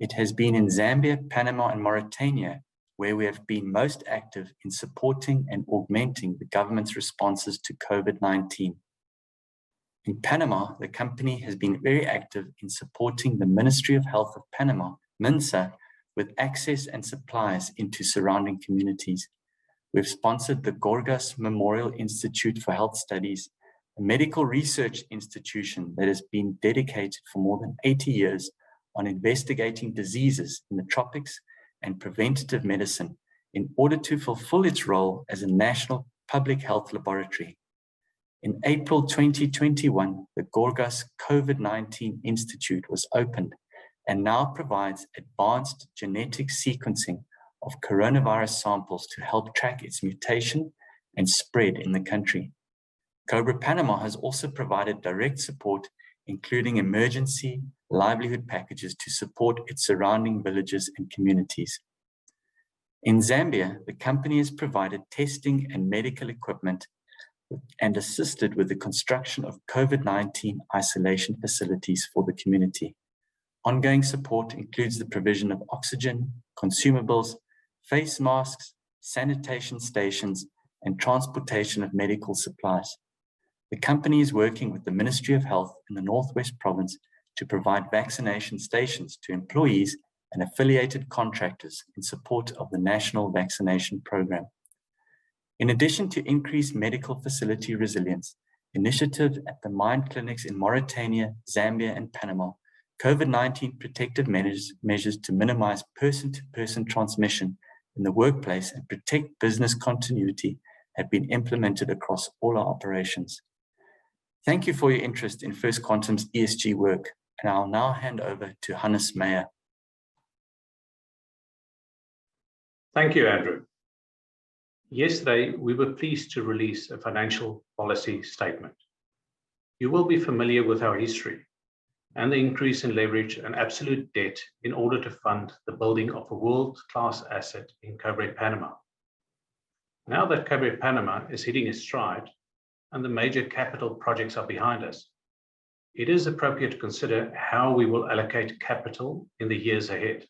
it has been in Zambia, Panama, and Mauritania, where we have been most active in supporting and augmenting the government's responses to COVID-19. In Panama, the company has been very active in supporting the Ministry of Health of Panama, MINSA, with access and supplies into surrounding communities. We've sponsored the Gorgas Memorial Institute for Health Studies, a medical research institution that has been dedicated for more than 80 years on investigating diseases in the tropics and preventative medicine in order to fulfill its role as a national public health laboratory. In April 2021, the Gorgas COVID-19 Institute was opened and now provides advanced genetic sequencing of coronavirus samples to help track its mutation and spread in the country. Cobre Panamá has also provided direct support, including emergency livelihood packages, to support its surrounding villages and communities. In Zambia, the company has provided testing and medical equipment and assisted with the construction of COVID-19 isolation facilities for the community. Ongoing support includes the provision of oxygen, consumables, face masks, sanitation stations, and transportation of medical supplies. The company is working with the Ministry of Health in the North-Western Province to provide vaccination stations to employees and affiliated contractors in support of the national vaccination program. In addition to increased medical facility resilience initiatives at the mine clinics in Mauritania, Zambia, and Panama, COVID-19 protective management measures to minimize person-to-person transmission in the workplace and protect business continuity have been implemented across all our operations. Thank you for your interest in First Quantum's ESG work, and I'll now hand over to Hannes Meyer. Thank you, Andrew. Yesterday, we were pleased to release a financial policy statement. You will be familiar with our history and the increase in leverage and absolute debt in order to fund the building of a world-class asset in Cobre Panamá. Now that Cobre Panamá is hitting its stride and the major capital projects are behind us, it is appropriate to consider how we will allocate capital in the years ahead.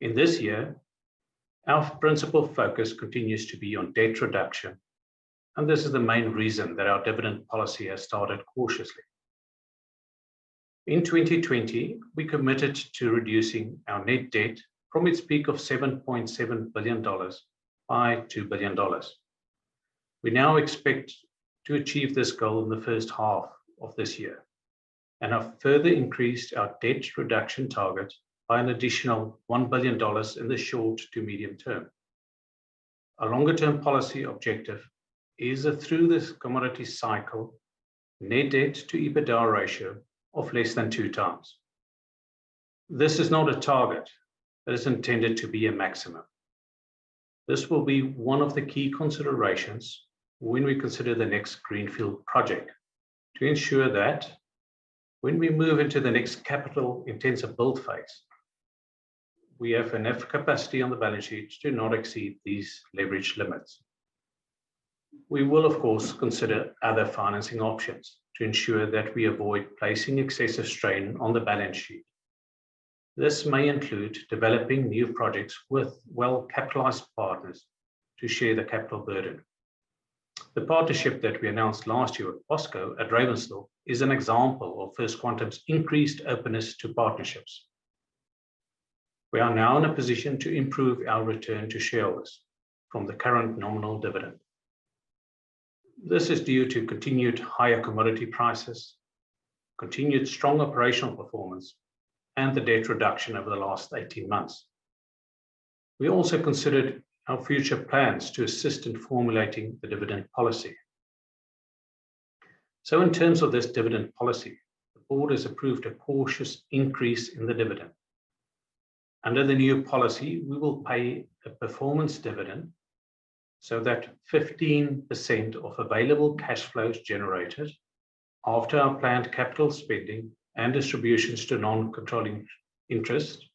In this year, our principal focus continues to be on debt reduction, and this is the main reason that our dividend policy has started cautiously. In 2020, we committed to reducing our net debt from its peak of $7.7 billion by $2 billion. We now expect to achieve this goal in the first half of this year and have further increased our debt reduction target by an additional $1 billion in the short to medium term. Our longer-term policy objective is that through this commodity cycle, net debt to EBITDA ratio of less than 2x. This is not a target, but it's intended to be a maximum. This will be one of the key considerations when we consider the next greenfield project to ensure that when we move into the next capital-intensive build phase, we have enough capacity on the balance sheet to not exceed these leverage limits. We will of course, consider other financing options to ensure that we avoid placing excessive strain on the balance sheet. This may include developing new projects with well-capitalized partners to share the capital burden. The partnership that we announced last year with POSCO at Ravensthorpe is an example of First Quantum's increased openness to partnerships. We are now in a position to improve our return to shareholders from the current nominal dividend. This is due to continued higher commodity prices, continued strong operational performance, and the debt reduction over the last 18 months. We also considered our future plans to assist in formulating the dividend policy. In terms of this dividend policy, the board has approved a cautious increase in the dividend. Under the new policy, we will pay a performance dividend so that 15% of available cash flows generated after our planned capital spending and distributions to non-controlling interest.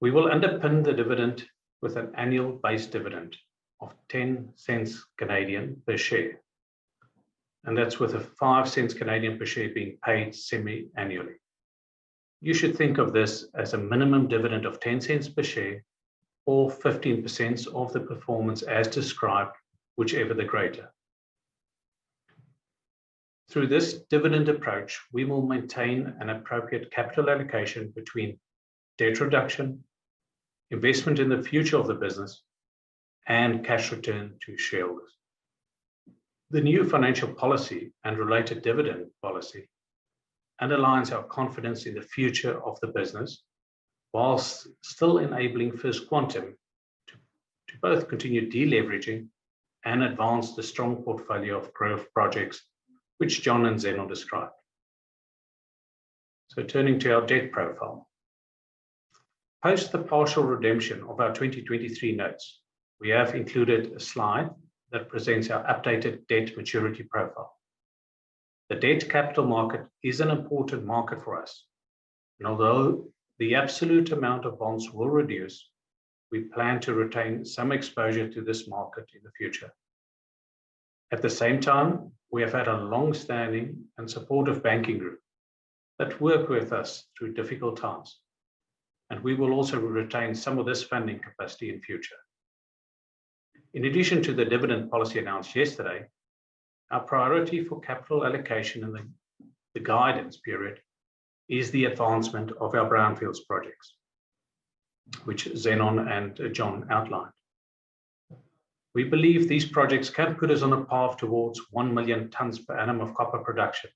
We will underpin the dividend with an annual base dividend of 0.10 per share, and that's with a 0.05 per share being paid semi-annually. You should think of this as a minimum dividend of 0.10 per share or 15% of the performance as described, whichever the greater. Through this dividend approach, we will maintain an appropriate capital allocation between debt reduction, investment in the future of the business, and cash return to shareholders. The new financial policy and related dividend policy underlines our confidence in the future of the business, while still enabling First Quantum to both continue deleveraging and advance the strong portfolio of growth projects which John and Zenon described. Turning to our debt profile. Post the partial redemption of our 2023 notes, we have included a slide that presents our updated debt maturity profile. The debt capital market is an important market for us. Although the absolute amount of bonds will reduce, we plan to retain some exposure to this market in the future. At the same time, we have had a long-standing and supportive banking group that worked with us through difficult times, and we will also retain some of this funding capacity in future. In addition to the dividend policy announced yesterday, our priority for capital allocation in the guidance period is the advancement of our brownfields projects, which Zenon and John outlined. We believe these projects can put us on a path towards 1 million tons per annum of copper production.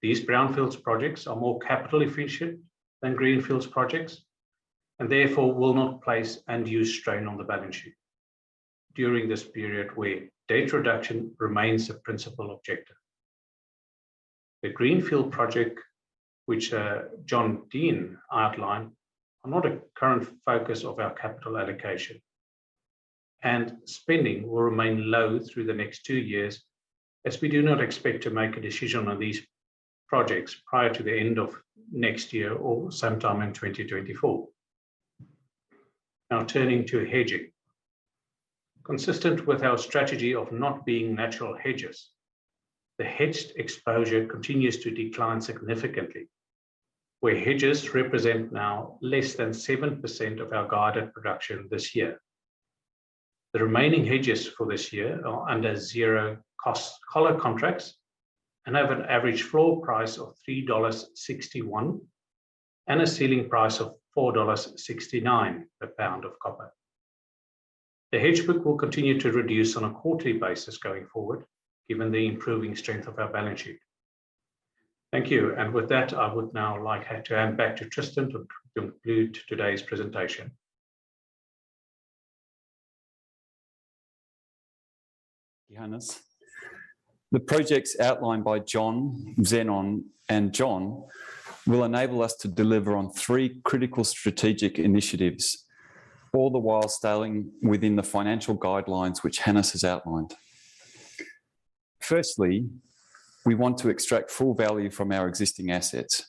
These brownfields projects are more capital efficient than greenfields projects, and therefore will not place undue strain on the balance sheet during this period where debt reduction remains a principal objective. The greenfield project, which John Dean outlined, are not a current focus of our capital allocation. Spending will remain low through the next two years, as we do not expect to make a decision on these projects prior to the end of next year or sometime in 2024. Now turning to hedging. Consistent with our strategy of not being natural hedgers, the hedged exposure continues to decline significantly, where hedges represent now less than 7% of our guided production this year. The remaining hedges for this year are under zero-cost collar contracts and have an average floor price of $3.61 and a ceiling price of $4.69 a pound of copper. The hedge book will continue to reduce on a quarterly basis going forward, given the improving strength of our balance sheet. Thank you. With that, I would now like to hand back to Tristan to conclude today's presentation. Thank you, Hannes. The projects outlined by John, Zenon, and John will enable us to deliver on three critical strategic initiatives, all the while staying within the financial guidelines which Hannes has outlined. Firstly, we want to extract full value from our existing assets.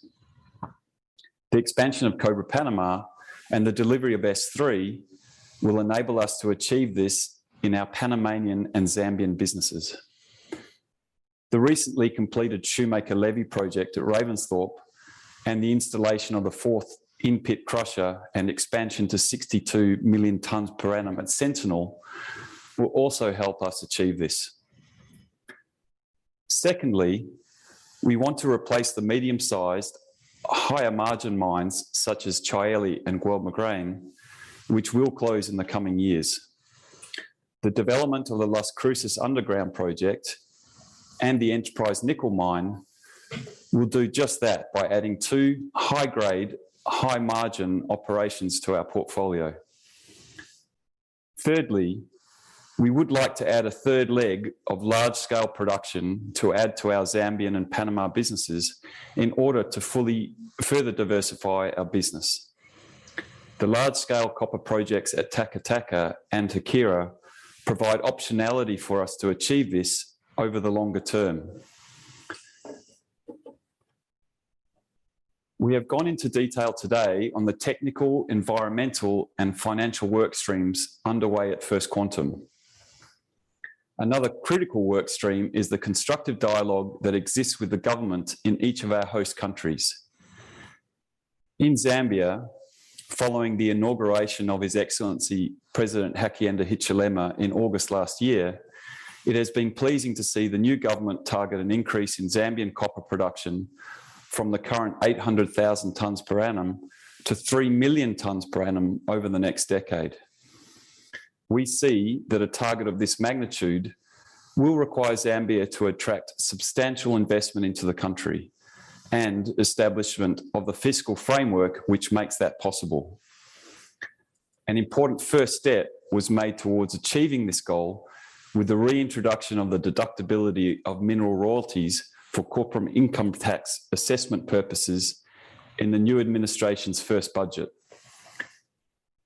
The expansion of Cobre Panamá and the delivery of S3 will enable us to achieve this in our Panamanian and Zambian businesses. The recently completed Shoemaker-Levy project at Ravensthorpe and the installation of a fourth in-pit crusher and expansion to 62 million tons per annum at Sentinel will also help us achieve this. Secondly, we want to replace the medium-sized higher margin mines such as Çayeli and Guelb Moghrein, which will close in the coming years. The development of the Las Cruces underground project and the Enterprise nickel mine will do just that by adding two high-grade, high-margin operations to our portfolio. Thirdly, we would like to add a third leg of large scale production to add to our Zambian and Panama businesses in order to further diversify our business. The large scale copper projects at Taca Taca and Haquira provide optionality for us to achieve this over the longer term. We have gone into detail today on the technical, environmental, and financial work streams underway at First Quantum. Another critical work stream is the constructive dialogue that exists with the government in each of our host countries. In Zambia, following the inauguration of His Excellency, President Hakainde Hichilema in August last year, it has been pleasing to see the new government target an increase in Zambian copper production from the current 800,000 tons per annum to 3 million tons per annum over the next decade. We see that a target of this magnitude will require Zambia to attract substantial investment into the country and establishment of the fiscal framework which makes that possible. An important first step was made towards achieving this goal with the reintroduction of the deductibility of mineral royalties for corporate income tax assessment purposes in the new administration's first budget.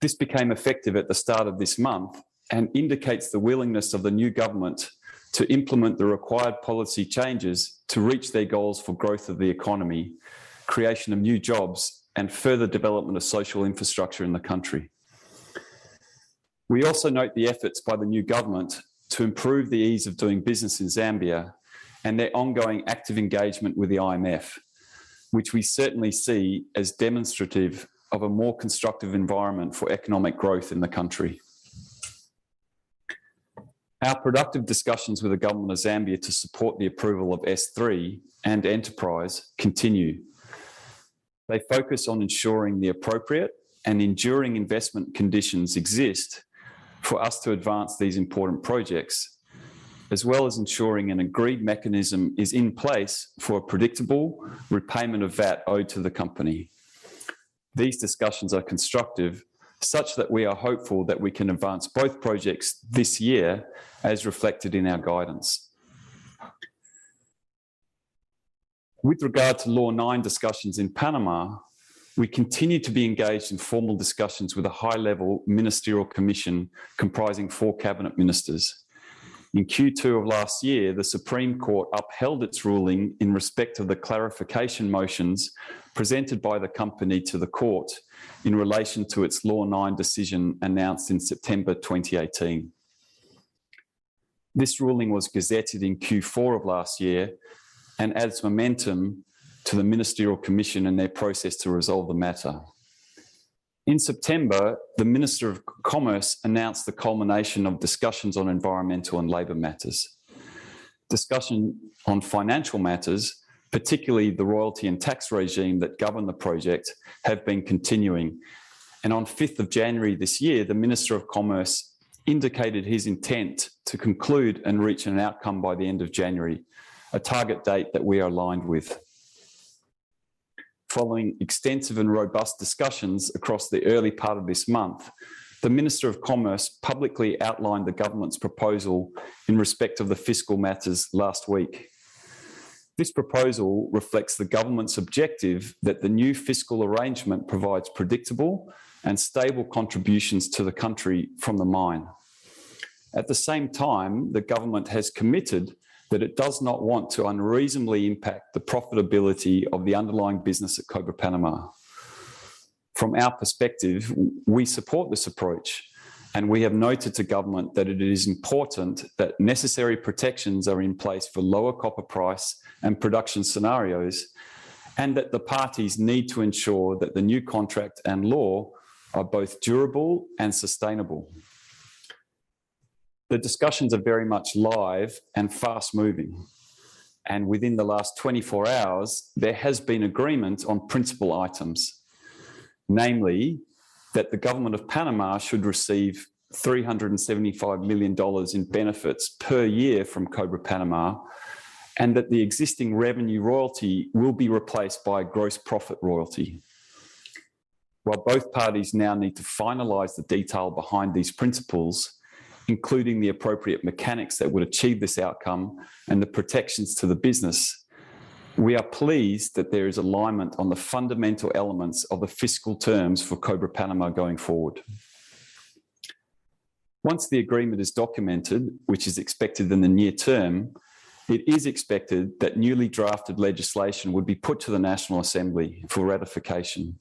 This became effective at the start of this month and indicates the willingness of the new government to implement the required policy changes to reach their goals for growth of the economy, creation of new jobs, and further development of social infrastructure in the country. We also note the efforts by the new government to improve the ease of doing business in Zambia and their ongoing active engagement with the IMF, which we certainly see as demonstrative of a more constructive environment for economic growth in the country. Our productive discussions with the government of Zambia to support the approval of S3 and Enterprise continue. They focus on ensuring the appropriate and enduring investment conditions exist for us to advance these important projects, as well as ensuring an agreed mechanism is in place for a predictable repayment of VAT owed to the company. These discussions are constructive such that we are hopeful that we can advance both projects this year as reflected in our guidance. With regard to Law 9 discussions in Panama, we continue to be engaged in formal discussions with a high-level ministerial commission comprising four cabinet ministers. In Q2 of last year, the Supreme Court upheld its ruling in respect of the clarification motions presented by the company to the court in relation to its Law 9 decision announced in September 2018. This ruling was gazetted in Q4 of last year and adds momentum to the ministerial commission and their process to resolve the matter. In September, the Minister of Commerce announced the culmination of discussions on environmental and labor matters. Discussion on financial matters, particularly the royalty and tax regime that govern the project, have been continuing. On January 5th this year, the Minister of Commerce indicated his intent to conclude and reach an outcome by the end of January, a target date that we are aligned with. Following extensive and robust discussions across the early part of this month, the Minister of Commerce publicly outlined the government's proposal in respect of the fiscal matters last week. This proposal reflects the government's objective that the new fiscal arrangement provides predictable and stable contributions to the country from the mine. At the same time, the government has committed that it does not want to unreasonably impact the profitability of the underlying business at Cobre Panamá. From our perspective, we support this approach, and we have noted to government that it is important that necessary protections are in place for lower copper price and production scenarios, and that the parties need to ensure that the new contract and law are both durable and sustainable. The discussions are very much live and fast-moving, and within the last 24 hours, there has been agreement on principal items. Namely that the Government of Panama should receive $375 million in benefits per year from Cobre Panamá, and that the existing revenue royalty will be replaced by gross profit royalty. While both parties now need to finalize the detail behind these principles, including the appropriate mechanics that would achieve this outcome and the protections to the business, we are pleased that there is alignment on the fundamental elements of the fiscal terms for Cobre Panamá going forward. Once the agreement is documented, which is expected in the near term, it is expected that newly drafted legislation would be put to the National Assembly for ratification.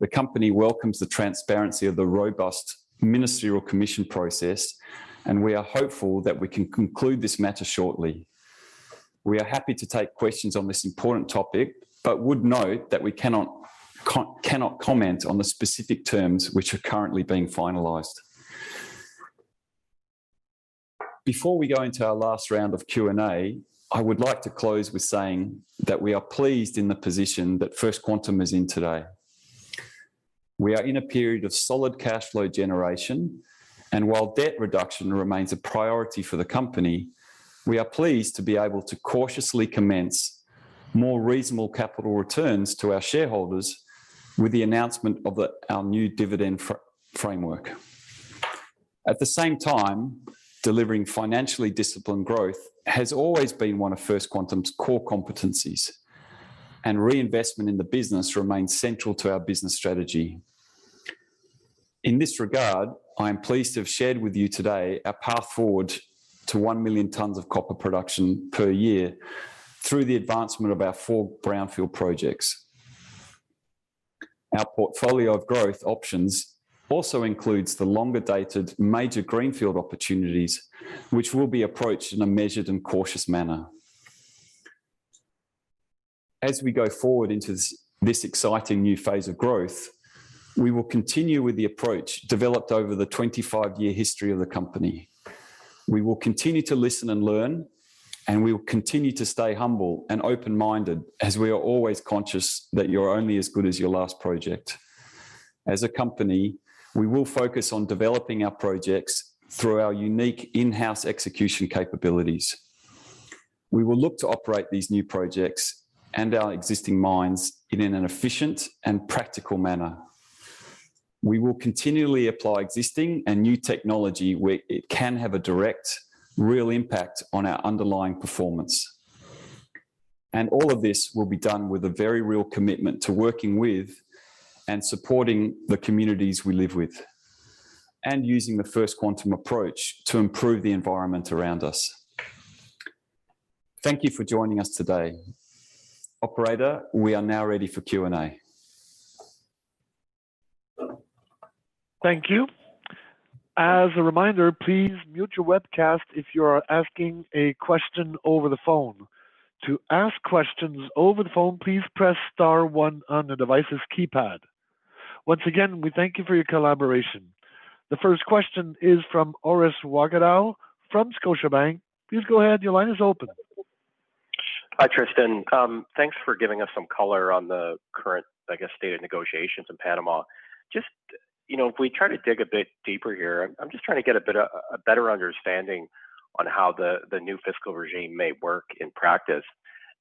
The company welcomes the transparency of the robust ministerial commission process, and we are hopeful that we can conclude this matter shortly. We are happy to take questions on this important topic, but would note that we cannot comment on the specific terms which are currently being finalized. Before we go into our last round of Q&A, I would like to close with saying that we are pleased in the position that First Quantum is in today. We are in a period of solid cash flow generation, and while debt reduction remains a priority for the company, we are pleased to be able to cautiously commence more reasonable capital returns to our shareholders with the announcement of our new dividend framework. At the same time, delivering financially disciplined growth has always been one of First Quantum's core competencies, and reinvestment in the business remains central to our business strategy. In this regard, I am pleased to have shared with you today our path forward to 1 million tons of copper production per year through the advancement of our four brownfield projects. Our portfolio of growth options also includes the longer-dated major greenfield opportunities, which will be approached in a measured and cautious manner. As we go forward into this exciting new phase of growth, we will continue with the approach developed over the 25-year history of the company. We will continue to listen and learn, and we will continue to stay humble and open-minded as we are always conscious that you're only as good as your last project. As a company, we will focus on developing our projects through our unique in-house execution capabilities. We will look to operate these new projects and our existing mines in an efficient and practical manner. We will continually apply existing and new technology where it can have a direct, real impact on our underlying performance. All of this will be done with a very real commitment to working with and supporting the communities we live with and using the First Quantum approach to improve the environment around us. Thank you for joining us today. Operator, we are now ready for Q&A. Thank you. As a reminder, please mute your webcast if you are asking a question over the phone. To ask questions over the phone, please press star one on the device's keypad. Once again, we thank you for your collaboration. The first question is from Orest Wowkodaw from Scotiabank. Please go ahead. Your line is open. Hi, Tristan. Thanks for giving us some color on the current, I guess, state of negotiations in Panama. Just, you know, if we try to dig a bit deeper here, I'm just trying to get a bit of a better understanding on how the new fiscal regime may work in practice.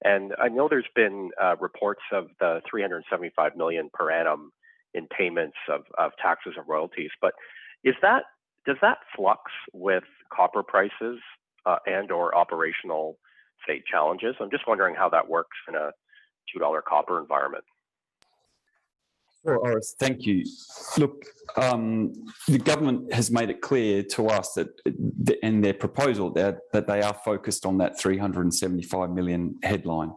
I know there's been reports of the $375 million per annum. In payments of taxes and royalties. Is that—does that fluctuate with copper prices, and/or operational, say, challenges? I'm just wondering how that works in a $2 copper environment. Sure, Orest, thank you. Look, the government has made it clear to us that in their proposal that they are focused on that $375 million headline.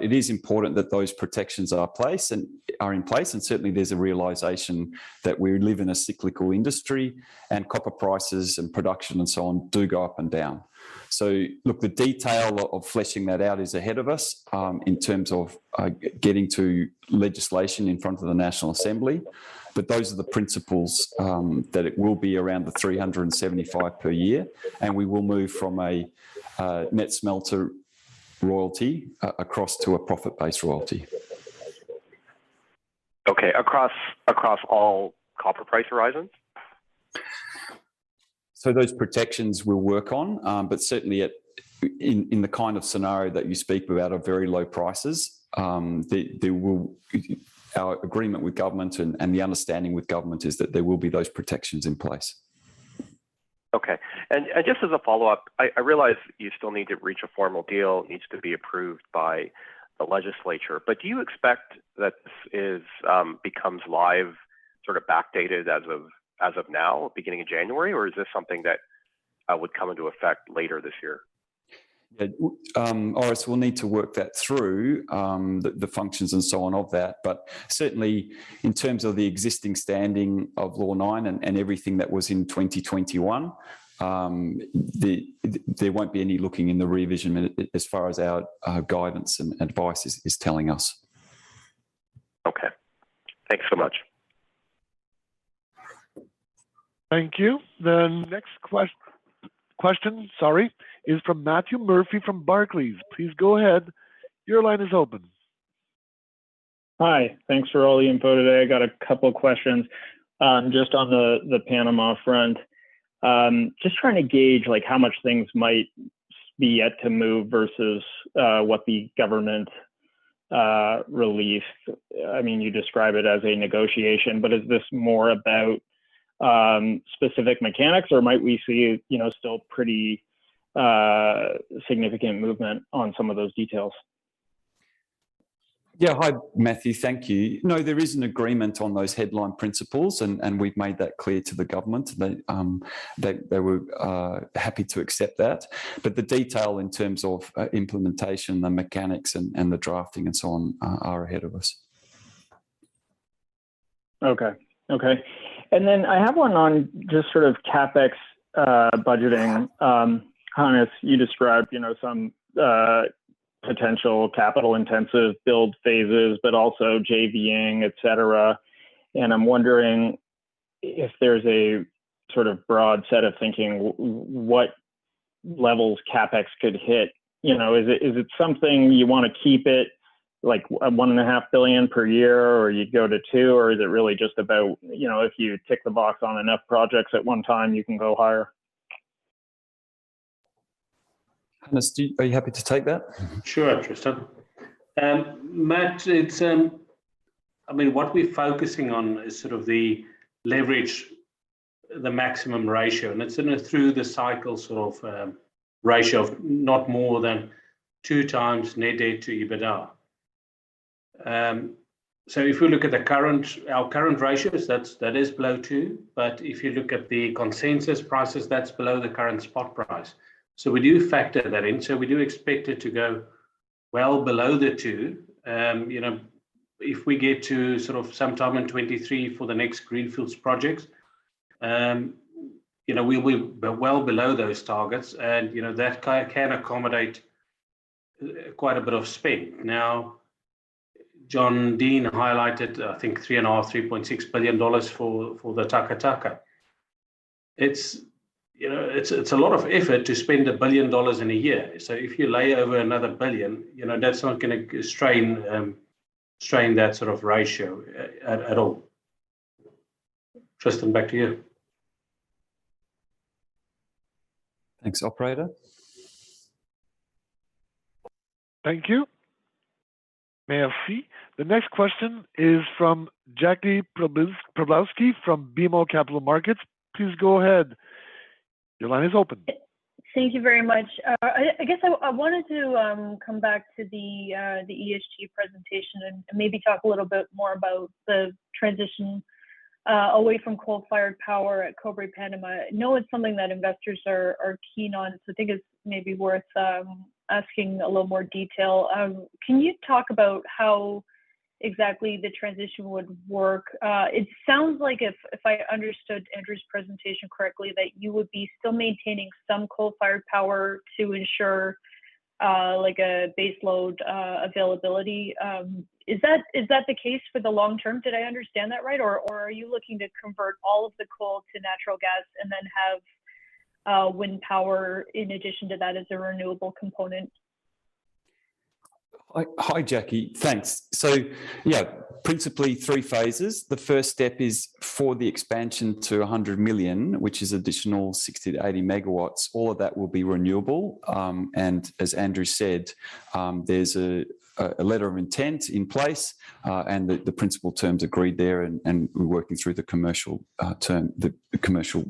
It is important that those protections are in place, and certainly there's a realization that we live in a cyclical industry and copper prices and production and so on do go up and down. Look, the detail of fleshing that out is ahead of us in terms of getting to legislation in front of the National Assembly. Those are the principles that it will be around the $375 million per year, and we will move from a net smelter royalty across to a profit-based royalty. Okay. Across all copper price horizons? Those protections we'll work on, but certainly in the kind of scenario that you speak about of very low prices. Our agreement with government and the understanding with government is that there will be those protections in place. Okay. Just as a follow-up, I realize you still need to reach a formal deal, it needs to be approved by the legislature. Do you expect that this becomes live sort of backdated as of now, beginning of January, or is this something that would come into effect later this year? Yeah, Orest, we'll need to work that through, the functions and so on of that. Certainly in terms of the existing standing of Law 9 and everything that was in 2021, there won't be any looking in the revision as far as our guidance and advice is telling us. Okay. Thanks so much. Thank you. The next question is from Matthew Murphy from Barclays. Please go ahead. Your line is open. Hi. Thanks for all the info today. I got a couple questions, just on the Panama front. Just trying to gauge like how much things might be yet to move versus what the government relief. I mean, you describe it as a negotiation, but is this more about specific mechanics, or might we see, you know, still pretty significant movement on some of those details? Yeah. Hi, Matthew. Thank you. No, there is an agreement on those headline principles and we've made that clear to the government. They were happy to accept that. The detail in terms of implementation, the mechanics and the drafting and so on are ahead of us. I have one on just sort of CapEx budgeting. Hannes, you described, you know, some potential capital intensive build phases, but also JV-ing, et cetera. I'm wondering if there's a sort of broad set of thinking what levels CapEx could hit. You know, is it, is it something you wanna keep it like $1.5 billion per year or you'd go to $2? Is it really just about, you know, if you tick the box on enough projects at one time, you can go higher? Hannes, are you happy to take that? Sure, Tristan. Matt, I mean, what we're focusing on is sort of the leverage, the maximum ratio, and it's in a through the cycle sort of ratio of not more than 2x net debt to EBITDA. If we look at our current ratios, that is below two. If you look at the consensus prices, that's below the current spot price. We do factor that in. We do expect it to go well below the two. You know, if we get to sort of sometime in 2023 for the next greenfields projects, you know, we're well below those targets and, you know, that can accommodate quite a bit of spend. Now, John Dean highlighted, I think $3.6 billion for the Taca Taca. It's, you know, it's a lot of effort to spend $1 billion in a year. If you lay over another $1 billion, you know, that's not gonna strain that sort of ratio at all. Tristan, back to you. Thanks, operator. Thank you. Merci. The next question is from Jackie Przybylowski from BMO Capital Markets. Please go ahead. Your line is open. Thank you very much. I guess I wanted to come back to the ESG presentation and maybe talk a little bit more about the transition away from coal-fired power at Cobre Panamá. I know it's something that investors are keen on, so I think it's maybe worth asking a little more detail. Can you talk about how exactly the transition would work? It sounds like if I understood Andrew's presentation correctly, that you would still be maintaining some coal-fired power to ensure like a base load availability. Is that the case for the long term? Did I understand that right? Or are you looking to convert all of the coal to natural gas and then have wind power in addition to that as a renewable component? Hi, Jackie. Thanks. Yeah, principally three phases. The first step is for the expansion to 100 million, which is additional 60-80 MW. All of that will be renewable. As Andrew said, there's a letter of intent in place, and the principal terms agreed there and we're working through the commercial finalization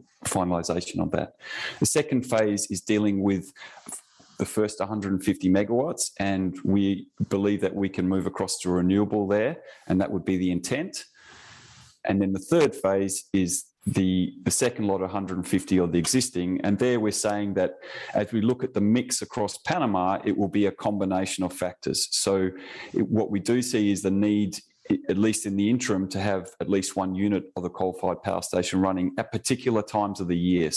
of that. The second phase is dealing with the first 150 MW, and we believe that we can move across to renewable there, and that would be the intent. Then the third phase is the second lot of 150 of the existing. There, we're saying that as we look at the mix across Panama, it will be a combination of factors. What we do see is the need, at least in the interim, to have at least one unit of the coal-fired power station running at particular times of the year.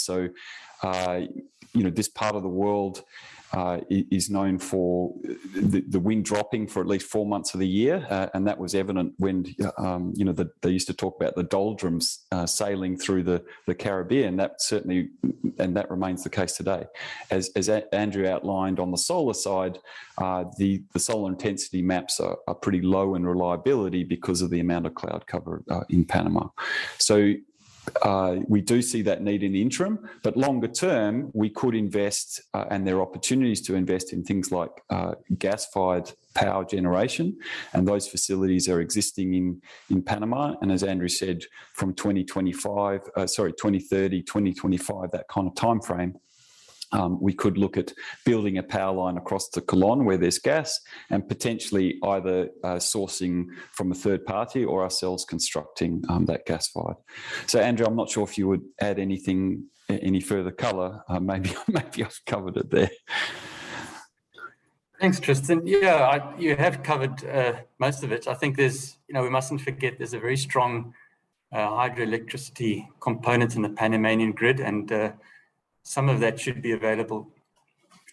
You know, this part of the world is known for the wind dropping for at least four months of the year. That was evident when you know, they used to talk about the doldrums, sailing through the Caribbean. That certainly remains the case today. As Andrew outlined on the solar side, the solar intensity maps are pretty low in reliability because of the amount of cloud cover in Panama. We do see that need in the interim, but longer term, we could invest, and there are opportunities to invest in things like gas-fired power generation, and those facilities are existing in Panama. As Andrew said, from 2025, that kind of timeframe, we could look at building a power line across to Colón where there's gas and potentially either sourcing from a third party or ourselves constructing that gas-fired. Andrew, I'm not sure if you would add anything, any further color. Maybe I've covered it there. Thanks, Tristan. Yeah, you have covered most of it. I think there's, you know, we mustn't forget there's a very strong hydroelectricity component in the Panamanian grid, and some of that should be available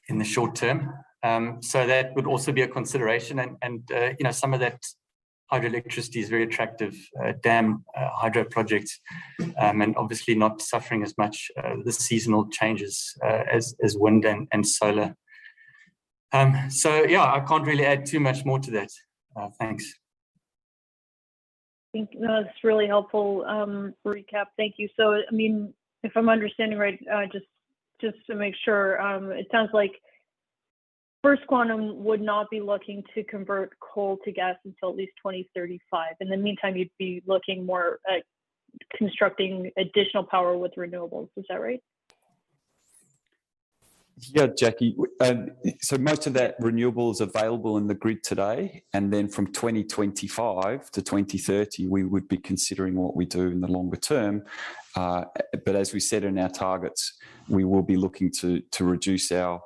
in the short term. That would also be a consideration and you know, some of that hydroelectricity is very attractive dam hydro projects, and obviously not suffering as much the seasonal changes as wind and solar. Yeah, I can't really add too much more to that. Thanks. Thank you. No, that's a really helpful recap. Thank you. I mean, if I'm understanding right, just to make sure, it sounds like First Quantum would not be looking to convert coal to gas until at least 2035. In the meantime, you'd be looking more at constructing additional power with renewables. Is that right? Yeah, Jackie. Most of that renewable is available in the grid today, and then from 2025-2030, we would be considering what we do in the longer term. As we said in our targets, we will be looking to reduce our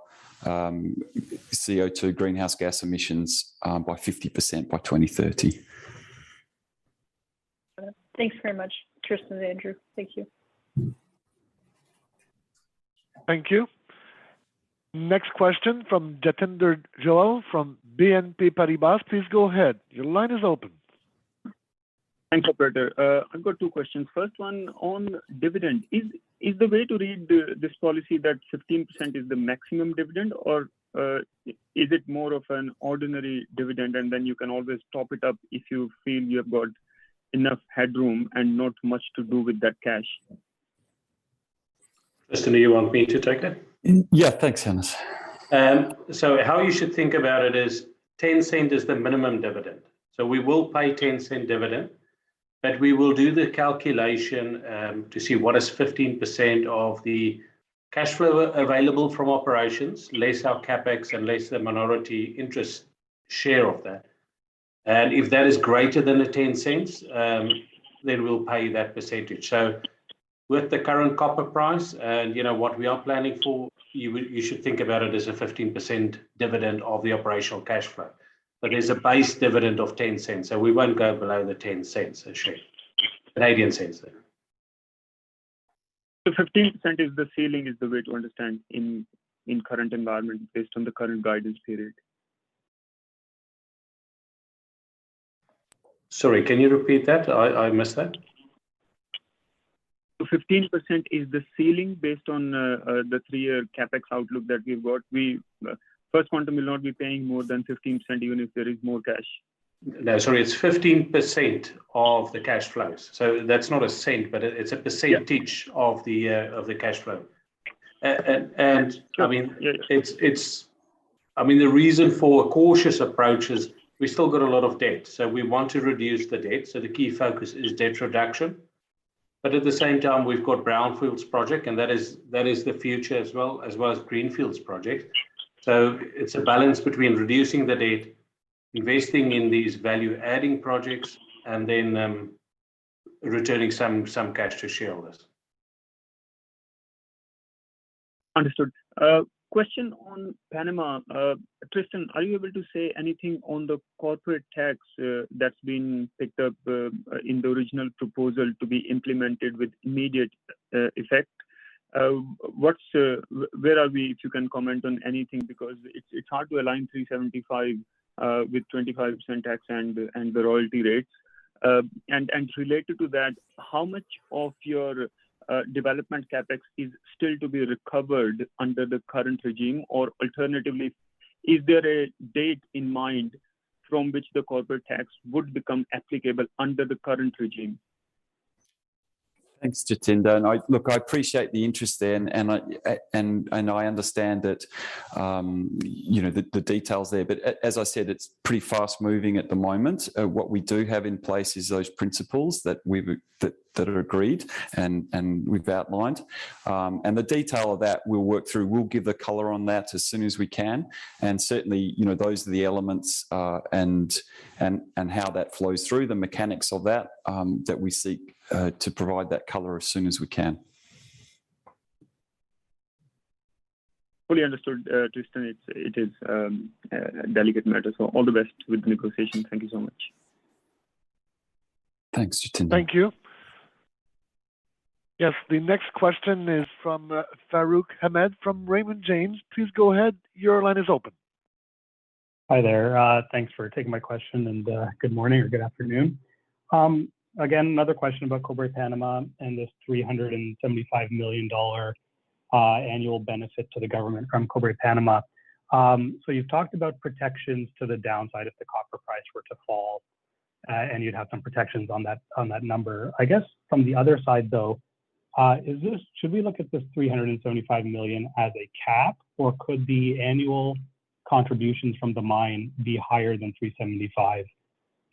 CO2 greenhouse gas emissions by 50% by 2030. Thanks very much, Tristan and Andrew. Thank you. Thank you. Next question from Jatinder Goel from BNP Paribas. Please go ahead. Your line is open. Thank you, operator. I've got two questions. First one on dividend. Is the way to read this policy that 15% is the maximum dividend, or is it more of an ordinary dividend, and then you can always top it up if you feel you've got enough headroom and not much to do with that cash? Tristan, do you want me to take it? Yeah. Thanks, Hannes. How you should think about it is 0.10 is the minimum dividend. We will pay 0.10 dividend, but we will do the calculation to see what is 15% of the cash flow available from operations, less our CapEx and less the minority interest share of that. And if that is greater than the 0.10, then we'll pay that percentage. With the current copper price and, you know, what we are planning for, you should think about it as a 15% dividend of the operational cash flow. There's a base dividend of 0.10, so we won't go below the 0.10 actually. Canadian cents, though. 15% is the ceiling is the way to understand in current environment based on the current guidance period? Sorry, can you repeat that? I missed that. 15% is the ceiling based on the three-year CapEx outlook that we've got. We, First Quantum will not be paying more than $0.15 even if there is more cash. No, sorry, it's 15% of the cash flows. That's not a cent, but it's a percentage. Yeah... of the cash flow. I mean- Sure. Yeah, yeah. It's I mean, the reason for a cautious approach is we still got a lot of debt, so we want to reduce the debt, so the key focus is debt reduction. At the same time we've got brownfields project, and that is the future as well as greenfields project. It's a balance between reducing the debt, investing in these value-adding projects, and then returning some cash to shareholders. Understood. Question on Panama. Tristan, are you able to say anything on the corporate tax that's been picked up in the original proposal to be implemented with immediate effect? Where are we, if you can comment on anything, because it's hard to align $375 with 25% tax and the royalty rates. And related to that, how much of your development CapEx is still to be recovered under the current regime? Or alternatively, is there a date in mind from which the corporate tax would become applicable under the current regime? Thanks, Jatinder. I appreciate the interest there, and I understand that, you know, the details there. As I said, it's pretty fast-moving at the moment. What we do have in place is those principles that are agreed and we've outlined. The detail of that we'll work through. We'll give the color on that as soon as we can. Certainly, you know, those are the elements, and how that flows through the mechanics of that that we seek to provide that color as soon as we can. Fully understood, Tristan. It is a delicate matter, so all the best with the negotiation. Thank you so much. Thanks, Jatinder. Thank you. Yes, the next question is from Farooq Hamed from Raymond James. Please go ahead. Your line is open. Hi there. Thanks for taking my question and good morning or good afternoon. Again, another question about Cobre Panamá and this $375 million annual benefit to the government from Cobre Panamá. You've talked about protections to the downside if the copper price were to fall, and you'd have some protections on that, on that number. I guess from the other side, though, should we look at this $375 million as a cap, or could the annual contributions from the mine be higher than 375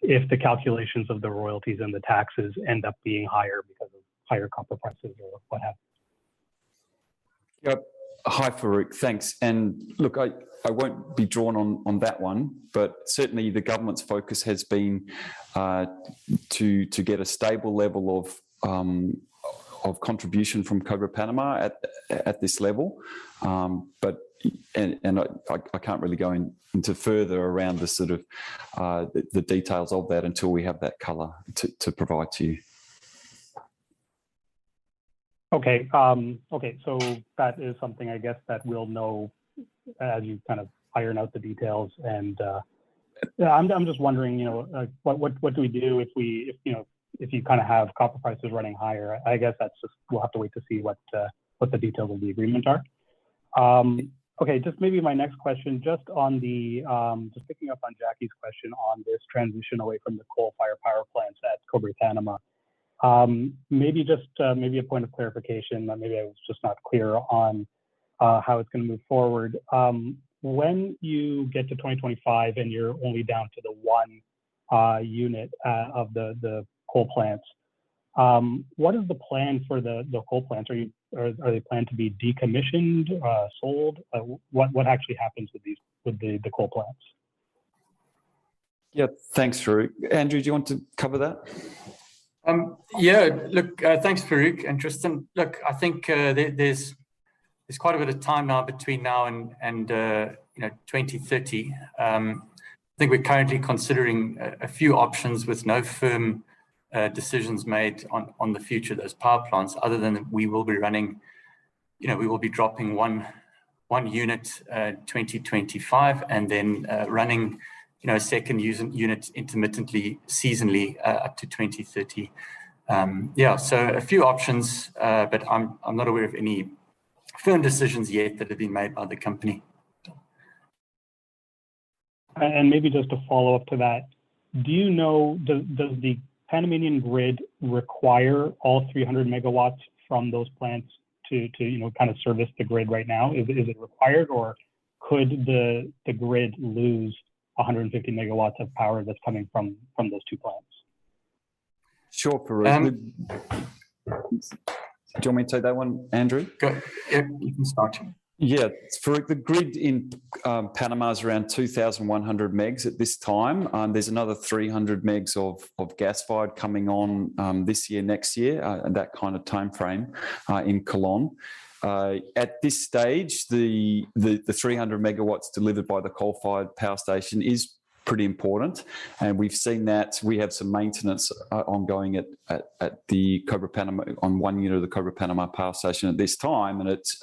if the calculations of the royalties and the taxes end up being higher because of higher copper prices or what have you? Yep. Hi, Farooq. Thanks. Look, I won't be drawn on that one, but certainly the government's focus has been to get a stable level of contribution from Cobre Panamá at this level. I can't really go into further around the sort of the details of that until we have that color to provide to you. Okay. That is something I guess that we'll know as you kind of iron out the details and, I'm just wondering, you know, what do we do if we, you know, if you kind of have copper prices running higher? I guess that's just we'll have to wait to see what the details of the agreement are. Okay, just maybe my next question, just on the just picking up on Jackie's question on this transition away from the coal-fired power plants at Cobre Panamá. Maybe just a point of clarification, or maybe I was just not clear on how it's gonna move forward. When you get to 2025 and you're only down to the one unit of the coal plants, what is the plan for the coal plants? Are they planned to be decommissioned, sold? What actually happens with these coal plants? Yeah. Thanks, Farooq. Andrew, do you want to cover that? Yeah. Look, thanks, Farooq and Tristan. Look, I think there's quite a bit of time now between now and you know 2030. I think we're currently considering a few options with no firm decisions made on the future of those power plants other than we will be running you know we will be dropping one unit 2025 and then running you know a second unit intermittently seasonally up to 2030. Yeah, so a few options, but I'm not aware of any firm decisions yet that have been made by the company. Maybe just a follow-up to that. Do you know, does the Panamanian grid require all 300 MW from those plants to, you know, kind of service the grid right now? Is it required, or could the grid lose 150 MW of power that's coming from those two plants? Sure, Farooq. Um- Do you want me to take that one, Andrew? Go ahead. You can start. Yeah. Farooq, the grid in Panama is around 2,100 MW at this time. There's another 300 MW of gas-fired coming on this year, next year, that kind of timeframe in Colón. At this stage, the 300 MW delivered by the coal-fired power station is pretty important, and we've seen that. We have some maintenance ongoing at the Cobre Panamá, on one unit of the Cobre Panamá power station at this time, and it's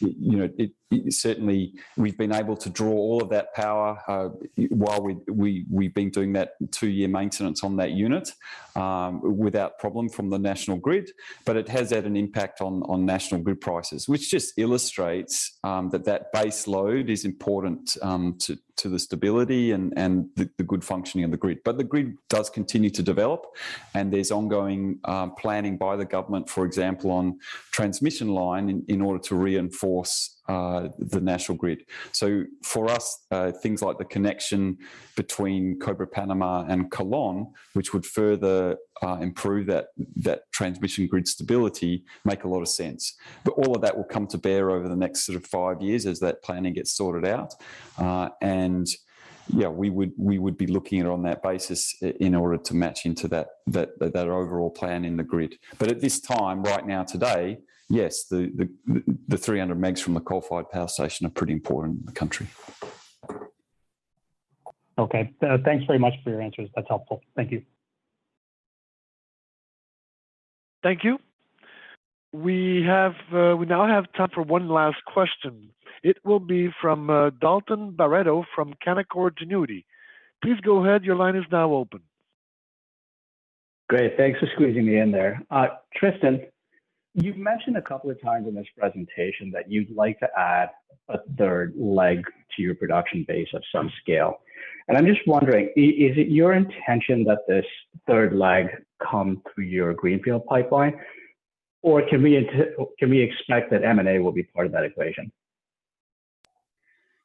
you know it certainly we've been able to draw all of that power while we've been doing that two-year maintenance on that unit without problem from the national grid. It has had an impact on national grid prices, which just illustrates that base load is important to the stability and the good functioning of the grid. The grid does continue to develop, and there's ongoing planning by the government, for example, on transmission line in order to reinforce the national grid. For us, things like the connection between Cobre Panamá and Colón, which would further improve that transmission grid stability, make a lot of sense. All of that will come to bear over the next sort of five years as that planning gets sorted out. Yeah, we would be looking at it on that basis in order to match into that overall plan in the grid. At this time, right now today, yes, the 300 megs from the coal-fired power station are pretty important in the country. Okay. Thanks very much for your answers. That's helpful. Thank you. Thank you. We now have time for one last question. It will be from Dalton Baretto from Canaccord Genuity. Please go ahead. Your line is now open. Great. Thanks for squeezing me in there. Tristan- You've mentioned a couple of times in this presentation that you'd like to add a third leg to your production base of some scale. I'm just wondering, is it your intention that this third leg come through your greenfield pipeline or can we expect that M&A will be part of that equation?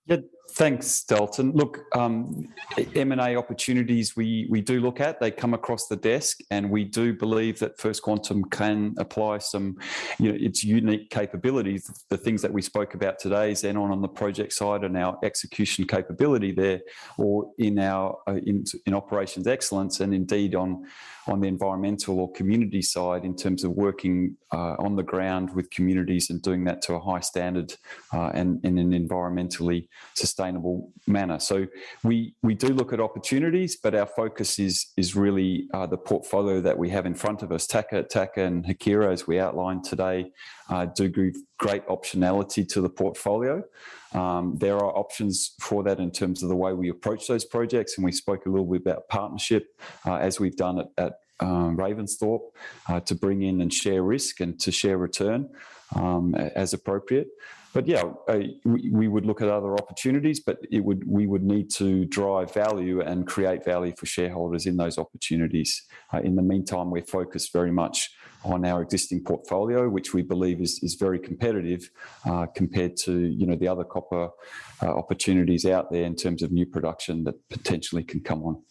Yeah. Thanks, Dalton. Look, M&A opportunities we do look at, they come across the desk, and we do believe that First Quantum can apply some, you know, its unique capabilities. The things that we spoke about today as Zenon on the project side and our execution capability there or in our operations excellence and indeed on the environmental or community side in terms of working on the ground with communities and doing that to a high standard and in an environmentally sustainable manner. We do look at opportunities, but our focus is really the portfolio that we have in front of us. Taca Taca and Haquira, as we outlined today, do give great optionality to the portfolio. There are options for that in terms of the way we approach those projects, and we spoke a little bit about partnership, as we've done at Ravensthorpe, to bring in and share risk and to share return, as appropriate. But yeah, we would look at other opportunities, but we would need to drive value and create value for shareholders in those opportunities. In the meantime, we're focused very much on our existing portfolio, which we believe is very competitive, compared to, you know, the other copper opportunities out there in terms of new production that potentially can come on.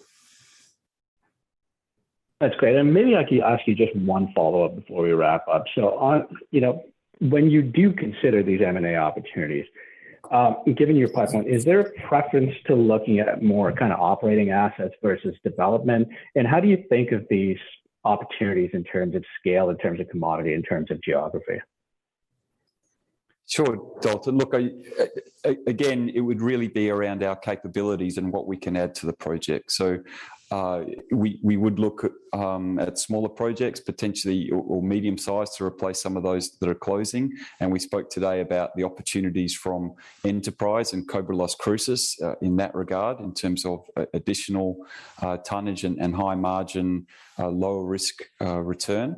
That's great. Maybe I can ask you just one follow-up before we wrap up. On, you know, when you do consider these M&A opportunities, given your pipeline, is there a preference to looking at more kind of operating assets versus development? How do you think of these opportunities in terms of scale, in terms of commodity, in terms of geography? Sure, Dalton. Look, it would really be around our capabilities and what we can add to the project. We would look at smaller projects, potentially or medium-sized to replace some of those that are closing. We spoke today about the opportunities from Enterprise and Cobre Las Cruces in that regard, in terms of additional tonnage and high margin, low risk return.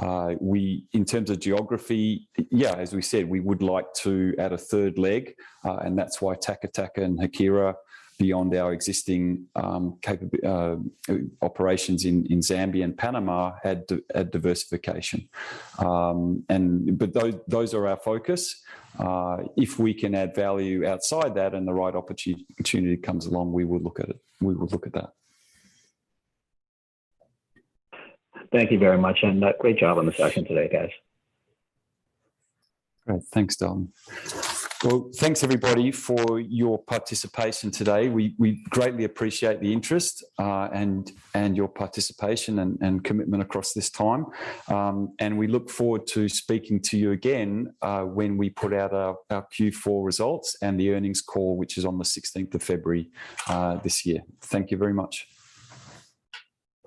In terms of geography, as we said, we would like to add a third leg, and that's why Taca Taca and Haquira beyond our existing operations in Zambia and Panama had diversification. But those are our focus. If we can add value outside that and the right opportunity comes along, we will look at it. We will look at that. Thank you very much. Great job on the session today, guys. Great. Thanks, Dalton. Well, thanks everybody for your participation today. We greatly appreciate the interest and your participation and commitment across this time. We look forward to speaking to you again when we put out our Q4 results and the earnings call, which is on the 16th of February this year. Thank you very much.